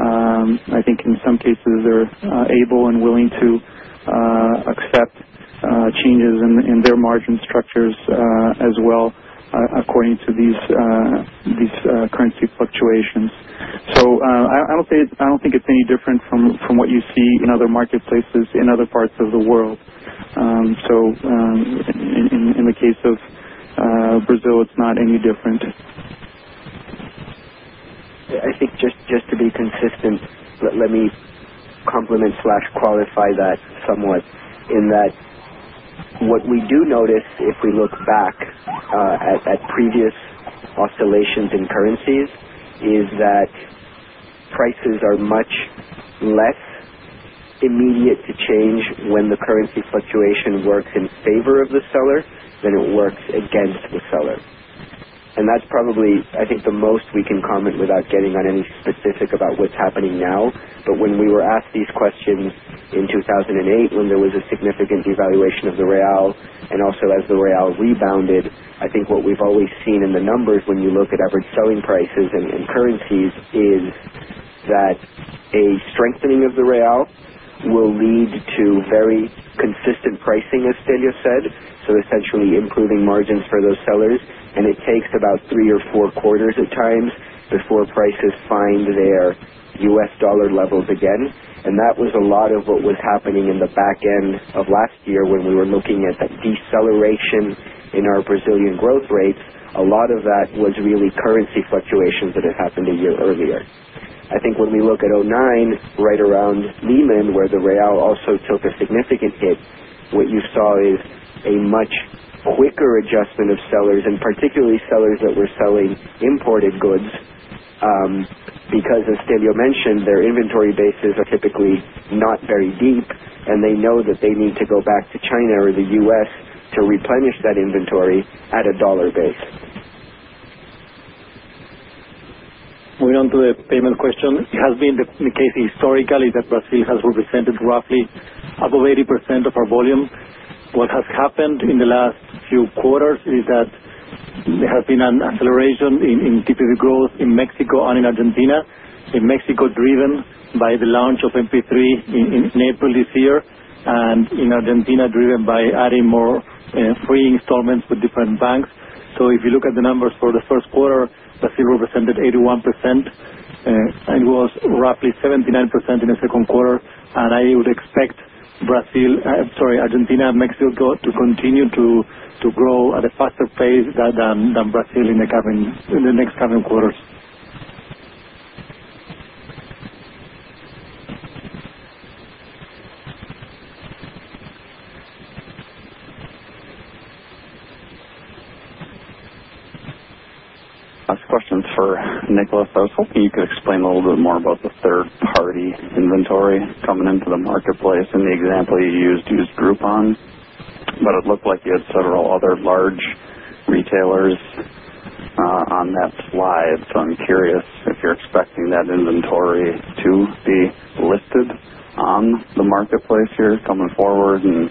I think in some cases, they're able and willing to accept changes in their margin structures as well, according to these currency fluctuations. I don't think it's any different from what you see in other marketplaces in other parts of the world. In the case of Brazil, it's not any different. I think just to be consistent, let me complement or qualify that somewhat in that what we do notice, if we look back at previous oscillations in currencies, is that prices are much less immediate to change when the currency fluctuation works in favor of the seller than it works against the seller. That's probably, I think, the most we can comment without getting on any specific about what's happening now. When we were asked these questions in 2008, when there was a significant devaluation of the real and also as the real rebounded, I think what we've always seen in the numbers when you look at average selling prices and currencies is that a strengthening of the real will lead to very consistent pricing, as Stelleo said, essentially improving margins for those sellers. It takes about three or four quarters of time before prices find their U.S. dollar levels again. That was a lot of what was happening in the back end of last year when we were looking at deceleration in our Brazilian growth rates. A lot of that was really currency fluctuations that had happened a year earlier. I think when we look at 2009, right around Lehman, where the real also took a significant hit, what you saw is a much quicker adjustment of sellers, particularly sellers that were selling imported goods, because as Stelleo mentioned, their inventory bases are typically not very deep, and they know that they need to go back to China or the U.S. to replenish that inventory at a dollar base. Moving on to the payment question.It has been the case historically that Brazil has represented roughly above 80% of our volume. What has happened in the last few quarters is that there has been an acceleration in typical growth in Mexico and in Argentina, in Mexico driven by the launch of MP3 in April this year, and in Argentina driven by adding more free installments with different banks. If you look at the numbers for the first quarter, Brazil represented 81%, and was roughly 79% in the second quarter. I would expect Brazil, sorry, Argentina and Mexico to continue to grow at a faster pace than Brazil in the next coming quarters. I have a question for Nicolas. I was hoping you could explain a little bit more about the third-party inventory coming into the Marketplace and the example you used to use Groupon. It looked like you had several other large retailers on that slide. I'm curious if you're expecting that inventory to be listed on the Marketplace here coming forward and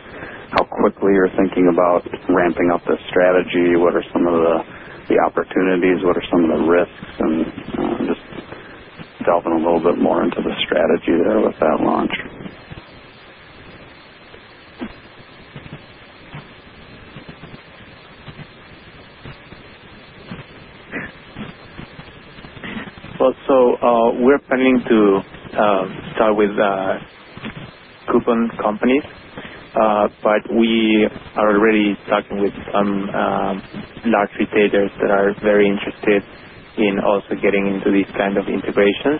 how quickly you're thinking about ramping up the strategy. What are some of the opportunities? What are some of the risks? Just delving a little bit more into the strategy there with that line. We are planning to start with Groupon companies, but we are already talking with some large retailers that are very interested in also getting into this kind of integration.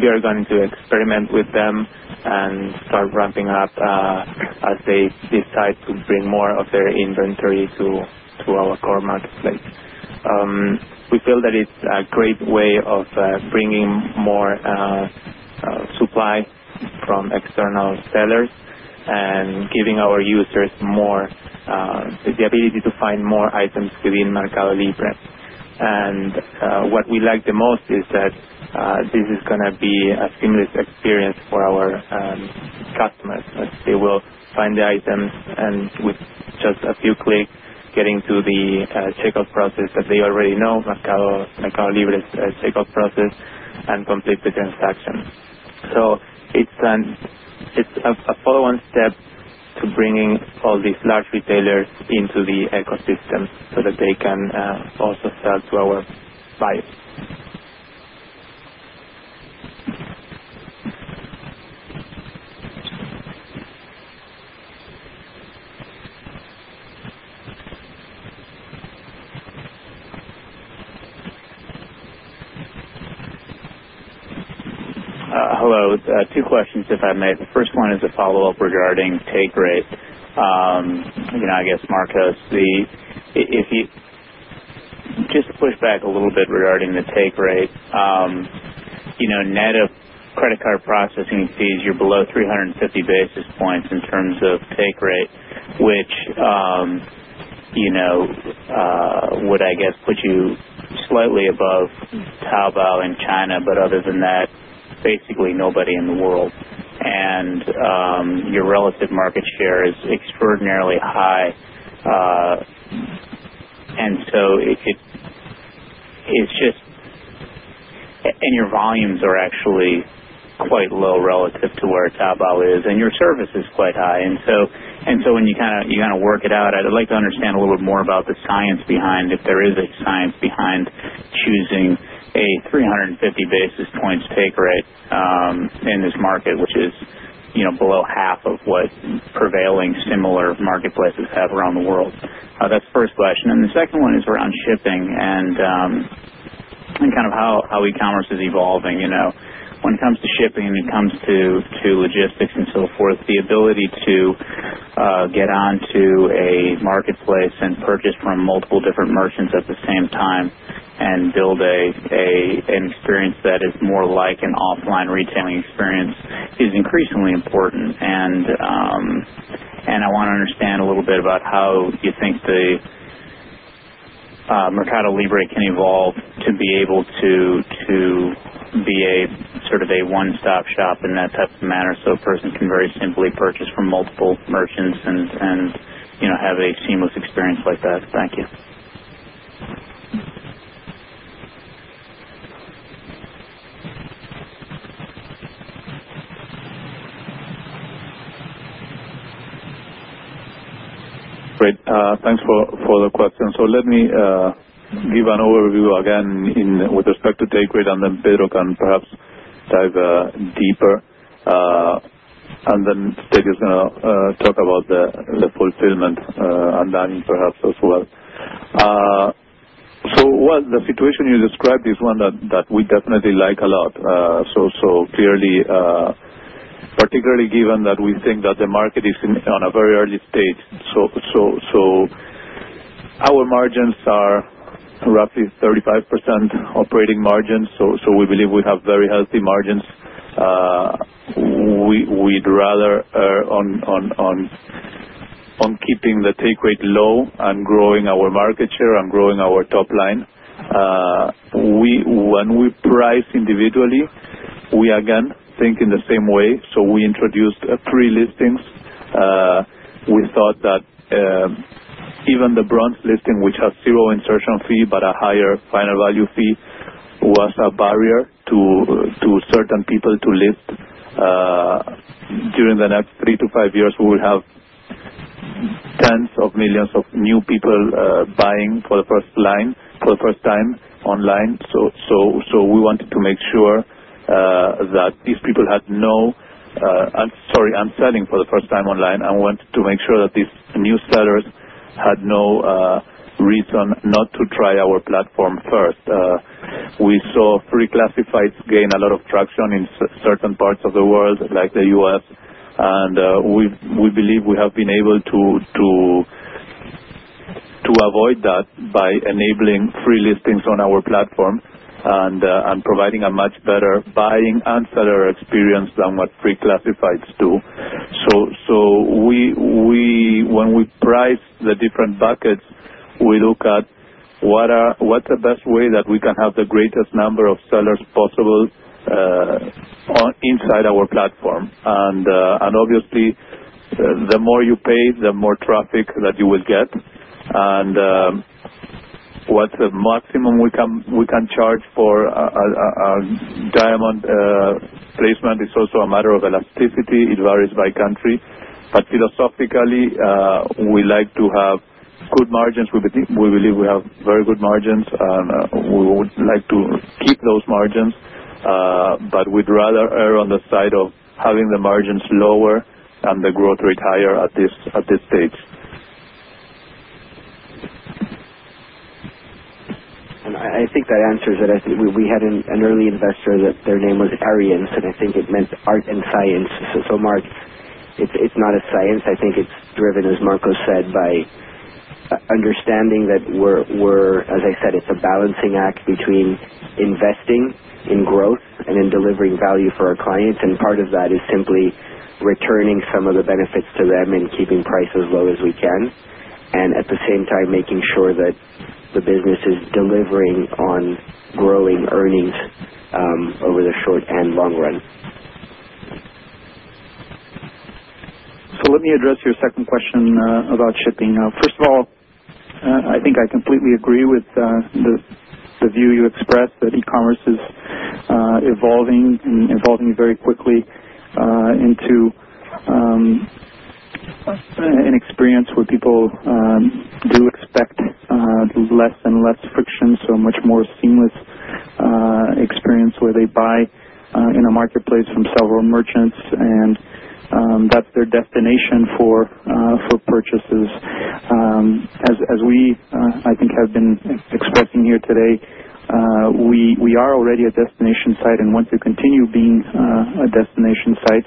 We are going to experiment with them and start ramping up as they decide to bring more of their inventory to our core Marketplace. We feel that it's a great way of bringing more supply from external sellers and giving our users the ability to find more items within Mercado Libre. What we like the most is that this is going to be a seamless experience for our customers, as they will find the items and with just a few clicks get into the checkout process, as they already know Mercado Libre's checkout process and complete the transaction. It's a follow-on step to bringing all these large retailers into the ecosystem so that they can also sell to our sites. Hello. Two questions, if I may. The first one is a follow-up regarding take rate. I mean, I guess, Marcos, let's see, if you just push back a little bit regarding the take rate. You know, net of credit card processing fees, you're below 350 basis points in terms of take rate, which, you know, would, I guess, put you slightly above Taobao in China, but other than that, basically nobody in the world. Your relative market share is extraordinarily high, and your volumes are actually quite low relative to where Taobao is. Your service is quite high. When you work it out, I'd like to understand a little bit more about the science behind, if there is a science behind, choosing a 350 basis points take rate in this market, which is below half of what these prevailing similar marketplaces have around the world. That's the first question. The second one is around shipping and how e-commerce is evolving. When it comes to shipping, when it comes to logistics and so forth, the ability to get onto a marketplace and purchase from multiple different merchants at the same time and build an experience that is more like an offline retailing experience is increasingly important. I want to understand a little bit about how you think Mercado Libre can evolve to be able to be a sort of one-stop shop in that type of manner so a person can very simply purchase from multiple merchants and have a seamless experience like that. Thank you. Great, thanks for the question. Let me give an overview again with respect to take rate and then perhaps dive deeper. Stelleo is going to talk about the fulfillment, and then perhaps as well. The situation you described is one that we definitely like a lot, particularly given that we think that the market is in a very early stage. Our margins are roughly 35% operating margins, so we believe we have very healthy margins. We'd rather keep the take rate low and grow our market share and grow our top line. When we price individually, we again think in the same way. We introduced free listings. We thought that even the bronze listing, which has zero insertion fee but a higher final value fee, was a barrier to certain people to list. During the next three to five years, we will have tens of millions of new people buying for the first time online. We wanted to make sure that these people had no—I'm sorry, I'm selling for the first time online. I want to make sure that these new sellers had no reason not to try our platform first. We saw free classifieds gain a lot of traction in certain parts of the world like the U.S., and we believe we have been able to avoid that by enabling free listings on our platform and providing a much better buying and seller experience than what free classifieds do. When we price the different buckets, we look at what's the best way that we can have the greatest number of sellers possible inside our platform. Obviously, the more you pay, the more traffic that you will get. What's the maximum we can charge for a diamond placement is also a matter of elasticity. It varies by country. Philosophically, we like to have good margins. We believe we have very good margins, and we would like to keep those margins, but we'd rather err on the side of having the margins lower and the growth rate higher at this stage. I think that answers it. We had an early investor that their name was Ariel, so I think it meant art and science. Mark, it's not a science. I think it's driven, as Marcos said, by understanding that we're, as I said, it's a balancing act between investing in growth and in delivering value for our clients. Part of that is simply returning some of the benefits to them and keeping price as low as we can, and at the same time, making sure that the business is delivering on growing earnings, over the short and long run. Let me address your second question, about shipping. First of all, I completely agree with the view you expressed that e-commerce is evolving and evolving very quickly into an experience where people expect less and less friction, so a much more seamless experience where they buy in a Marketplace from several merchants and that's their destination for purchases. As we, I think, have been expecting here today, we are already a destination site and want to continue being a destination site.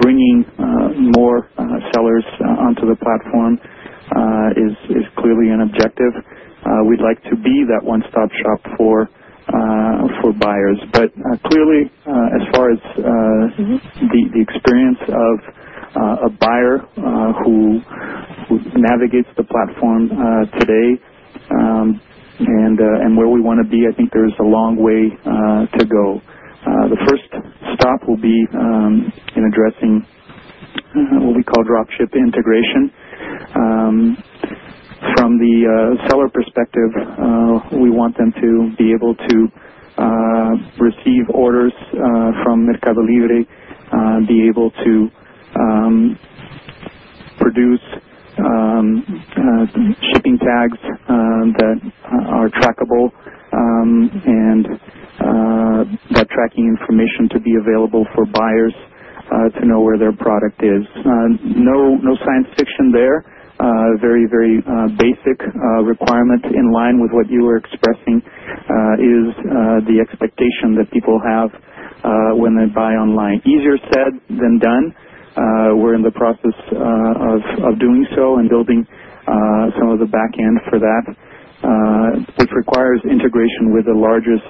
Bringing more sellers onto the platform is clearly an objective. We'd like to be that one-stop shop for buyers. Clearly, as far as the experience of a buyer who navigates the platform today and where we want to be, I think there is a long way to go. The first stop will be in addressing what we call dropship integration. From the seller perspective, we want them to be able to receive orders from Mercado Libre, be able to produce tags that are trackable, and that tracking information to be available for buyers to know where their product is. No science fiction there. Very basic requirements in line with what you were expressing, which is the expectation that people have when they buy online. Easier said than done. We're in the process of doing so and building some of the back end for that. It requires integration with the largest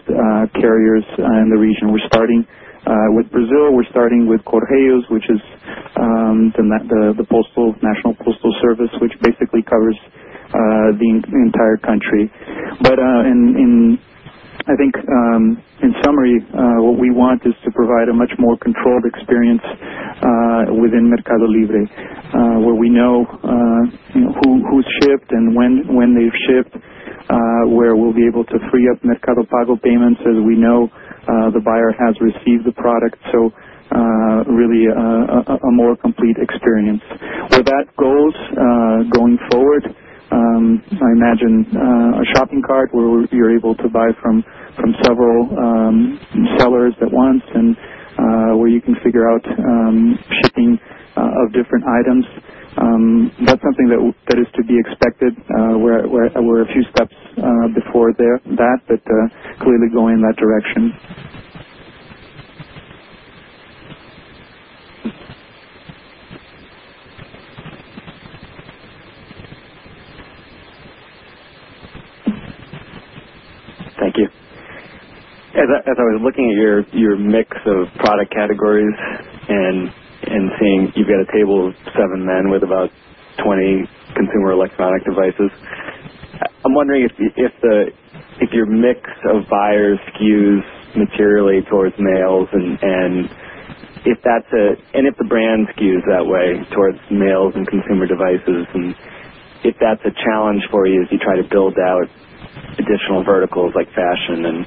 carriers in the region. We're starting with Brazil. We're starting with Correios, which is the National Postal Service, which basically covers the entire country. In summary, what we want is to provide a much more controlled experience within Mercado Libre, where we know who shipped and when they've shipped, where we'll be able to free up Mercado Pago payments as we know the buyer has received the product. Really, a more complete experience. For that goal, going forward, I imagine a shopping cart where you're able to buy from several sellers at once and where you can figure out shipping of different items. That's something that is to be expected. We're a few steps before that, clearly going in that direction. As I was looking at your mix of product categories and seeing you've got a table of seven men with about 20 consumer electronic devices, I'm wondering if your mix of buyers skews materially towards males and if the brand skews that way towards males and consumer devices, and if that's a challenge for you as you try to build out additional verticals like fashion.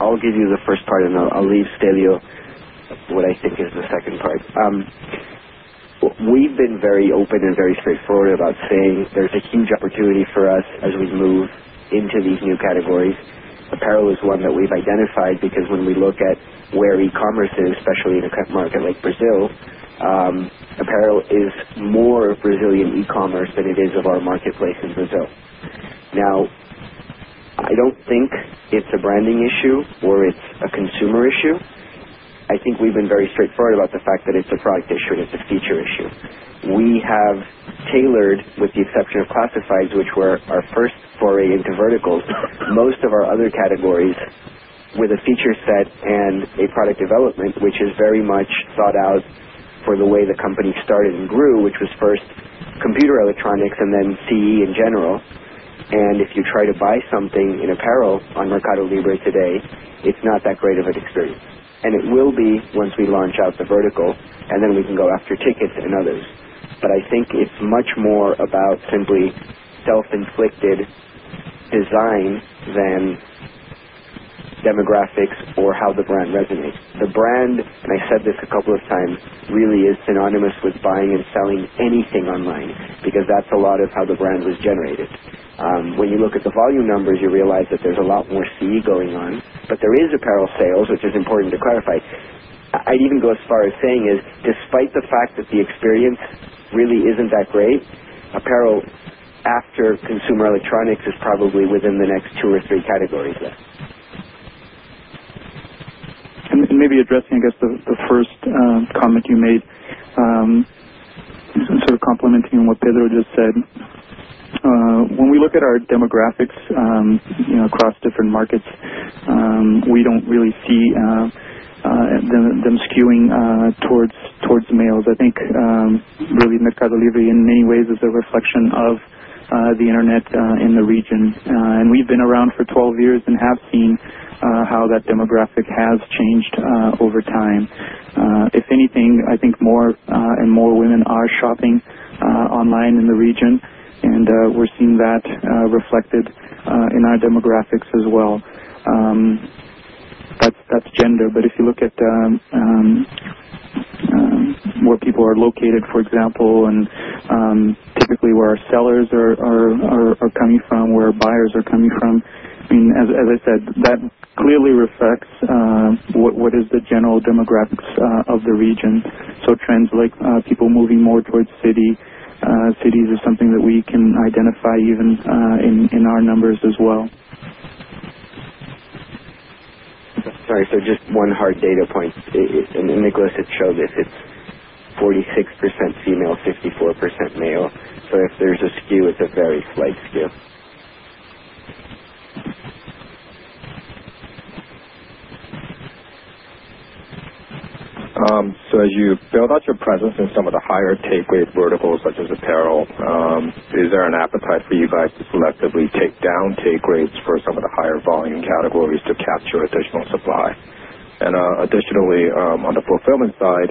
I'll give you the first part, and I'll leave Stelleo what I think is the second part. We've been very open and very straightforward about saying there's a huge opportunity for us as we move into these new categories. Apparel is one that we've identified because when we look at where e-commerce is, especially in a cut market like Brazil, apparel is more of Brazilian e-commerce than it is of our Marketplace in Brazil. I don't think it's a branding issue or it's a consumer issue. I think we've been very straightforward about the fact that it's a product issue and it's a feature issue. We have tailored, with the exception of classifieds, which were our first foray into verticals, most of our other categories where the feature set and product development, which is very much sought out for the way the company started and grew, which was first computer electronics and then CE in general. If you try to buy something in apparel on Mercado Libre today, it's not that great of an experience. It will be once we launch out the vertical, and then we can go after tickets and others. I think it's much more about simply self-inflicted design than demographics or how the brand resonates. The brand, and I said this a couple of times, really is synonymous with buying and selling anything online because that's a lot of how the brand was generated. When you look at the volume numbers, you realize that there's a lot more CE going on, but there is apparel sales, which is important to clarify. I'd even go as far as saying despite the fact that the experience really isn't that great, apparel after consumer electronics is probably within the next two or three categories there. Maybe addressing the first comment you made, sort of complimenting on what Pedro just said. When we look at our demographics across different markets, we don't really see them skewing towards males. I think really Mercado Libre, in many ways, is a reflection of the internet in the region. We've been around for 12 years and have seen how that demographic has changed over time. If anything, I think more and more women are shopping online in the region, and we're seeing that reflected in our demographics as well. That's gender. If you look at where people are located, for example, and typically where our sellers are coming from, where our buyers are coming from, I mean, as I said, that clearly reflects what is the general demographics of the region. Trends like people moving more towards cities is something that we can identify even in our numbers as well. Just one hard data point. Nicolas had showed this. It's 46% female, 54% male. If there's a skew, it's a very slight skew. You filled out your presence in some of the higher take rate verticals such as apparel. Is there an appetite for you guys to selectively take down take rates for some of the higher volume categories to capture additional supply? Additionally, on the fulfillment side,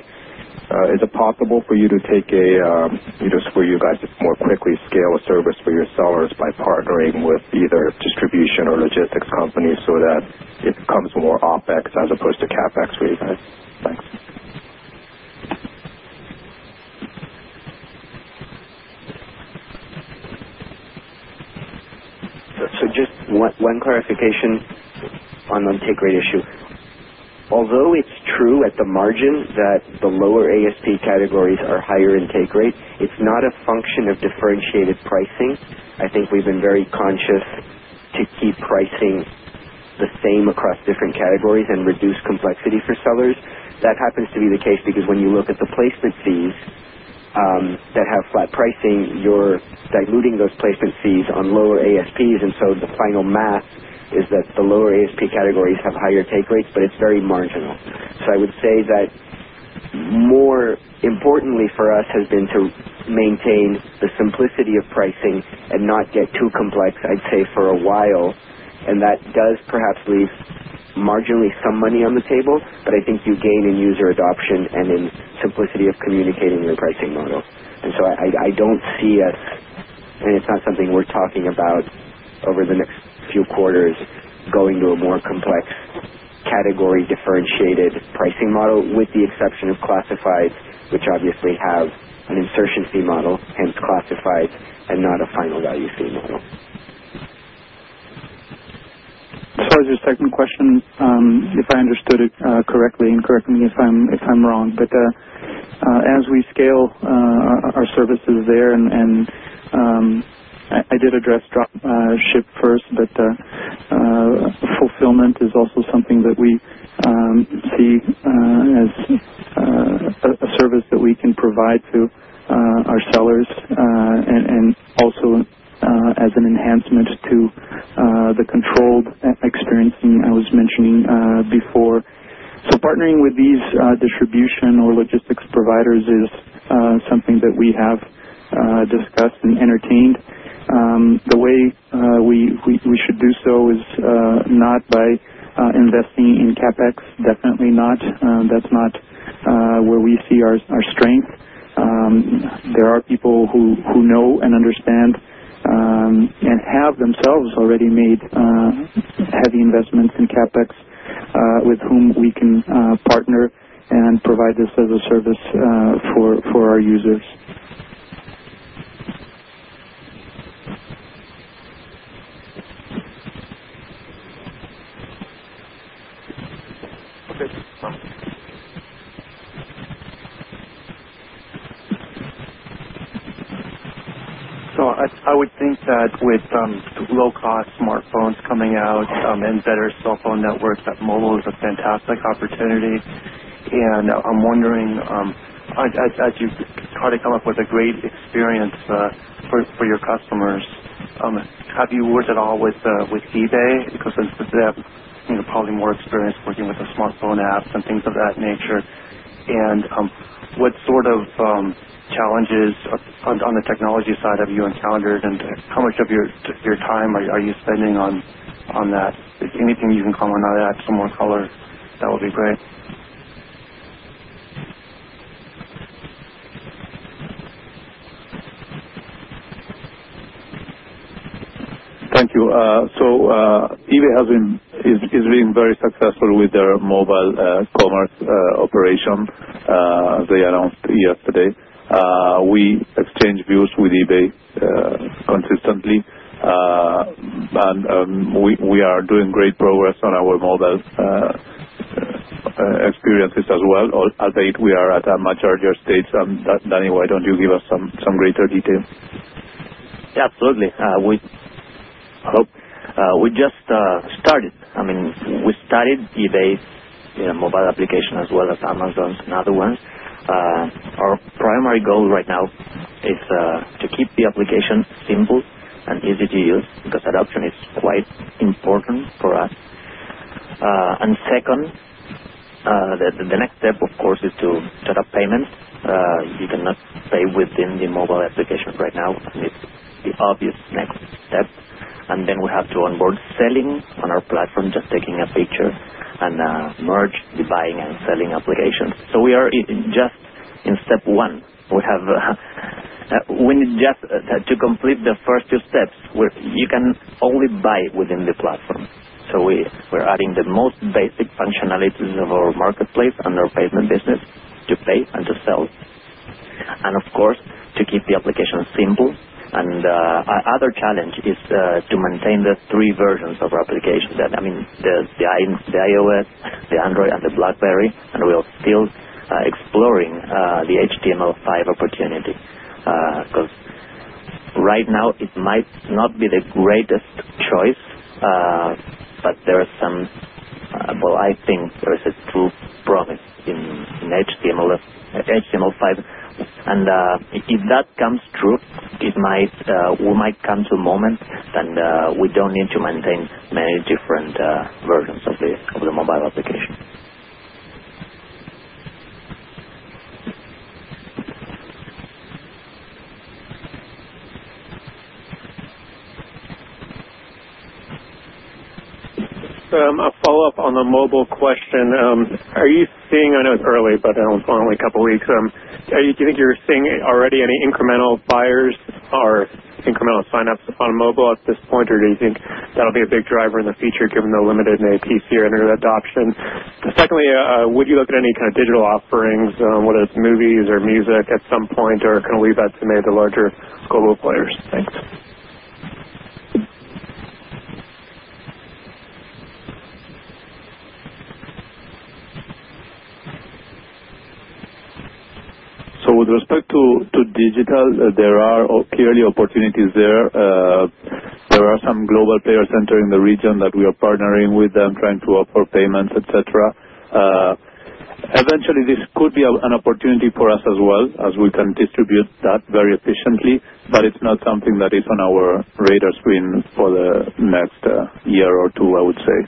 is it possible for you to more quickly scale a service for your sellers by partnering with either distribution or logistics companies so that it becomes more OpEx as opposed to CapEx for you guys? Just one clarification on the take rate issue. Although it's true at the margin that the lower ASP categories are higher in take rate, it's not a function of differentiated pricing. I think we've been very conscious to keep pricing the same across different categories and reduce complexity for sellers. That happens to be the case because when you look at the placement fees that have flat pricing, you're diluting those placement fees on lower ASPs, and the final math is that the lower ASP categories have higher take rates, but it's very marginal. I would say that more importantly for us has been to maintain the simplicity of pricing and not get too complex, I'd say, for a while. That does perhaps leave marginally some money on the table, but I think you gain in user adoption and in simplicity of communicating your pricing model. I don't see us, and it's not something we're talking about over the next few quarters, going to a more complex category differentiated pricing model with the exception of classifieds, which obviously have an insertion fee model, hence classifieds, and not a final value fee model. That covers your second question, if I understood it correctly. Correct me if I'm wrong. As we scale our services there, I did address drop ship first, but fulfillment is also something that we see as a service that we can provide to our sellers and also as an enhancement to the controlled e-experience I was mentioning before. Partnering with these distribution or logistics providers is something that we have discussed and entertained. The way we should do so is not by investing in CapEx, definitely not. That's not where we see our strength. There are people who know and understand, and have themselves already made heavy investments in CapEx, with whom we can partner and provide this as a service for our users. I would think that with the low-cost smartphones coming out, and better cell phone networks, like mobile is a fantastic opportunity. I'm wondering, as you've kind of come up with a great experience for your customers, have you worked at all with eBay because of the probably more experience working with the smartphone apps and things of that nature? What sort of challenges on the technology side have you encountered? How much of your time are you spending on that? Anything you can comment on that, some more colors, that would be great. Thank you. eBay has been very successful with their mobile e-commerce operation. They announced yesterday. We exchange views with eBay consistently, and we are doing great progress on our mobile experiences as well. To date, we are at a much earlier stage than that. Danny, why don't you give us some greater detail? Yeah, absolutely. We just started. I mean, we started eBay, you know, mobile application as well as Amazon, another one. Our primary goal right now is to keep the application simple and easy to use because adoption is quite important for us. The next step, of course, is to set up payment. You cannot pay within the mobile application right now. It's the obvious next step. We have to onboard selling on our platform, just taking a feature and merge the buying and selling applications. We are just in step one. We need to complete the first two steps where you can only buy within the platform. We're adding the most basic functionalities of our Marketplace and our payment system to pay and to sell. Of course, we want to keep the application simple. Another challenge is to maintain the three versions of our application, meaning the iOS, the Android, and the BlackBerry. We are still exploring the HTML5 opportunity, because right now it might not be the greatest choice, but I think there is true promise in HTML5. If that comes true, we might come to a moment that we don't need to maintain many different versions. A follow-up on a mobile question. Are you seeing, I know it's early, but only a couple of weeks. Do you think you're seeing already any incremental buyers or incremental signups upon mobile at this point, or do you think that'll be a big driver in the future given the limited PC or internet adoption? Secondly, would you look at any kind of digital offerings, whether it's movies or music at some point, or can we leave that to maybe the larger global players? Thanks. With respect to digital, there are clearly opportunities there. There are some global payer centers in the region that we are partnering with, trying to offer payments, etc. Eventually, this could be an opportunity for us as well as we can distribute that very efficiently, but it's not something that is on our radar screen for the next year or two, I would say.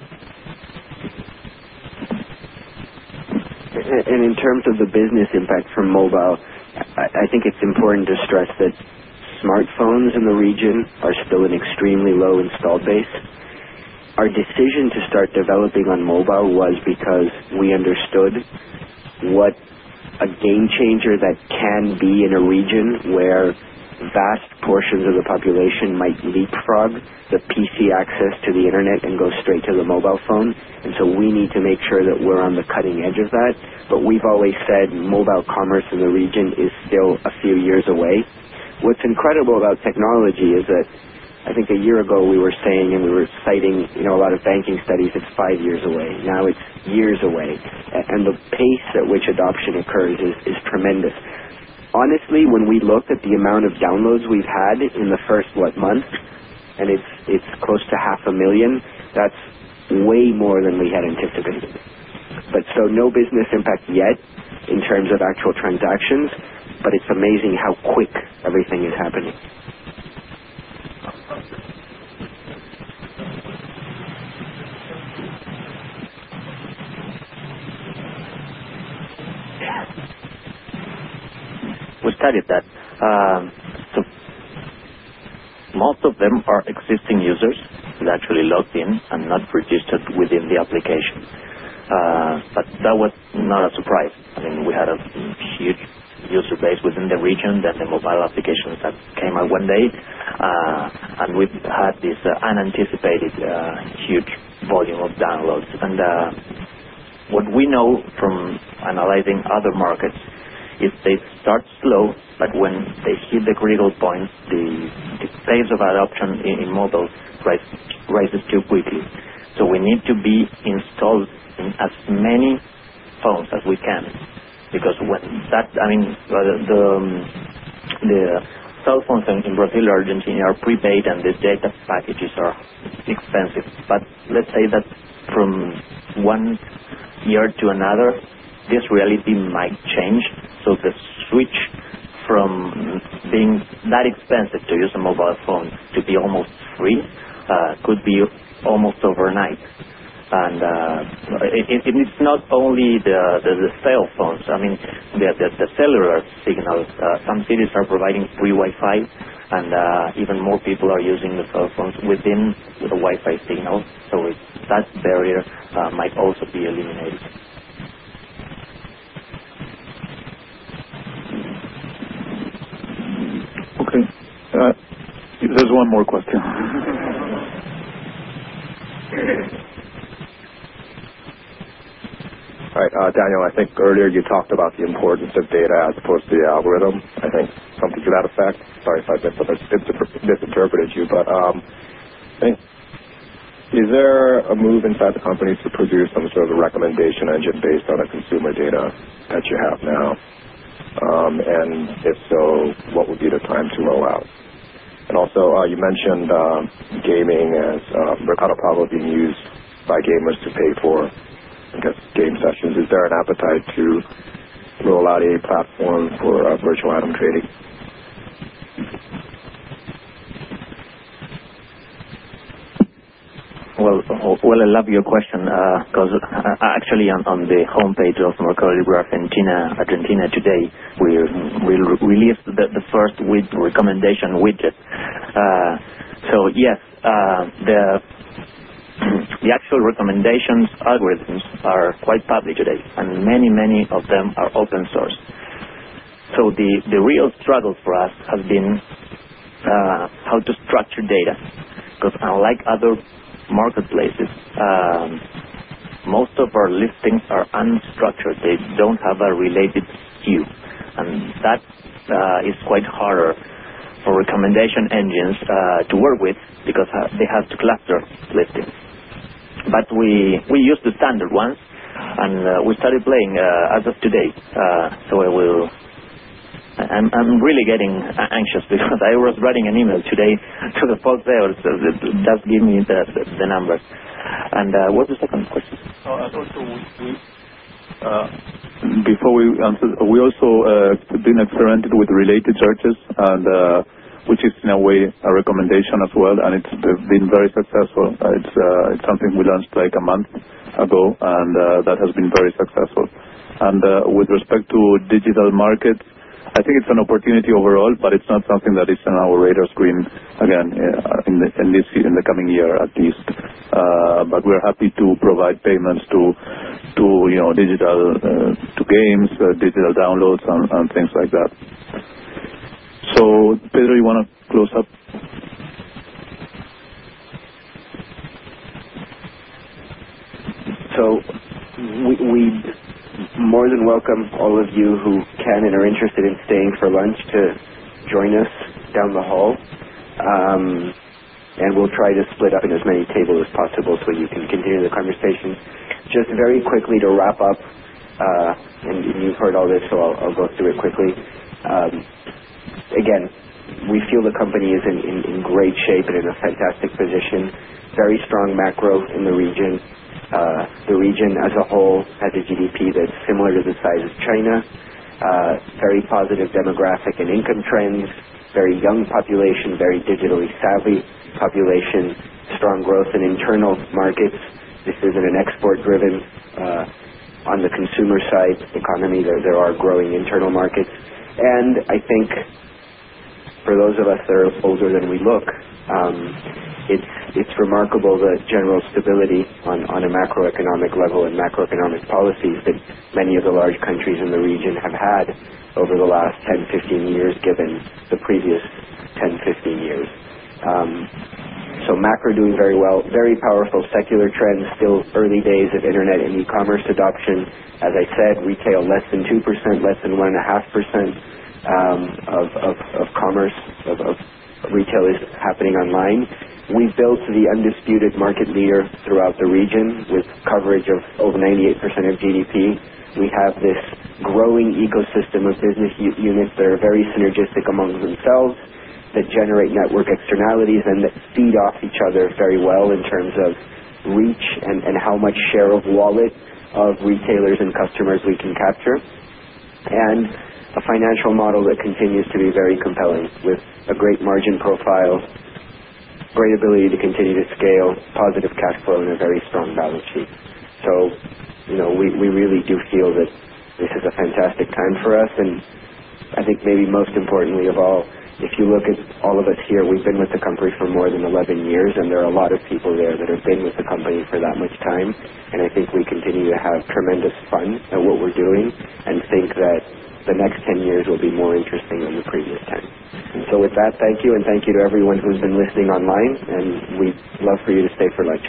In terms of the business impact from mobile, I think it's important to stress that smartphones in the region are still an extremely low install base. Our decision to start developing on mobile was because we understood what a game changer that can be in a region where vast portions of the population might leapfrog the PC access to the internet and go straight to the mobile phone. We need to make sure that we're on the cutting edge of that. We've always said mobile commerce in the region is still a few years away. What's incredible about technology is that I think a year ago we were saying and we were citing, you know, a lot of banking studies it's five years away. Now it's years away. The pace at which adoption occurs is tremendous. Honestly, when we looked at the amount of downloads we've had in the first, what, month, and it's close to half a million, that's way more than we had anticipated. No business impact yet in terms of actual transactions, but it's amazing how quick everything is happening. Most of them are existing users that actually logged in and not registered within the applications. That was not a surprise. We had a huge user base within the region when the mobile applications came out one day. We've had this unanticipated, huge volume of downloads. What we know from analyzing other markets is they start slow, but when they hit the critical points, the phase of adoption in mobile raises too quickly. We need to be installed in as many phones as we can because the cell phones, in particular in Argentina, are prepaid, and the data packages are expensive. Let's say that from one year to another, this really might change. The switch from being that expensive to use a mobile phone to be almost free could be almost overnight. It's not only the cell phones. The cellular signals, some cities are providing free Wi-Fi, and even more people are using the cell phones within the Wi-Fi signal. That barrier might also be eliminated. There's one more question. All right. Daniel, I think earlier you talked about the importance of data as opposed to the algorithms. I think something to that effect. Sorry if I misinterpreted you, but I think is there a move inside the company to produce some sort of a recommendation engine based on the consumer data that you have now? If so, what would be the time to roll out? You mentioned gaming as Mercado Pago being used by gamers to pay for, I guess, game sessions. Is there an appetite to roll out a platform for virtual adult training? I love your question, 'cause actually, on the homepage of Mercado Libre Argentina today, we released the first recommendation widget. Yes, the actual recommendations algorithms are quite public today, and many of them are open source. The real struggle for us has been how to structure data, 'cause unlike other marketplaces, most of our listings are unstructured. They don't have a related SKU, and that is quite harder for recommendation engines to work with because they have to cluster listings. We use the standard ones, and we started playing, as of today. I'm really getting anxious because I was writing an email today to the folks there, so that gave me the numbers. What was the second question? I thought we see, before we answer, we also have been experimenting with related searches, which is in a way a recommendation as well, and it's been very successful. It's something we launched like a month ago, and that has been very successful. With respect to digital markets, I think it's an opportunity overall, but it's not something that is on our radar screen again in this, in the coming year at least. We're happy to provide payments to, you know, digital, to games, digital downloads, and things like that. So Pedro, you wanna close up? We more than welcome all of you who can and are interested in staying for lunch to join us down the hall. We'll try to split up in as many tables as possible so you can continue the conversation. Just very quickly to wrap up, you've heard all this, so I'll go through it quickly. Again, we feel the company is in great shape and in a fantastic position. Very strong macro in the region. The region as a whole has a GDP that's similar to the size of China. Very positive demographic and income trends. Very young population, very digitally savvy population. Strong growth in internal markets. This isn't an export-driven, on the consumer side economy. There are growing internal markets. I think for those of us that are older than we look, it's remarkable the general stability on a macroeconomic level and macroeconomic policies that many of the large countries in the region have had over the last 10, 15 years given the previous 10, 15 years. Macro is doing very well. Very powerful secular trends, still early days of internet and e-commerce adoption. As I said, retail less than 2%, less than 1.5% of commerce, of retail is happening online. We've built the undisputed market leader throughout the region with coverage of over 98% of GDP. We have this growing ecosystem of business units that are very synergistic among themselves, that generate network externalities and that feed off each other very well in terms of reach and how much share of wallet of retailers and customers we can capture. A financial model that continues to be very compelling with a great margin profile, great ability to continue to scale, positive cash flow, and a very strong balance sheet. We really do feel that this is a fantastic time for us. I think maybe most importantly of all, if you look at all of us here, we've been with the company for more than 11 years, and there are a lot of people there that have been with the company for that much time. I think we continue to have tremendous fun at what we're doing and think that the next 10 years will be more interesting than the previous 10. With that, thank you, and thank you to everyone who's been listening online, and we'd love for you to stay for lunch.